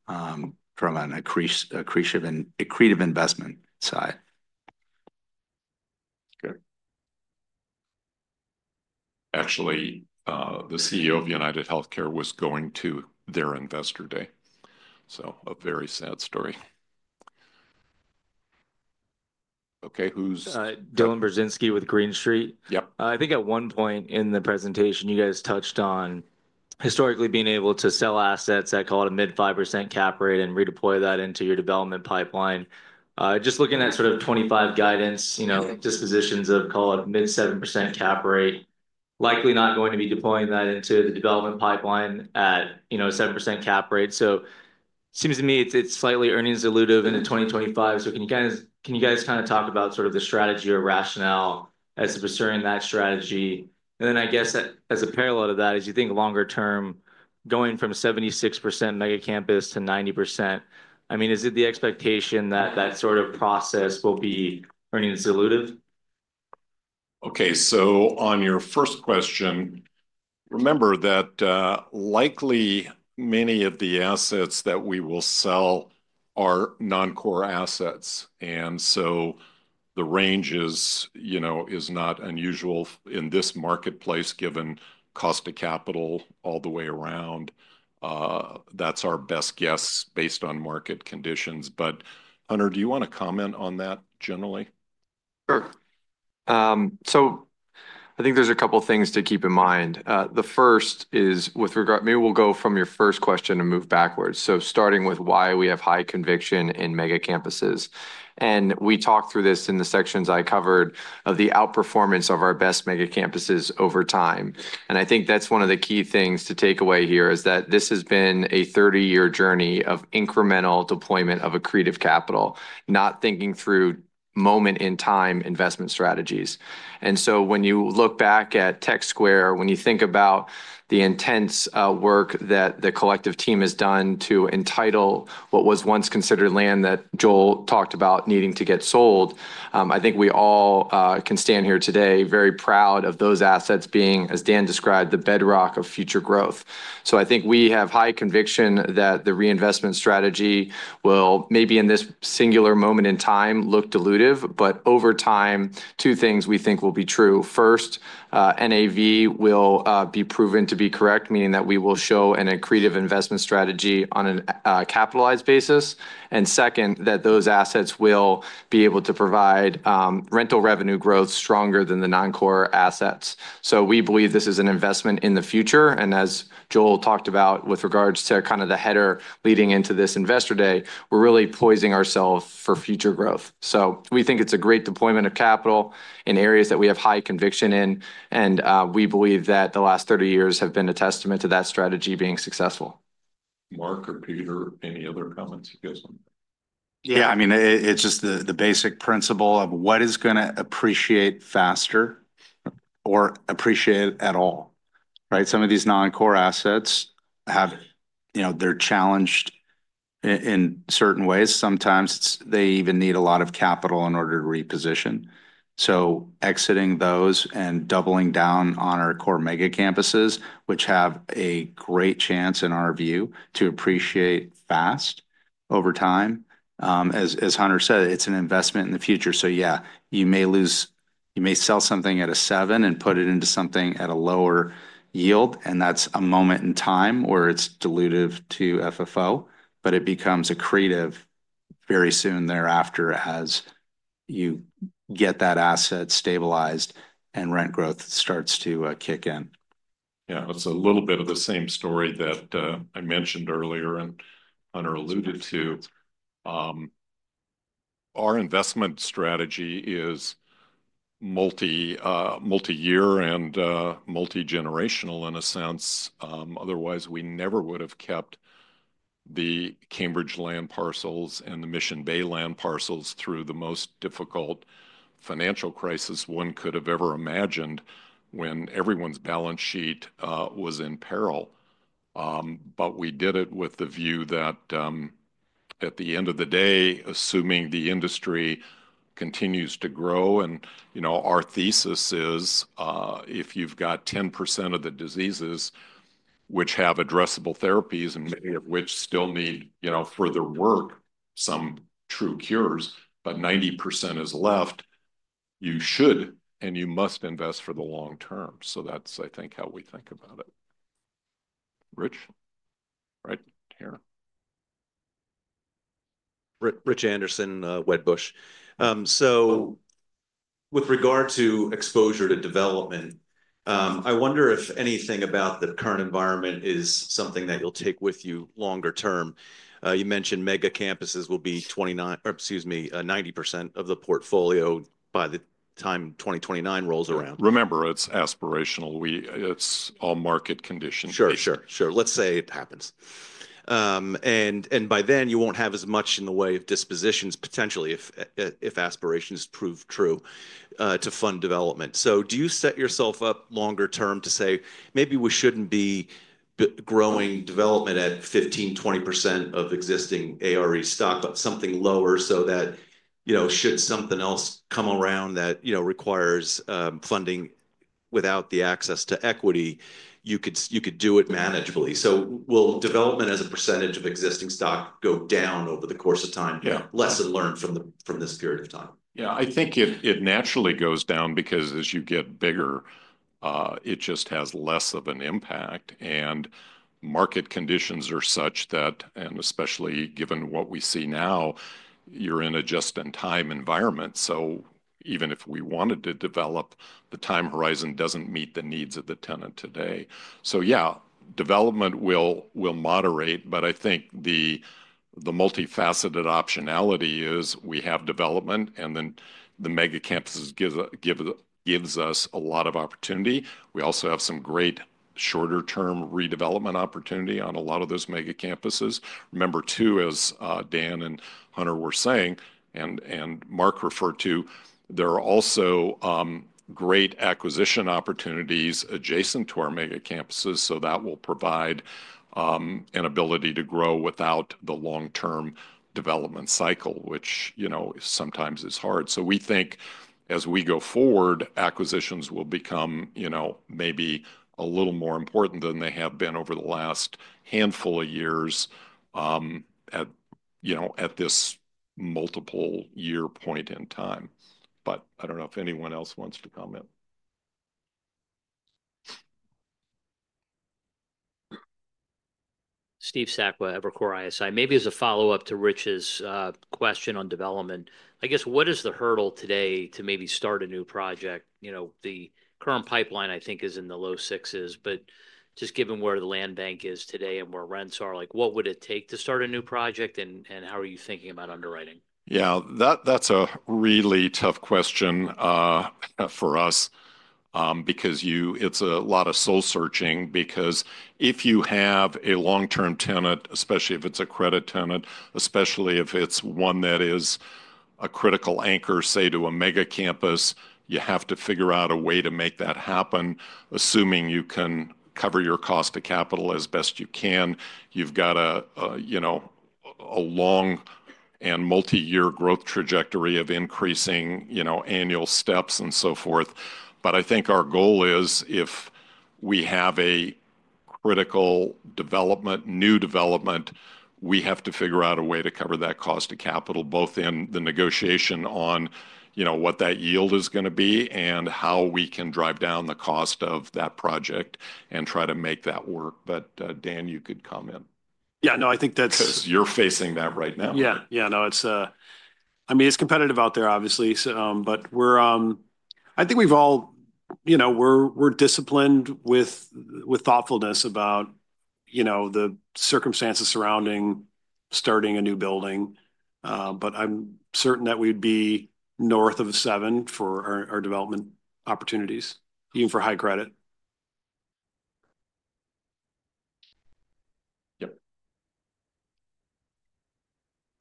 S5: from an accretive investment side.
S1: Actually, the CEO of UnitedHealthcare was going to their Investor Day. So a very sad story. Okay. Who's.
S8: Dylan Burzinski with Green Street.
S1: Yep.
S8: I think at one point in the presentation, you guys touched on historically being able to sell assets at, call it, a mid-5% cap rate and redeploy that into your development pipeline. Just looking at sort of 2025 guidance dispositions of, call it, mid-7% cap rate, likely not going to be deploying that into the development pipeline at 7% cap rate. So it seems to me it's slightly earnings dilutive into 2025. So can you guys kind of talk about sort of the strategy or rationale as to pursuing that strategy? And then I guess as a parallel to that, as you think longer term, going from 76% mega campus to 90%, I mean, is it the expectation that that sort of process will be earnings dilutive?
S1: Okay. So on your first question, remember that likely many of the assets that we will sell are non-core assets. And so the range is not unusual in this marketplace given cost of capital all the way around. That's our best guess based on market conditions. But Hunter, do you want to comment on that generally?
S4: Sure. So I think there's a couple of things to keep in mind. The first is with regard, maybe we'll go from your first question and move backwards. So starting with why we have high conviction in mega campuses. And we talked through this in the sections I covered of the outperformance of our best mega campuses over time. And I think that's one of the key things to take away here is that this has been a 30-year journey of incremental deployment of accretive capital, not thinking through moment-in-time investment strategies. When you look back at Tech Square, when you think about the intense work that the collective team has done to entitle what was once considered land that Joel talked about needing to get sold, I think we all can stand here today very proud of those assets being, as Dan described, the bedrock of future growth. We have high conviction that the reinvestment strategy will maybe in this singular moment in time look dilutive. But over time, two things we think will be true. First, NAV will be proven to be correct, meaning that we will show an accretive investment strategy on a capitalized basis. Second, those assets will be able to provide rental revenue growth stronger than the non-core assets. We believe this is an investment in the future. As Joel talked about with regards to kind of the header leading into this Investor Day, we're really positioning ourselves for future growth. We think it's a great deployment of capital in areas that we have high conviction in. We believe that the last 30 years have been a testament to that strategy being successful.
S1: Marc or Peter, any other comments you guys want to make?
S5: Yeah. I mean, it's just the basic principle of what is going to appreciate faster or appreciate at all, right? Some of these non-core assets have, they're challenged in certain ways. Sometimes they even need a lot of capital in order to reposition. Exiting those and doubling down on our core mega campuses, which have a great chance in our view to appreciate fast over time. As Hunter said, it's an investment in the future. So yeah, you may lose. You may sell something at a seven and put it into something at a lower yield. And that's a moment in time where it's dilutive to FFO. But it becomes accretive very soon thereafter as you get that asset stabilized and rent growth starts to kick in.
S1: Yeah. That's a little bit of the same story that I mentioned earlier and Hunter alluded to. Our investment strategy is multi-year and multi-generational in a sense. Otherwise, we never would have kept the Cambridge land parcels and the Mission Bay land parcels through the most difficult financial crisis one could have ever imagined when everyone's balance sheet was in peril. But we did it with the view that at the end of the day, assuming the industry continues to grow, and our thesis is if you've got 10% of the diseases which have addressable therapies, and many of which still need further work, some true cures, but 90% is left, you should and you must invest for the long term. So that's, I think, how we think about it. Rich, right here.
S9: Rich Anderson, Wedbush. So with regard to exposure to development, I wonder if anything about the current environment is something that you'll take with you longer term. You mentioned mega campuses will be 29 or, excuse me, 90% of the portfolio by the time 2029 rolls around.
S1: Remember, it's aspirational. It's all market conditions.
S9: Sure, sure, sure. Let's say it happens. By then, you won't have as much in the way of dispositions, potentially, if aspirations prove true, to fund development. So do you set yourself up longer term to say, "Maybe we shouldn't be growing development at 15%-20% of existing ARE stock, but something lower so that should something else come around that requires funding without the access to equity, you could do it manageably"? So will development as a percentage of existing stock go down over the course of time? Lesson learned from this period of time?
S1: Yeah. I think it naturally goes down because as you get bigger, it just has less of an impact. And market conditions are such that, and especially given what we see now, you're in a just-in-time environment. So even if we wanted to develop, the time horizon doesn't meet the needs of the tenant today. So yeah, development will moderate. But I think the multifaceted optionality is we have development, and then the mega campuses gives us a lot of opportunity. We also have some great shorter-term redevelopment opportunity on a lot of those mega campuses. Remember, too, as Dan and Hunter were saying, and Marc referred to, there are also great acquisition opportunities adjacent to our mega campuses. So that will provide an ability to grow without the long-term development cycle, which sometimes is hard. So we think as we go forward, acquisitions will become maybe a little more important than they have been over the last handful of years at this multiple-year point in time. But I don't know if anyone else wants to comment.
S10: Steve Sakwa at Evercore ISI. Maybe as a follow-up to Rich's question on development, I guess, what is the hurdle today to maybe start a new project? The current pipeline, I think, is in the low sixes. But just given where the land bank is today and where rents are, what would it take to start a new project, and how are you thinking about underwriting?
S1: Yeah. That's a really tough question for us because it's a lot of soul-searching. Because if you have a long-term tenant, especially if it's a credit tenant, especially if it's one that is a critical anchor, say, to a mega campus, you have to figure out a way to make that happen, assuming you can cover your cost of capital as best you can. You've got a long and multi-year growth trajectory of increasing annual steps and so forth. But I think our goal is if we have a critical development, new development, we have to figure out a way to cover that cost of capital, both in the negotiation on what that yield is going to be and how we can drive down the cost of that project and try to make that work. But Dan, you could comment.
S3: Yeah. No, I think that's...
S1: You're facing that right now.
S3: Yeah. Yeah. No, I mean, it's competitive out there, obviously. But I think we've all, we're disciplined with thoughtfulness about the circumstances surrounding starting a new building. But I'm certain that we'd be north of a seven for our development opportunities, even for high credit.
S1: Yep.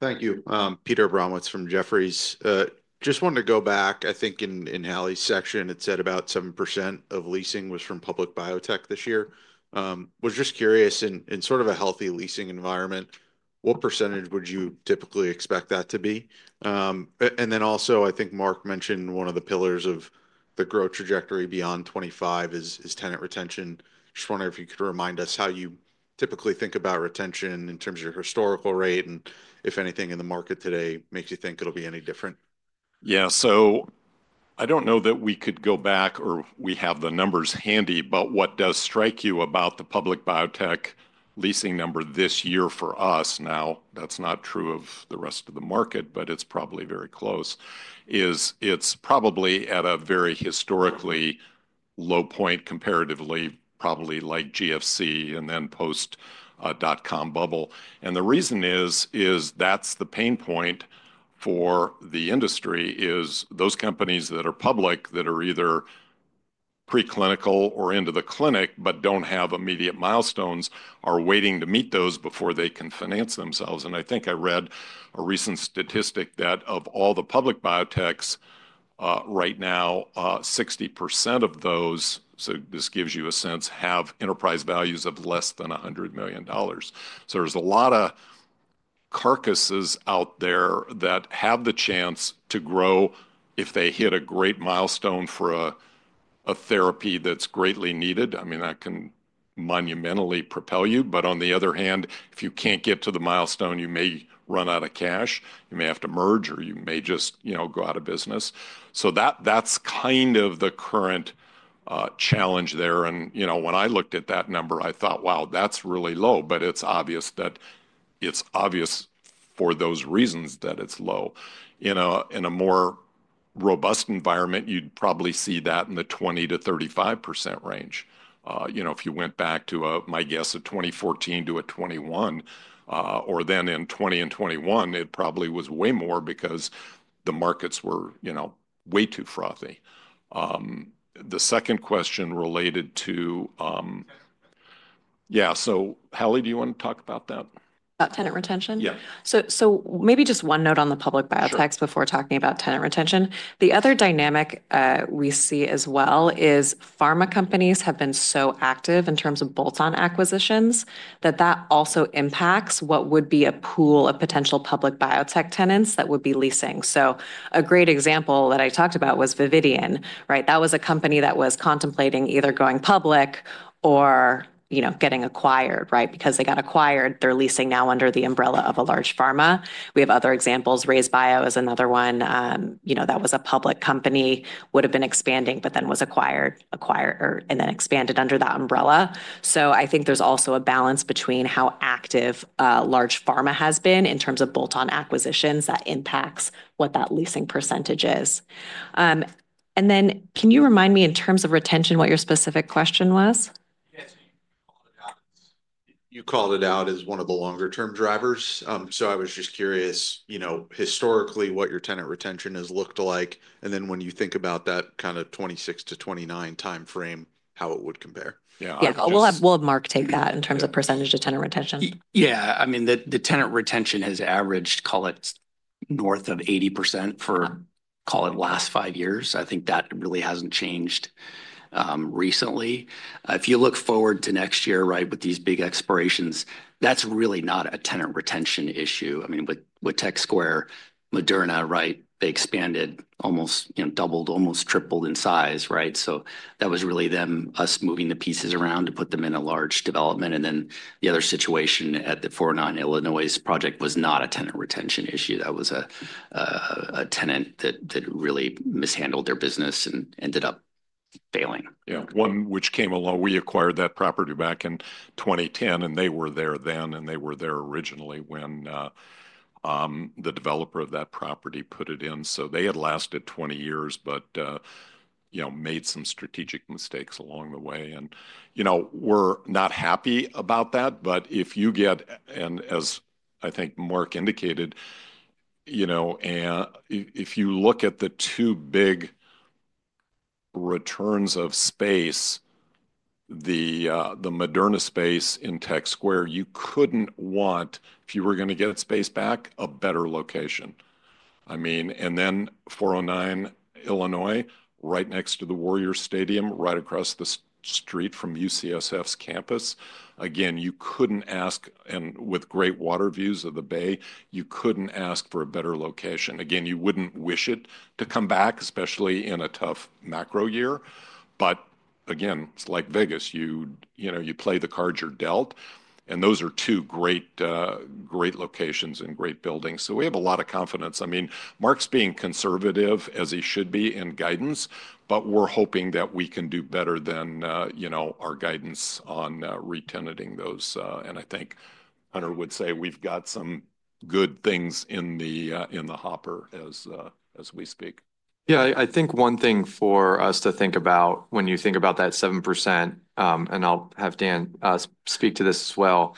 S11: Thank you. Peter Abramowitz from Jefferies. Just wanted to go back. I think in Hallie's section, it said about 7% of leasing was from public biotech this year. Was just curious, in sort of a healthy leasing environment, what percentage would you typically expect that to be? And then also, I think Marc mentioned one of the pillars of the growth trajectory beyond 25 is tenant retention. Just wondering if you could remind us how you typically think about retention in terms of your historical rate and if anything in the market today makes you think it'll be any different.
S1: Yeah. So I don't know that we could go back or we have the numbers handy. But what does strike you about the public biotech leasing number this year for us? Now, that's not true of the rest of the market, but it's probably very close. It's probably at a very historically low point, comparatively, probably like GFC and then post-dot-com bubble. And the reason is that's the pain point for the industry is those companies that are public that are either preclinical or into the clinic but don't have immediate milestones are waiting to meet those before they can finance themselves. And I think I read a recent statistic that of all the public biotechs right now, 60% of those, so this gives you a sense, have enterprise values of less than $100 million. So there's a lot of carcasses out there that have the chance to grow if they hit a great milestone for a therapy that's greatly needed. I mean, that can monumentally propel you. But on the other hand, if you can't get to the milestone, you may run out of cash. You may have to merge, or you may just go out of business. So that's kind of the current challenge there. When I looked at that number, I thought, "Wow, that's really low." But it's obvious that it's obvious for those reasons that it's low. In a more robust environment, you'd probably see that in the 20%-35% range. If you went back to, my guess, a 2014 to 2021, or then in 2020 and 2021, it probably was way more because the markets were way too frothy. The second question related to yeah. So Hallie, do you want to talk about that?
S2: About tenant retention?
S1: Yeah.
S2: So maybe just one note on the public biotechs before talking about tenant retention. The other dynamic we see as well is pharma companies have been so active in terms of bolt-on acquisitions that that also impacts what would be a pool of potential public biotech tenants that would be leasing. A great example that I talked about was Vividion, right? That was a company that was contemplating either going public or getting acquired, right? Because they got acquired, they're leasing now under the umbrella of a large pharma. We have other examples. RayzeBio is another one that was a public company, would have been expanding, but then was acquired and then expanded under that umbrella. So I think there's also a balance between how active large pharma has been in terms of bolt-on acquisitions that impacts what that leasing percentage is. And then can you remind me in terms of retention what your specific question was?
S11: Yes. You called it out as one of the longer-term drivers. So I was just curious, historically, what your tenant retention has looked like. And then when you think about that kind of 2026 to 2029 timeframe, how it would compare.
S6: Yeah.
S2: We'll have Marc take that in terms of percentage of tenant retention.
S6: Yeah. I mean, the tenant retention has averaged, call it, north of 80% for, call it, last five years. I think that really hasn't changed recently. If you look forward to next year, right, with these big expirations, that's really not a tenant retention issue. I mean, with Technology Square, Moderna, right, they expanded, almost doubled, almost tripled in size, right? So that was really them, us moving the pieces around to put them in a large development. And then the other situation at the 409 Illinois project was not a tenant retention issue. That was a tenant that really mishandled their business and ended up failing.
S1: Yeah. One which came along, we acquired that property back in 2010, and they were there then, and they were there originally when the developer of that property put it in. They had lasted 20 years but made some strategic mistakes along the way. And we're not happy about that. But if you get, and as I think Marc indicated, if you look at the two big returns of space, the Moderna space in Technology Square, you couldn't want, if you were going to get space back, a better location. I mean, and then 409 Illinois, right next to the Warriors Stadium, right across the street from UCSF's campus. Again, you couldn't ask, and with great water views of the bay, you couldn't ask for a better location. Again, you wouldn't wish it to come back, especially in a tough macro year. But again, it's like Vegas. You play the cards you're dealt. And those are two great locations and great buildings. So we have a lot of confidence. I mean, Marc's being conservative, as he should be, in guidance, but we're hoping that we can do better than our guidance on retenanting those. And I think Hunter would say we've got some good things in the hopper as we speak.
S4: Yeah. I think one thing for us to think about when you think about that 7%, and I'll have Dan speak to this as well.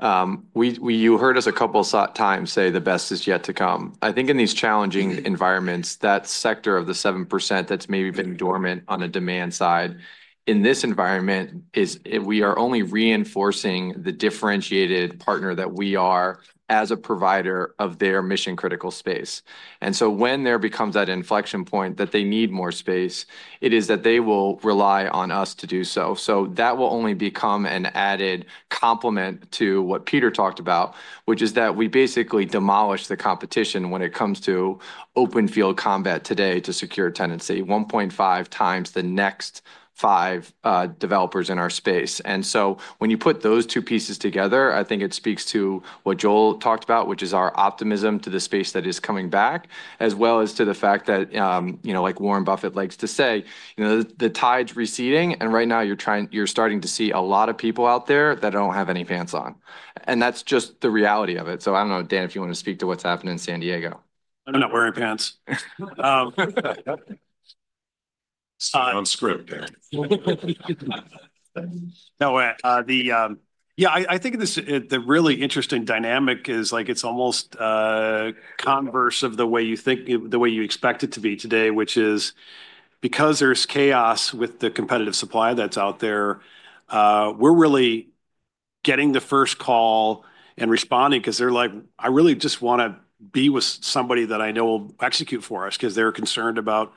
S4: You heard us a couple of times say the best is yet to come. I think in these challenging environments, that sector of the 7% that's maybe been dormant on a demand side in this environment is we are only reinforcing the differentiated partner that we are as a provider of their mission-critical space. And so when there becomes that inflection point that they need more space, it is that they will rely on us to do so. That will only become an added complement to what Peter talked about, which is that we basically demolish the competition when it comes to open-field combat today to secure tenancy, 1.5x the next five developers in our space. And so when you put those two pieces together, I think it speaks to what Joel talked about, which is our optimism to the space that is coming back, as well as to the fact that, like Warren Buffett likes to say, the tide's receding. And right now, you're starting to see a lot of people out there that don't have any pants on. And that's just the reality of it. I don't know, Dan, if you want to speak to what's happened in San Diego.
S3: I'm not wearing pants.
S1: It's on script, Dan.
S3: Yeah. I think the really interesting dynamic is it's almost the converse of the way you think, the way you expect it to be today, which is because there's chaos with the competitive supply that's out there, we're really getting the first call and responding because they're like, "I really just want to be with somebody that I know will execute for us," because they're concerned about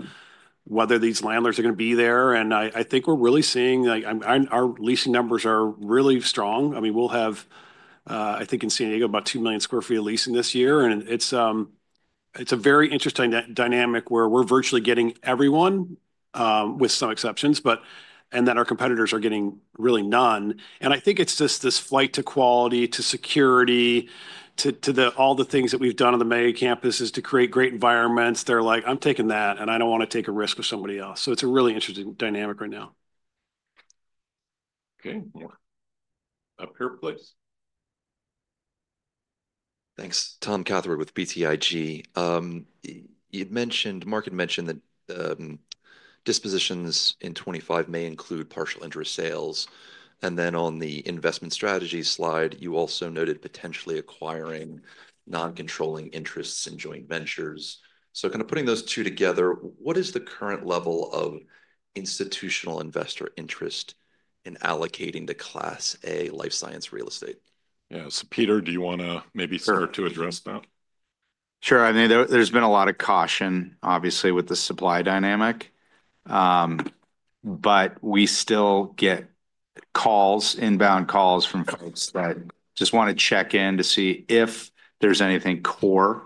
S3: whether these landlords are going to be there. And I think we're really seeing our leasing numbers are really strong. I mean, we'll have, I think, in San Diego, about two million sq ft of leasing this year. And it's a very interesting dynamic where we're virtually getting everyone with some exceptions, and then our competitors are getting really none. And I think it's just this flight to quality, to security, to all the things that we've done on the mega campuses to create great environments. They're like, "I'm taking that, and I don't want to take a risk with somebody else." So it's a really interesting dynamic right now.
S1: Okay. Up here, please.
S12: Thanks. Tom Catherwood with BTIG. Marc had mentioned that dispositions in 2025 may include partial interest sales. And then on the investment strategy slide, you also noted potentially acquiring non-controlling interests in joint ventures. So kind of putting those two together, what is the current level of institutional investor interest in allocating to Class A life science real estate?
S1: Yeah. So Peter, do you want to maybe start to address that?
S5: Sure. I mean, there's been a lot of caution, obviously, with the supply dynamic. But we still get calls, inbound calls from folks that just want to check in to see if there's anything core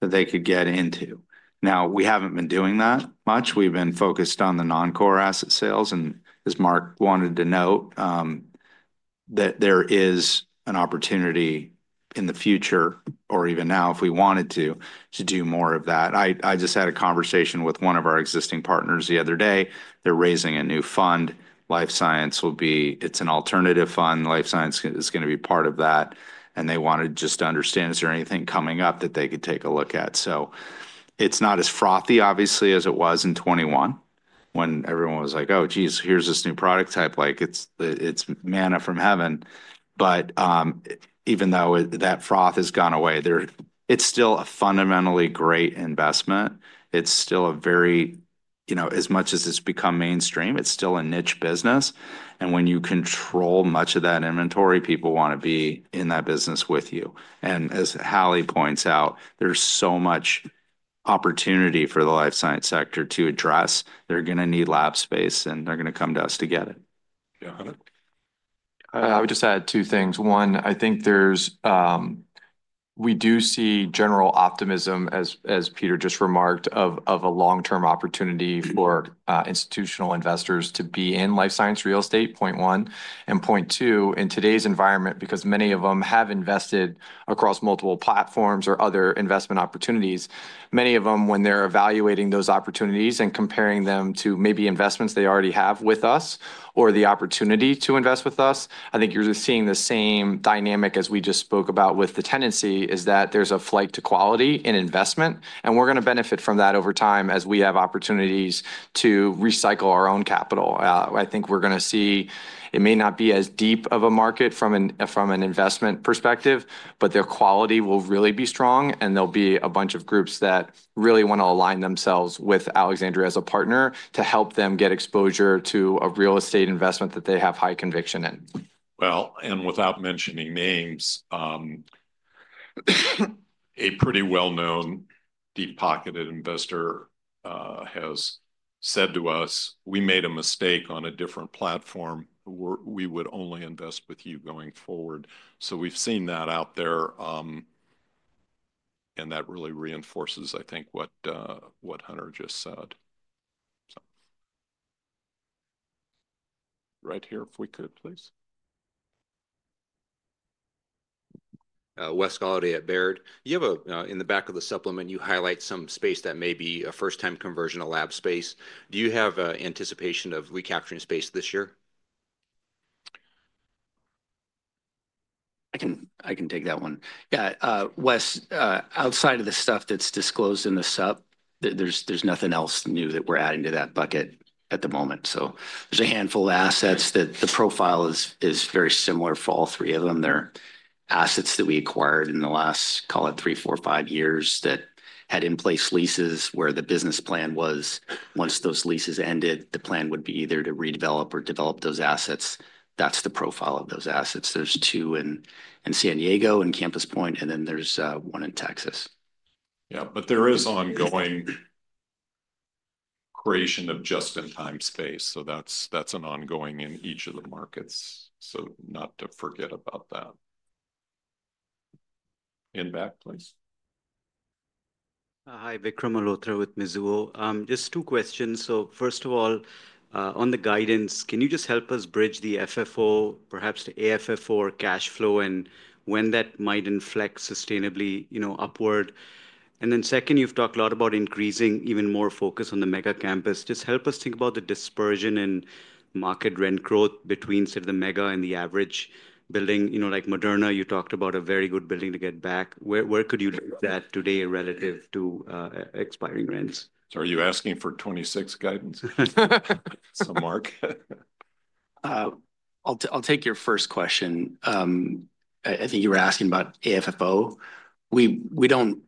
S5: that they could get into. Now, we haven't been doing that much. We've been focused on the non-core asset sales. And as Marc wanted to note, that there is an opportunity in the future, or even now, if we wanted to, to do more of that. I just had a conversation with one of our existing partners the other day. They're raising a new fund. Life science will be, it's an alternative fund. Life science is going to be part of that. And they wanted just to understand, is there anything coming up that they could take a look at? So it's not as frothy, obviously, as it was in 2021 when everyone was like, "Oh, geez, here's this new product type. It's manna from heaven." But even though that froth has gone away, it's still a fundamentally great investment. It's still a very as much as it's become mainstream, it's still a niche business. And when you control much of that inventory, people want to be in that business with you. And as Hallie points out, there's so much opportunity for the life science sector to address. They're going to need lab space, and they're going to come to us to get it.
S2: Yeah. I would just add two things. One, I think we do see general optimism, as Peter just remarked, of a long-term opportunity for institutional investors to be in life science real estate, point one. And point two, in today's environment, because many of them have invested across multiple platforms or other investment opportunities, many of them, when they're evaluating those opportunities and comparing them to maybe investments they already have with us or the opportunity to invest with us, I think you're just seeing the same dynamic as we just spoke about with the tendency is that there's a flight to quality in investment. And we're going to benefit from that over time as we have opportunities to recycle our own capital. I think we're going to see it may not be as deep of a market from an investment perspective, but their quality will really be strong. And there'll be a bunch of groups that really want to align themselves with Alexandria as a partner to help them get exposure to a real estate investment that they have high conviction in.
S1: Well, and without mentioning names, a pretty well-known deep-pocketed investor has said to us, "We made a mistake on a different platform. We would only invest with you going forward." So we've seen that out there. And that really reinforces, I think, what Hunter just said. Right here, if we could, please.
S13: Wes Golladay at Baird. In the back of the supplement, you highlight some space that may be a first-time conversion of lab space. Do you have an anticipation of recapturing space this year?
S5: I can take that one. Yeah. Wes, outside of the stuff that's disclosed in the sup, there's nothing else new that we're adding to that bucket at the moment. So there's a handful of assets that the profile is very similar for all three of them. They're assets that we acquired in the last, call it, three, four, five years that had in-place leases where the business plan was once those leases ended, the plan would be either to redevelop or develop those assets. That's the profile of those assets. There's two in San Diego and Campus Point, and then there's one in Texas.
S1: Yeah. But there is ongoing creation of just-in-time space. So that's an ongoing in each of the markets. So not to forget about that. In back, please.
S14: Hi. Vikram Malhotra with Mizuho. Just two questions. So first of all, on the guidance, can you just help us bridge the FFO, perhaps the AFFO, or cash flow and when that might inflect sustainably upward? And then second, you've talked a lot about increasing even more focus on the mega campus. Just help us think about the dispersion in market rent growth between sort of the mega and the average building. Like Moderna, you talked about a very good building to get back. Where could you look at that today relative to expiring rents?
S1: So are you asking for '26 guidance? So, Marc.
S6: I'll take your first question. I think you were asking about AFFO. We don't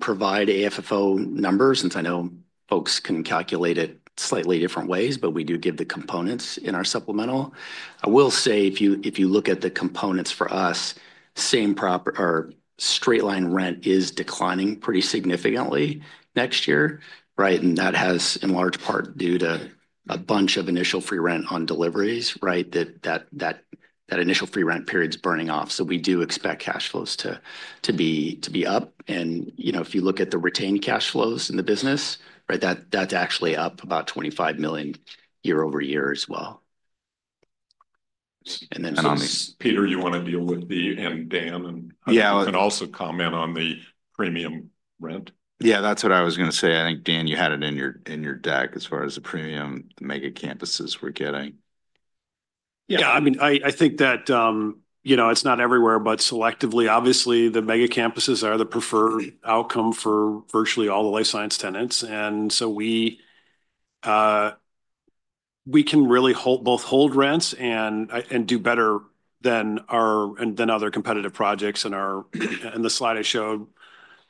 S6: provide AFFO numbers since I know folks can calculate it slightly different ways, but we do give the components in our supplemental. I will say if you look at the components for us, straight-line rent is declining pretty significantly next year, right? And that has in large part due to a bunch of initial free rent on deliveries, right? That initial free rent period is burning off. So we do expect cash flows to be up. If you look at the retained cash flows in the business, that's actually up about $25 million year-over-year as well.
S1: Peter, you want to deal with the and Dan and also comment on the premium rent?
S5: Yeah, that's what I was going to say. I think, Dan, you had it in your deck as far as the premium the mega campuses were getting.
S3: Yeah. I mean, I think that it's not everywhere, but selectively, obviously, the mega campuses are the preferred outcome for virtually all the life science tenants. We can really both hold rents and do better than other competitive projects. The slide I showed,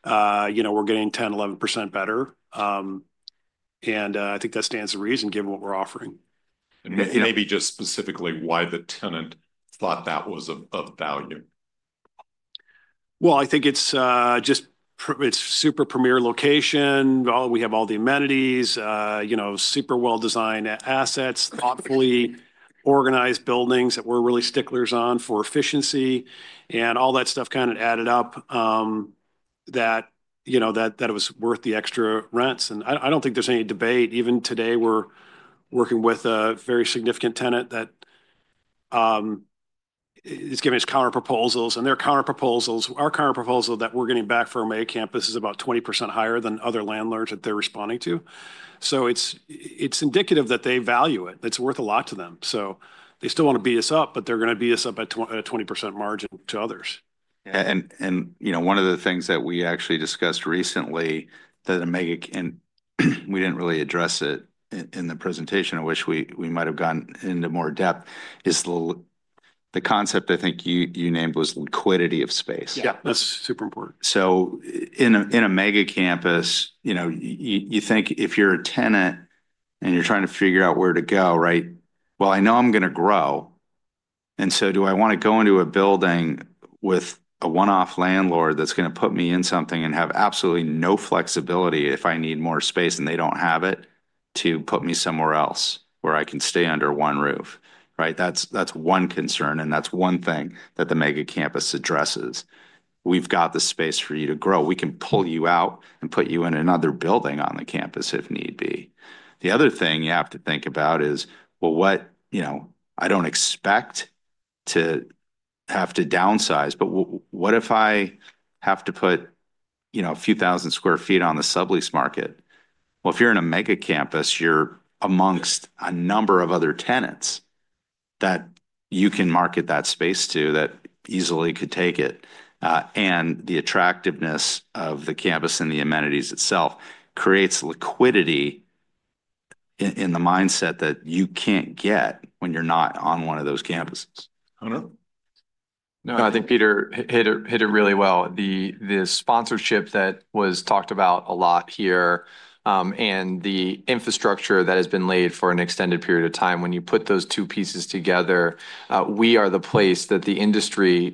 S3: we're getting 10%-11% better. I think that stands to reason given what we're offering. Maybe just specifically why the tenant thought that was of value. I think it's super premier location. We have all the amenities, super well-designed assets, thoughtfully organized buildings that we're really sticklers on for efficiency. And all that stuff kind of added up that it was worth the extra rents. And I don't think there's any debate. Even today, we're working with a very significant tenant that is giving us counter proposals. And our counter proposal that we're getting back for our mega campus is about 20% higher than other landlords that they're responding to. So it's indicative that they value it. It's worth a lot to them. So they still want to beat us up, but they're going to beat us up at a 20% margin to others.
S5: And one of the things that we actually discussed recently, that we didn't really address it in the presentation, which we might have gone into more depth, is the concept I think you named was liquidity of space.
S3: Yeah. That's super important.
S5: So, in a Mega Campus, you think if you're a tenant and you're trying to figure out where to go, right? Well, I know I'm going to grow, and so do I want to go into a building with a one-off landlord that's going to put me in something and have absolutely no flexibility if I need more space and they don't have it to put me somewhere else where I can stay under one roof, right? That's one concern, and that's one thing that the Mega Campus addresses. We've got the space for you to grow. We can pull you out and put you in another building on the campus if need be. The other thing you have to think about is, well, I don't expect to have to downsize, but what if I have to put a few thousand square feet on the sublease market? Well, if you're in a mega campus, you're amongst a number of other tenants that you can market that space to that easily could take it. And the attractiveness of the campus and the amenities itself creates liquidity in the mindset that you can't get when you're not on one of those campuses.
S4: I think Peter hit it really well. The sponsorship that was talked about a lot here and the infrastructure that has been laid for an extended period of time, when you put those two pieces together, we are the place that the industry,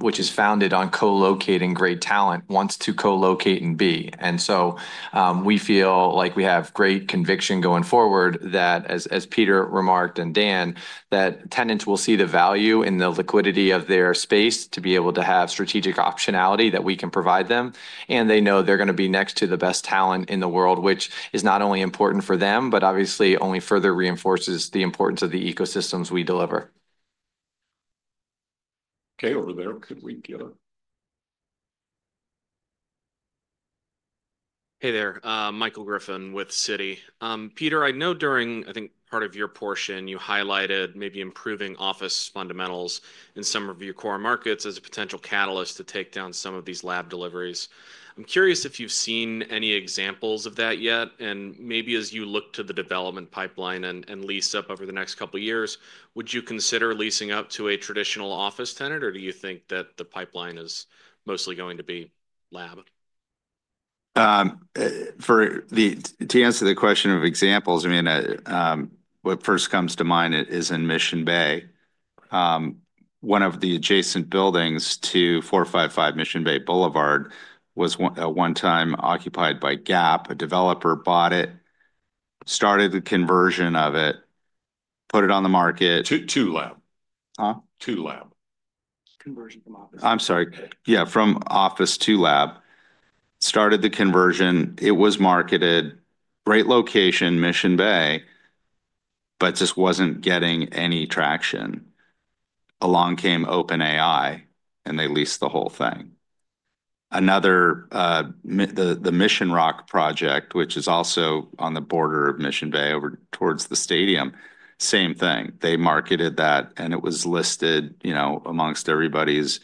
S4: which is founded on co-locating great talent, wants to co-locate and be. And so we feel like we have great conviction going forward that, as Peter remarked and Dan, that tenants will see the value in the liquidity of their space to be able to have strategic optionality that we can provide them. And they know they're going to be next to the best talent in the world, which is not only important for them, but obviously only further reinforces the importance of the ecosystems we deliver.
S1: Okay. Over there, could we get a...
S15: Hey there. Michael Griffin with Citi. Peter, I know during, I think, part of your portion, you highlighted maybe improving office fundamentals in some of your core markets as a potential catalyst to take down some of these lab deliveries. I'm curious if you've seen any examples of that yet. Maybe as you look to the development pipeline and lease up over the next couple of years, would you consider leasing up to a traditional office tenant, or do you think that the pipeline is mostly going to be lab?
S5: To answer the question of examples, I mean, what first comes to mind is in Mission Bay. One of the adjacent buildings to 455 Mission Bay Boulevard was at one time occupied by Gap. A developer bought it, started the conversion of it, put it on the market to lab. Conversion from office to lab. It was marketed. Great location, Mission Bay, but just wasn't getting any traction. Along came OpenAI, and they leased the whole thing. The Mission Rock project, which is also on the border of Mission Bay over towards the stadium, same thing. They marketed that, and it was listed among everybody's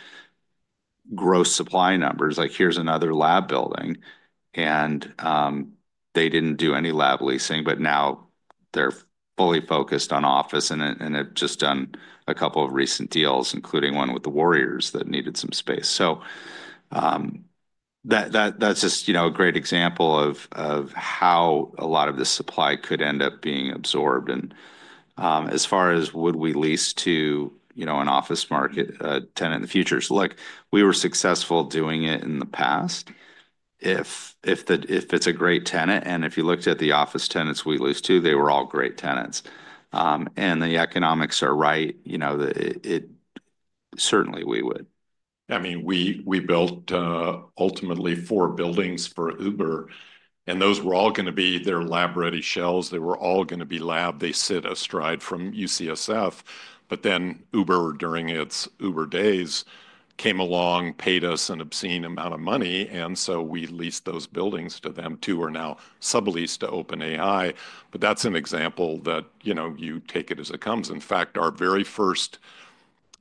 S5: gross supply numbers like, "Here's another lab building." And they didn't do any lab leasing, but now they're fully focused on office. And they've just done a couple of recent deals, including one with the Warriors that needed some space. So that's just a great example of how a lot of the supply could end up being absorbed. And as far as would we lease to an office market tenant in the future, we were successful doing it in the past if it's a great tenant. And if you looked at the office tenants we leased to, they were all great tenants. And the economics are right. Certainly, we would.
S1: I mean, we built ultimately four buildings for Uber. And those were all going to be their lab-ready shells. They were all going to be lab. They sit astride from UCSF. But then Uber, during its Uber days, came along, paid us an obscene amount of money. And so we leased those buildings to them too, or now subleased to OpenAI. But that's an example that you take it as it comes. In fact, our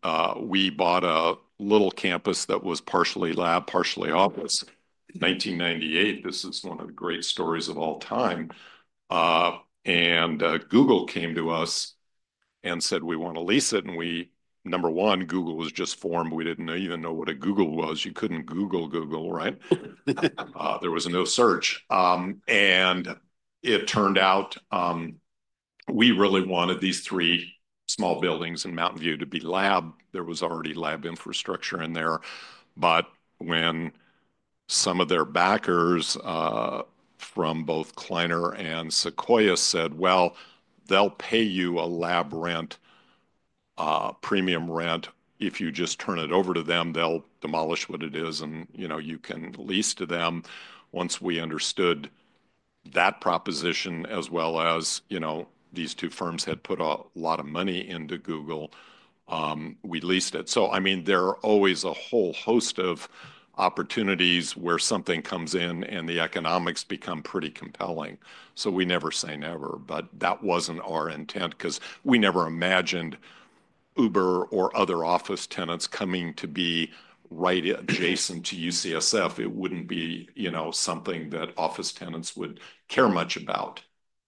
S1: very first, we bought a little campus that was partially lab, partially office in 1998. This is one of the great stories of all time. And Google came to us and said, "We want to lease it." And number one, Google was just formed. We didn't even know what a Google was. You couldn't Google Google, right? There was no search. And it turned out we really wanted these three small buildings in Mountain View to be lab. There was already lab infrastructure in there. But when some of their backers from both Kleiner and Sequoia said, "Well, they'll pay you a lab rent, premium rent. If you just turn it over to them, they'll demolish what it is, and you can lease to them," once we understood that proposition as well as these two firms had put a lot of money into Google, we leased it. So I mean, there are always a whole host of opportunities where something comes in and the economics become pretty compelling. So we never say never. But that wasn't our intent because we never imagined Uber or other office tenants coming to be right adjacent to UCSF. It wouldn't be something that office tenants would care much about.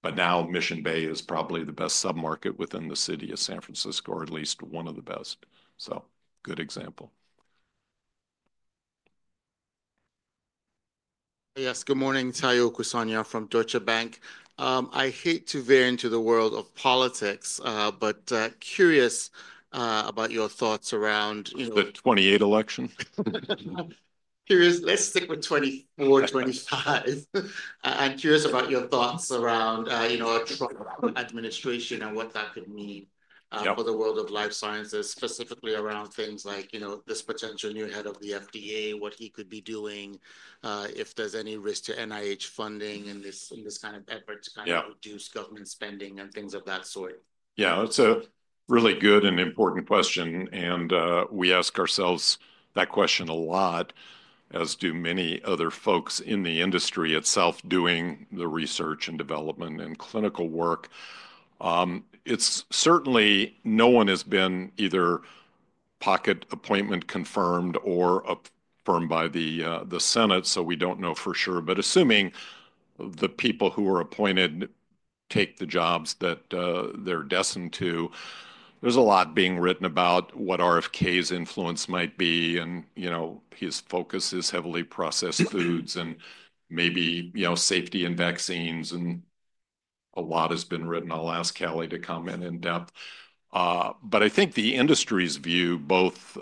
S1: But now Mission Bay is probably the best submarket within the city of San Francisco, or at least one of the best. So good example.
S16: Yes. Good morning, Omotayo Okusanya from Deutsche Bank. I hate to veer into the world of politics, but I'm curious about your thoughts around...
S1: The 2028 election?
S16: Curious. Let's stick with 2024, 2025. I'm curious about your thoughts around Trump administration and what that could mean for the world of life sciences, specifically around things like this potential new head of the FDA, what he could be doing, if there's any risk to NIH funding in this kind of effort to kind of reduce government spending and things of that sort.
S1: Yeah. That's a really good and important question, and we ask ourselves that question a lot, as do many other folks in the industry itself doing the research and development and clinical work. Certainly, no one has been either cabinet appointment confirmed or affirmed by the Senate, so we don't know for sure. But assuming the people who are appointed take the jobs that they're destined to, there's a lot being written about what RFK's influence might be. And his focus is heavily processed foods and maybe safety and vaccines. And a lot has been written. I'll ask Hallie to comment in depth. But I think the industry's view, both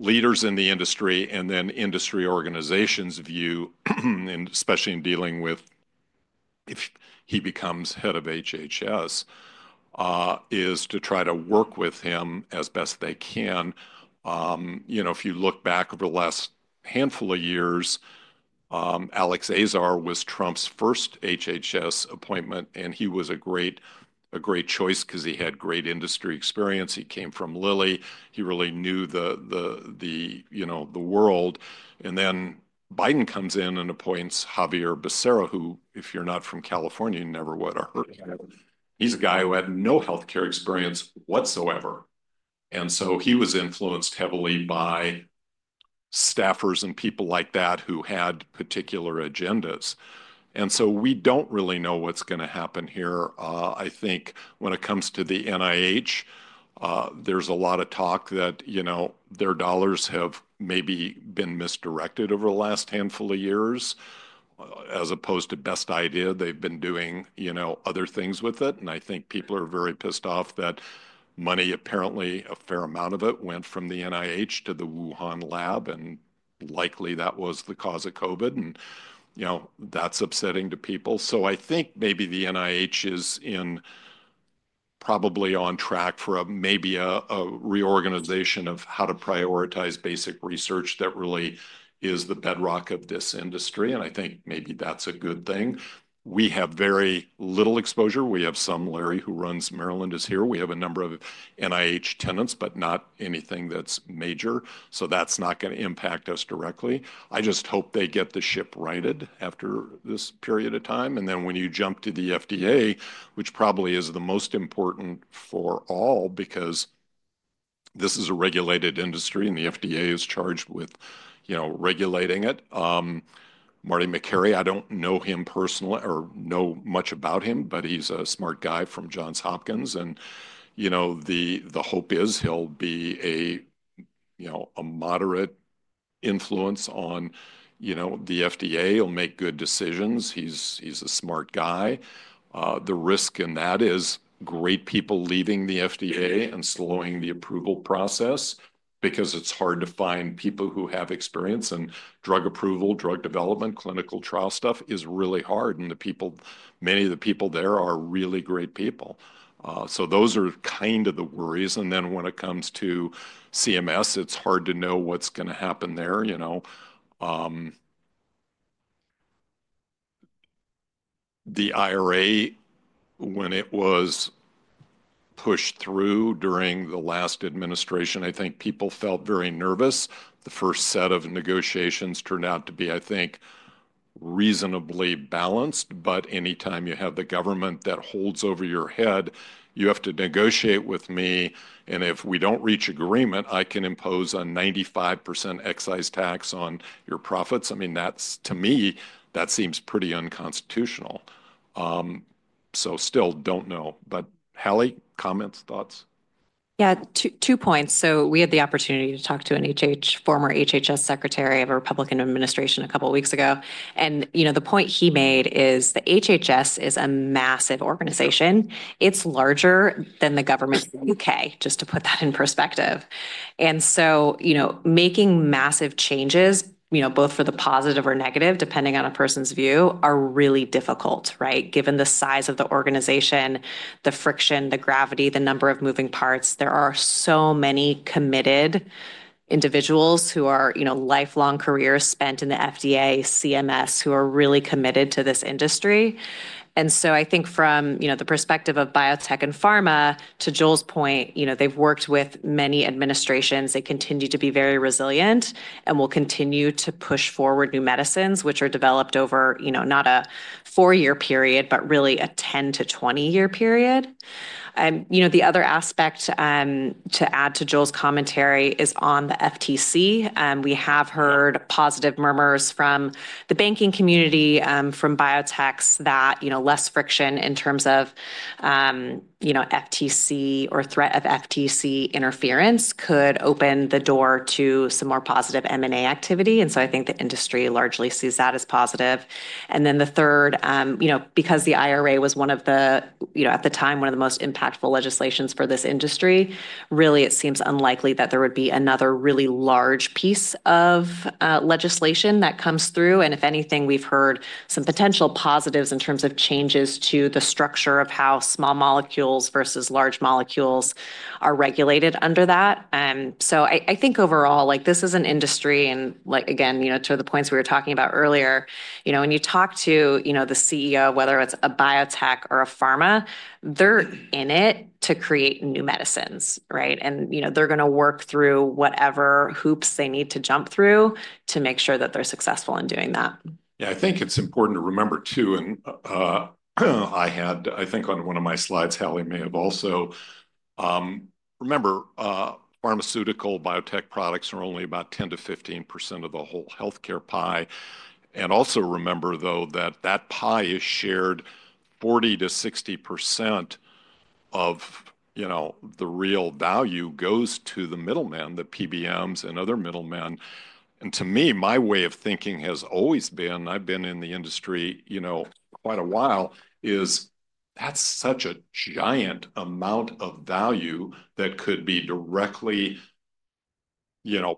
S1: leaders in the industry and then industry organizations' view, especially in dealing with if he becomes head of HHS, is to try to work with him as best they can. If you look back over the last handful of years, Alex Azar was Trump's first HHS appointment, and he was a great choice because he had great industry experience. He came from Lilly. He really knew the world. And then Biden comes in and appoints Xavier Becerra, who, if you're not from California, you never would have heard of. He's a guy who had no healthcare experience whatsoever, and so he was influenced heavily by staffers and people like that who had particular agendas, and so we don't really know what's going to happen here. I think when it comes to the NIH, there's a lot of talk that their dollars have maybe been misdirected over the last handful of years, as opposed to best idea, they've been doing other things with it, and I think people are very pissed off that money, apparently a fair amount of it, went from the NIH to the Wuhan lab, and likely that was the cause of COVID, and that's upsetting to people, so I think maybe the NIH is probably on track for maybe a reorganization of how to prioritize basic research that really is the bedrock of this industry, and I think maybe that's a good thing. We have very little exposure. We have some Larry, who runs Maryland, is here. We have a number of NIH tenants, but not anything that's major. So that's not going to impact us directly. I just hope they get the ship righted after this period of time, and then when you jump to the FDA, which probably is the most important for all because this is a regulated industry and the FDA is charged with regulating it. Marty Makary, I don't know him personally or know much about him, but he's a smart guy from Johns Hopkins. And the hope is he'll be a moderate influence on the FDA. He'll make good decisions. He's a smart guy. The risk in that is great people leaving the FDA and slowing the approval process because it's hard to find people who have experience. Drug approval, drug development, clinical trial stuff is really hard. And many of the people there are really great people. So those are kind of the worries. And then when it comes to CMS, it's hard to know what's going to happen there. The IRA, when it was pushed through during the last administration, I think people felt very nervous. The first set of negotiations turned out to be, I think, reasonably balanced. But anytime you have the government that holds over your head, you have to negotiate with me. And if we don't reach agreement, I can impose a 95% excise tax on your profits. I mean, to me, that seems pretty unconstitutional. So still don't know. But Hallie, comments, thoughts?
S2: Yeah. Two points. So we had the opportunity to talk to a former HHS secretary of a Republican administration a couple of weeks ago. And the point he made is the HHS is a massive organization. It's larger than the government of the U.K., just to put that in perspective. And so making massive changes, both for the positive or negative, depending on a person's view, are really difficult, right? Given the size of the organization, the friction, the gravity, the number of moving parts, there are so many committed individuals who are lifelong careers spent in the FDA, CMS, who are really committed to this industry. And so I think from the perspective of biotech and pharma, to Joel's point, they've worked with many administrations. They continue to be very resilient and will continue to push forward new medicines, which are developed over not a four-year period, but really a 10-20-year period. The other aspect to add to Joel's commentary is on the FTC. We have heard positive murmurs from the banking community, from biotechs, that less friction in terms of FTC or threat of FTC interference could open the door to some more positive M&A activity. And so I think the industry largely sees that as positive. And then the third, because the IRA was one of the, at the time, one of the most impactful legislations for this industry, really, it seems unlikely that there would be another really large piece of legislation that comes through. And if anything, we've heard some potential positives in terms of changes to the structure of how small molecules versus large molecules are regulated under that. So I think overall, this is an industry. And again, to the points we were talking about earlier, when you talk to the CEO, whether it's a biotech or a pharma, they're in it to create new medicines, right? And they're going to work through whatever hoops they need to jump through to make sure that they're successful in doing that.
S1: Yeah. I think it's important to remember too. And I had, I think on one of my slides, Hallie may have also, remember, pharmaceutical biotech products are only about 10%-15% of the whole healthcare pie. And also remember, though, that that pie is shared. 40%-60% of the real value goes to the middlemen, the PBMs and other middlemen. And to me, my way of thinking has always been, I've been in the industry quite a while, is that's such a giant amount of value that could be directly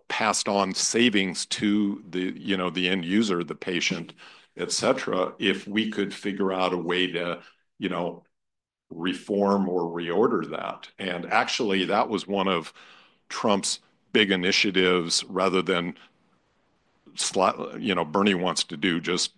S1: passed on savings to the end user, the patient, et cetera, if we could figure out a way to reform or reorder that. And actually, that was one of Trump's big initiatives rather than Bernie wants to do just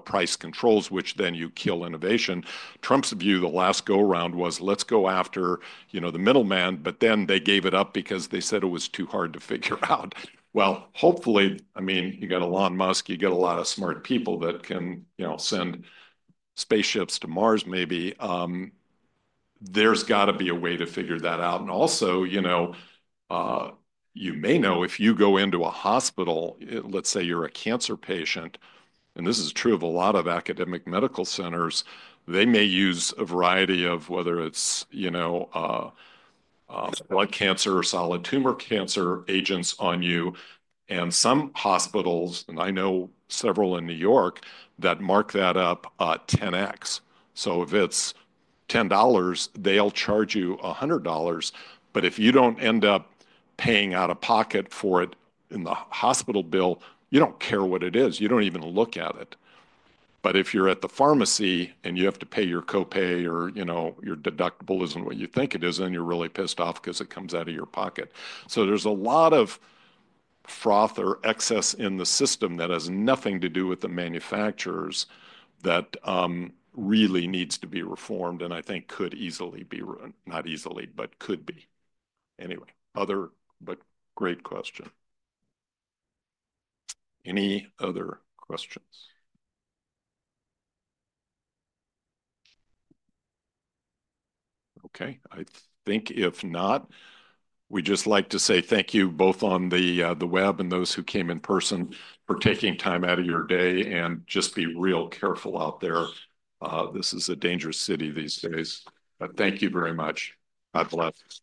S1: price controls, which then you kill innovation. Trump's view, the last go-around was, "Let's go after the middleman," but then they gave it up because they said it was too hard to figure out. Well, hopefully, I mean, you got Elon Musk, you get a lot of smart people that can send spaceships to Mars, maybe. There's got to be a way to figure that out. And also, you may know if you go into a hospital, let's say you're a cancer patient, and this is true of a lot of academic medical centers, they may use a variety of, whether it's blood cancer or solid tumor cancer agents on you. And some hospitals, and I know several in New York, that mark that up at 10x. So if it's $10, they'll charge you $100. But if you don't end up paying out of pocket for it in the hospital bill, you don't care what it is. You don't even look at it. But if you're at the pharmacy and you have to pay your copay or your deductible isn't what you think it is, then you're really pissed off because it comes out of your pocket. So there's a lot of froth or excess in the system that has nothing to do with the manufacturers that really needs to be reformed and I think could easily be not easily, but could be. Anyway, but great question. Any other questions? Okay. I think if not, we'd just like to say thank you both on the web and those who came in person for taking time out of your day and just be real careful out there. This is a dangerous city these days, but thank you very much. God bless.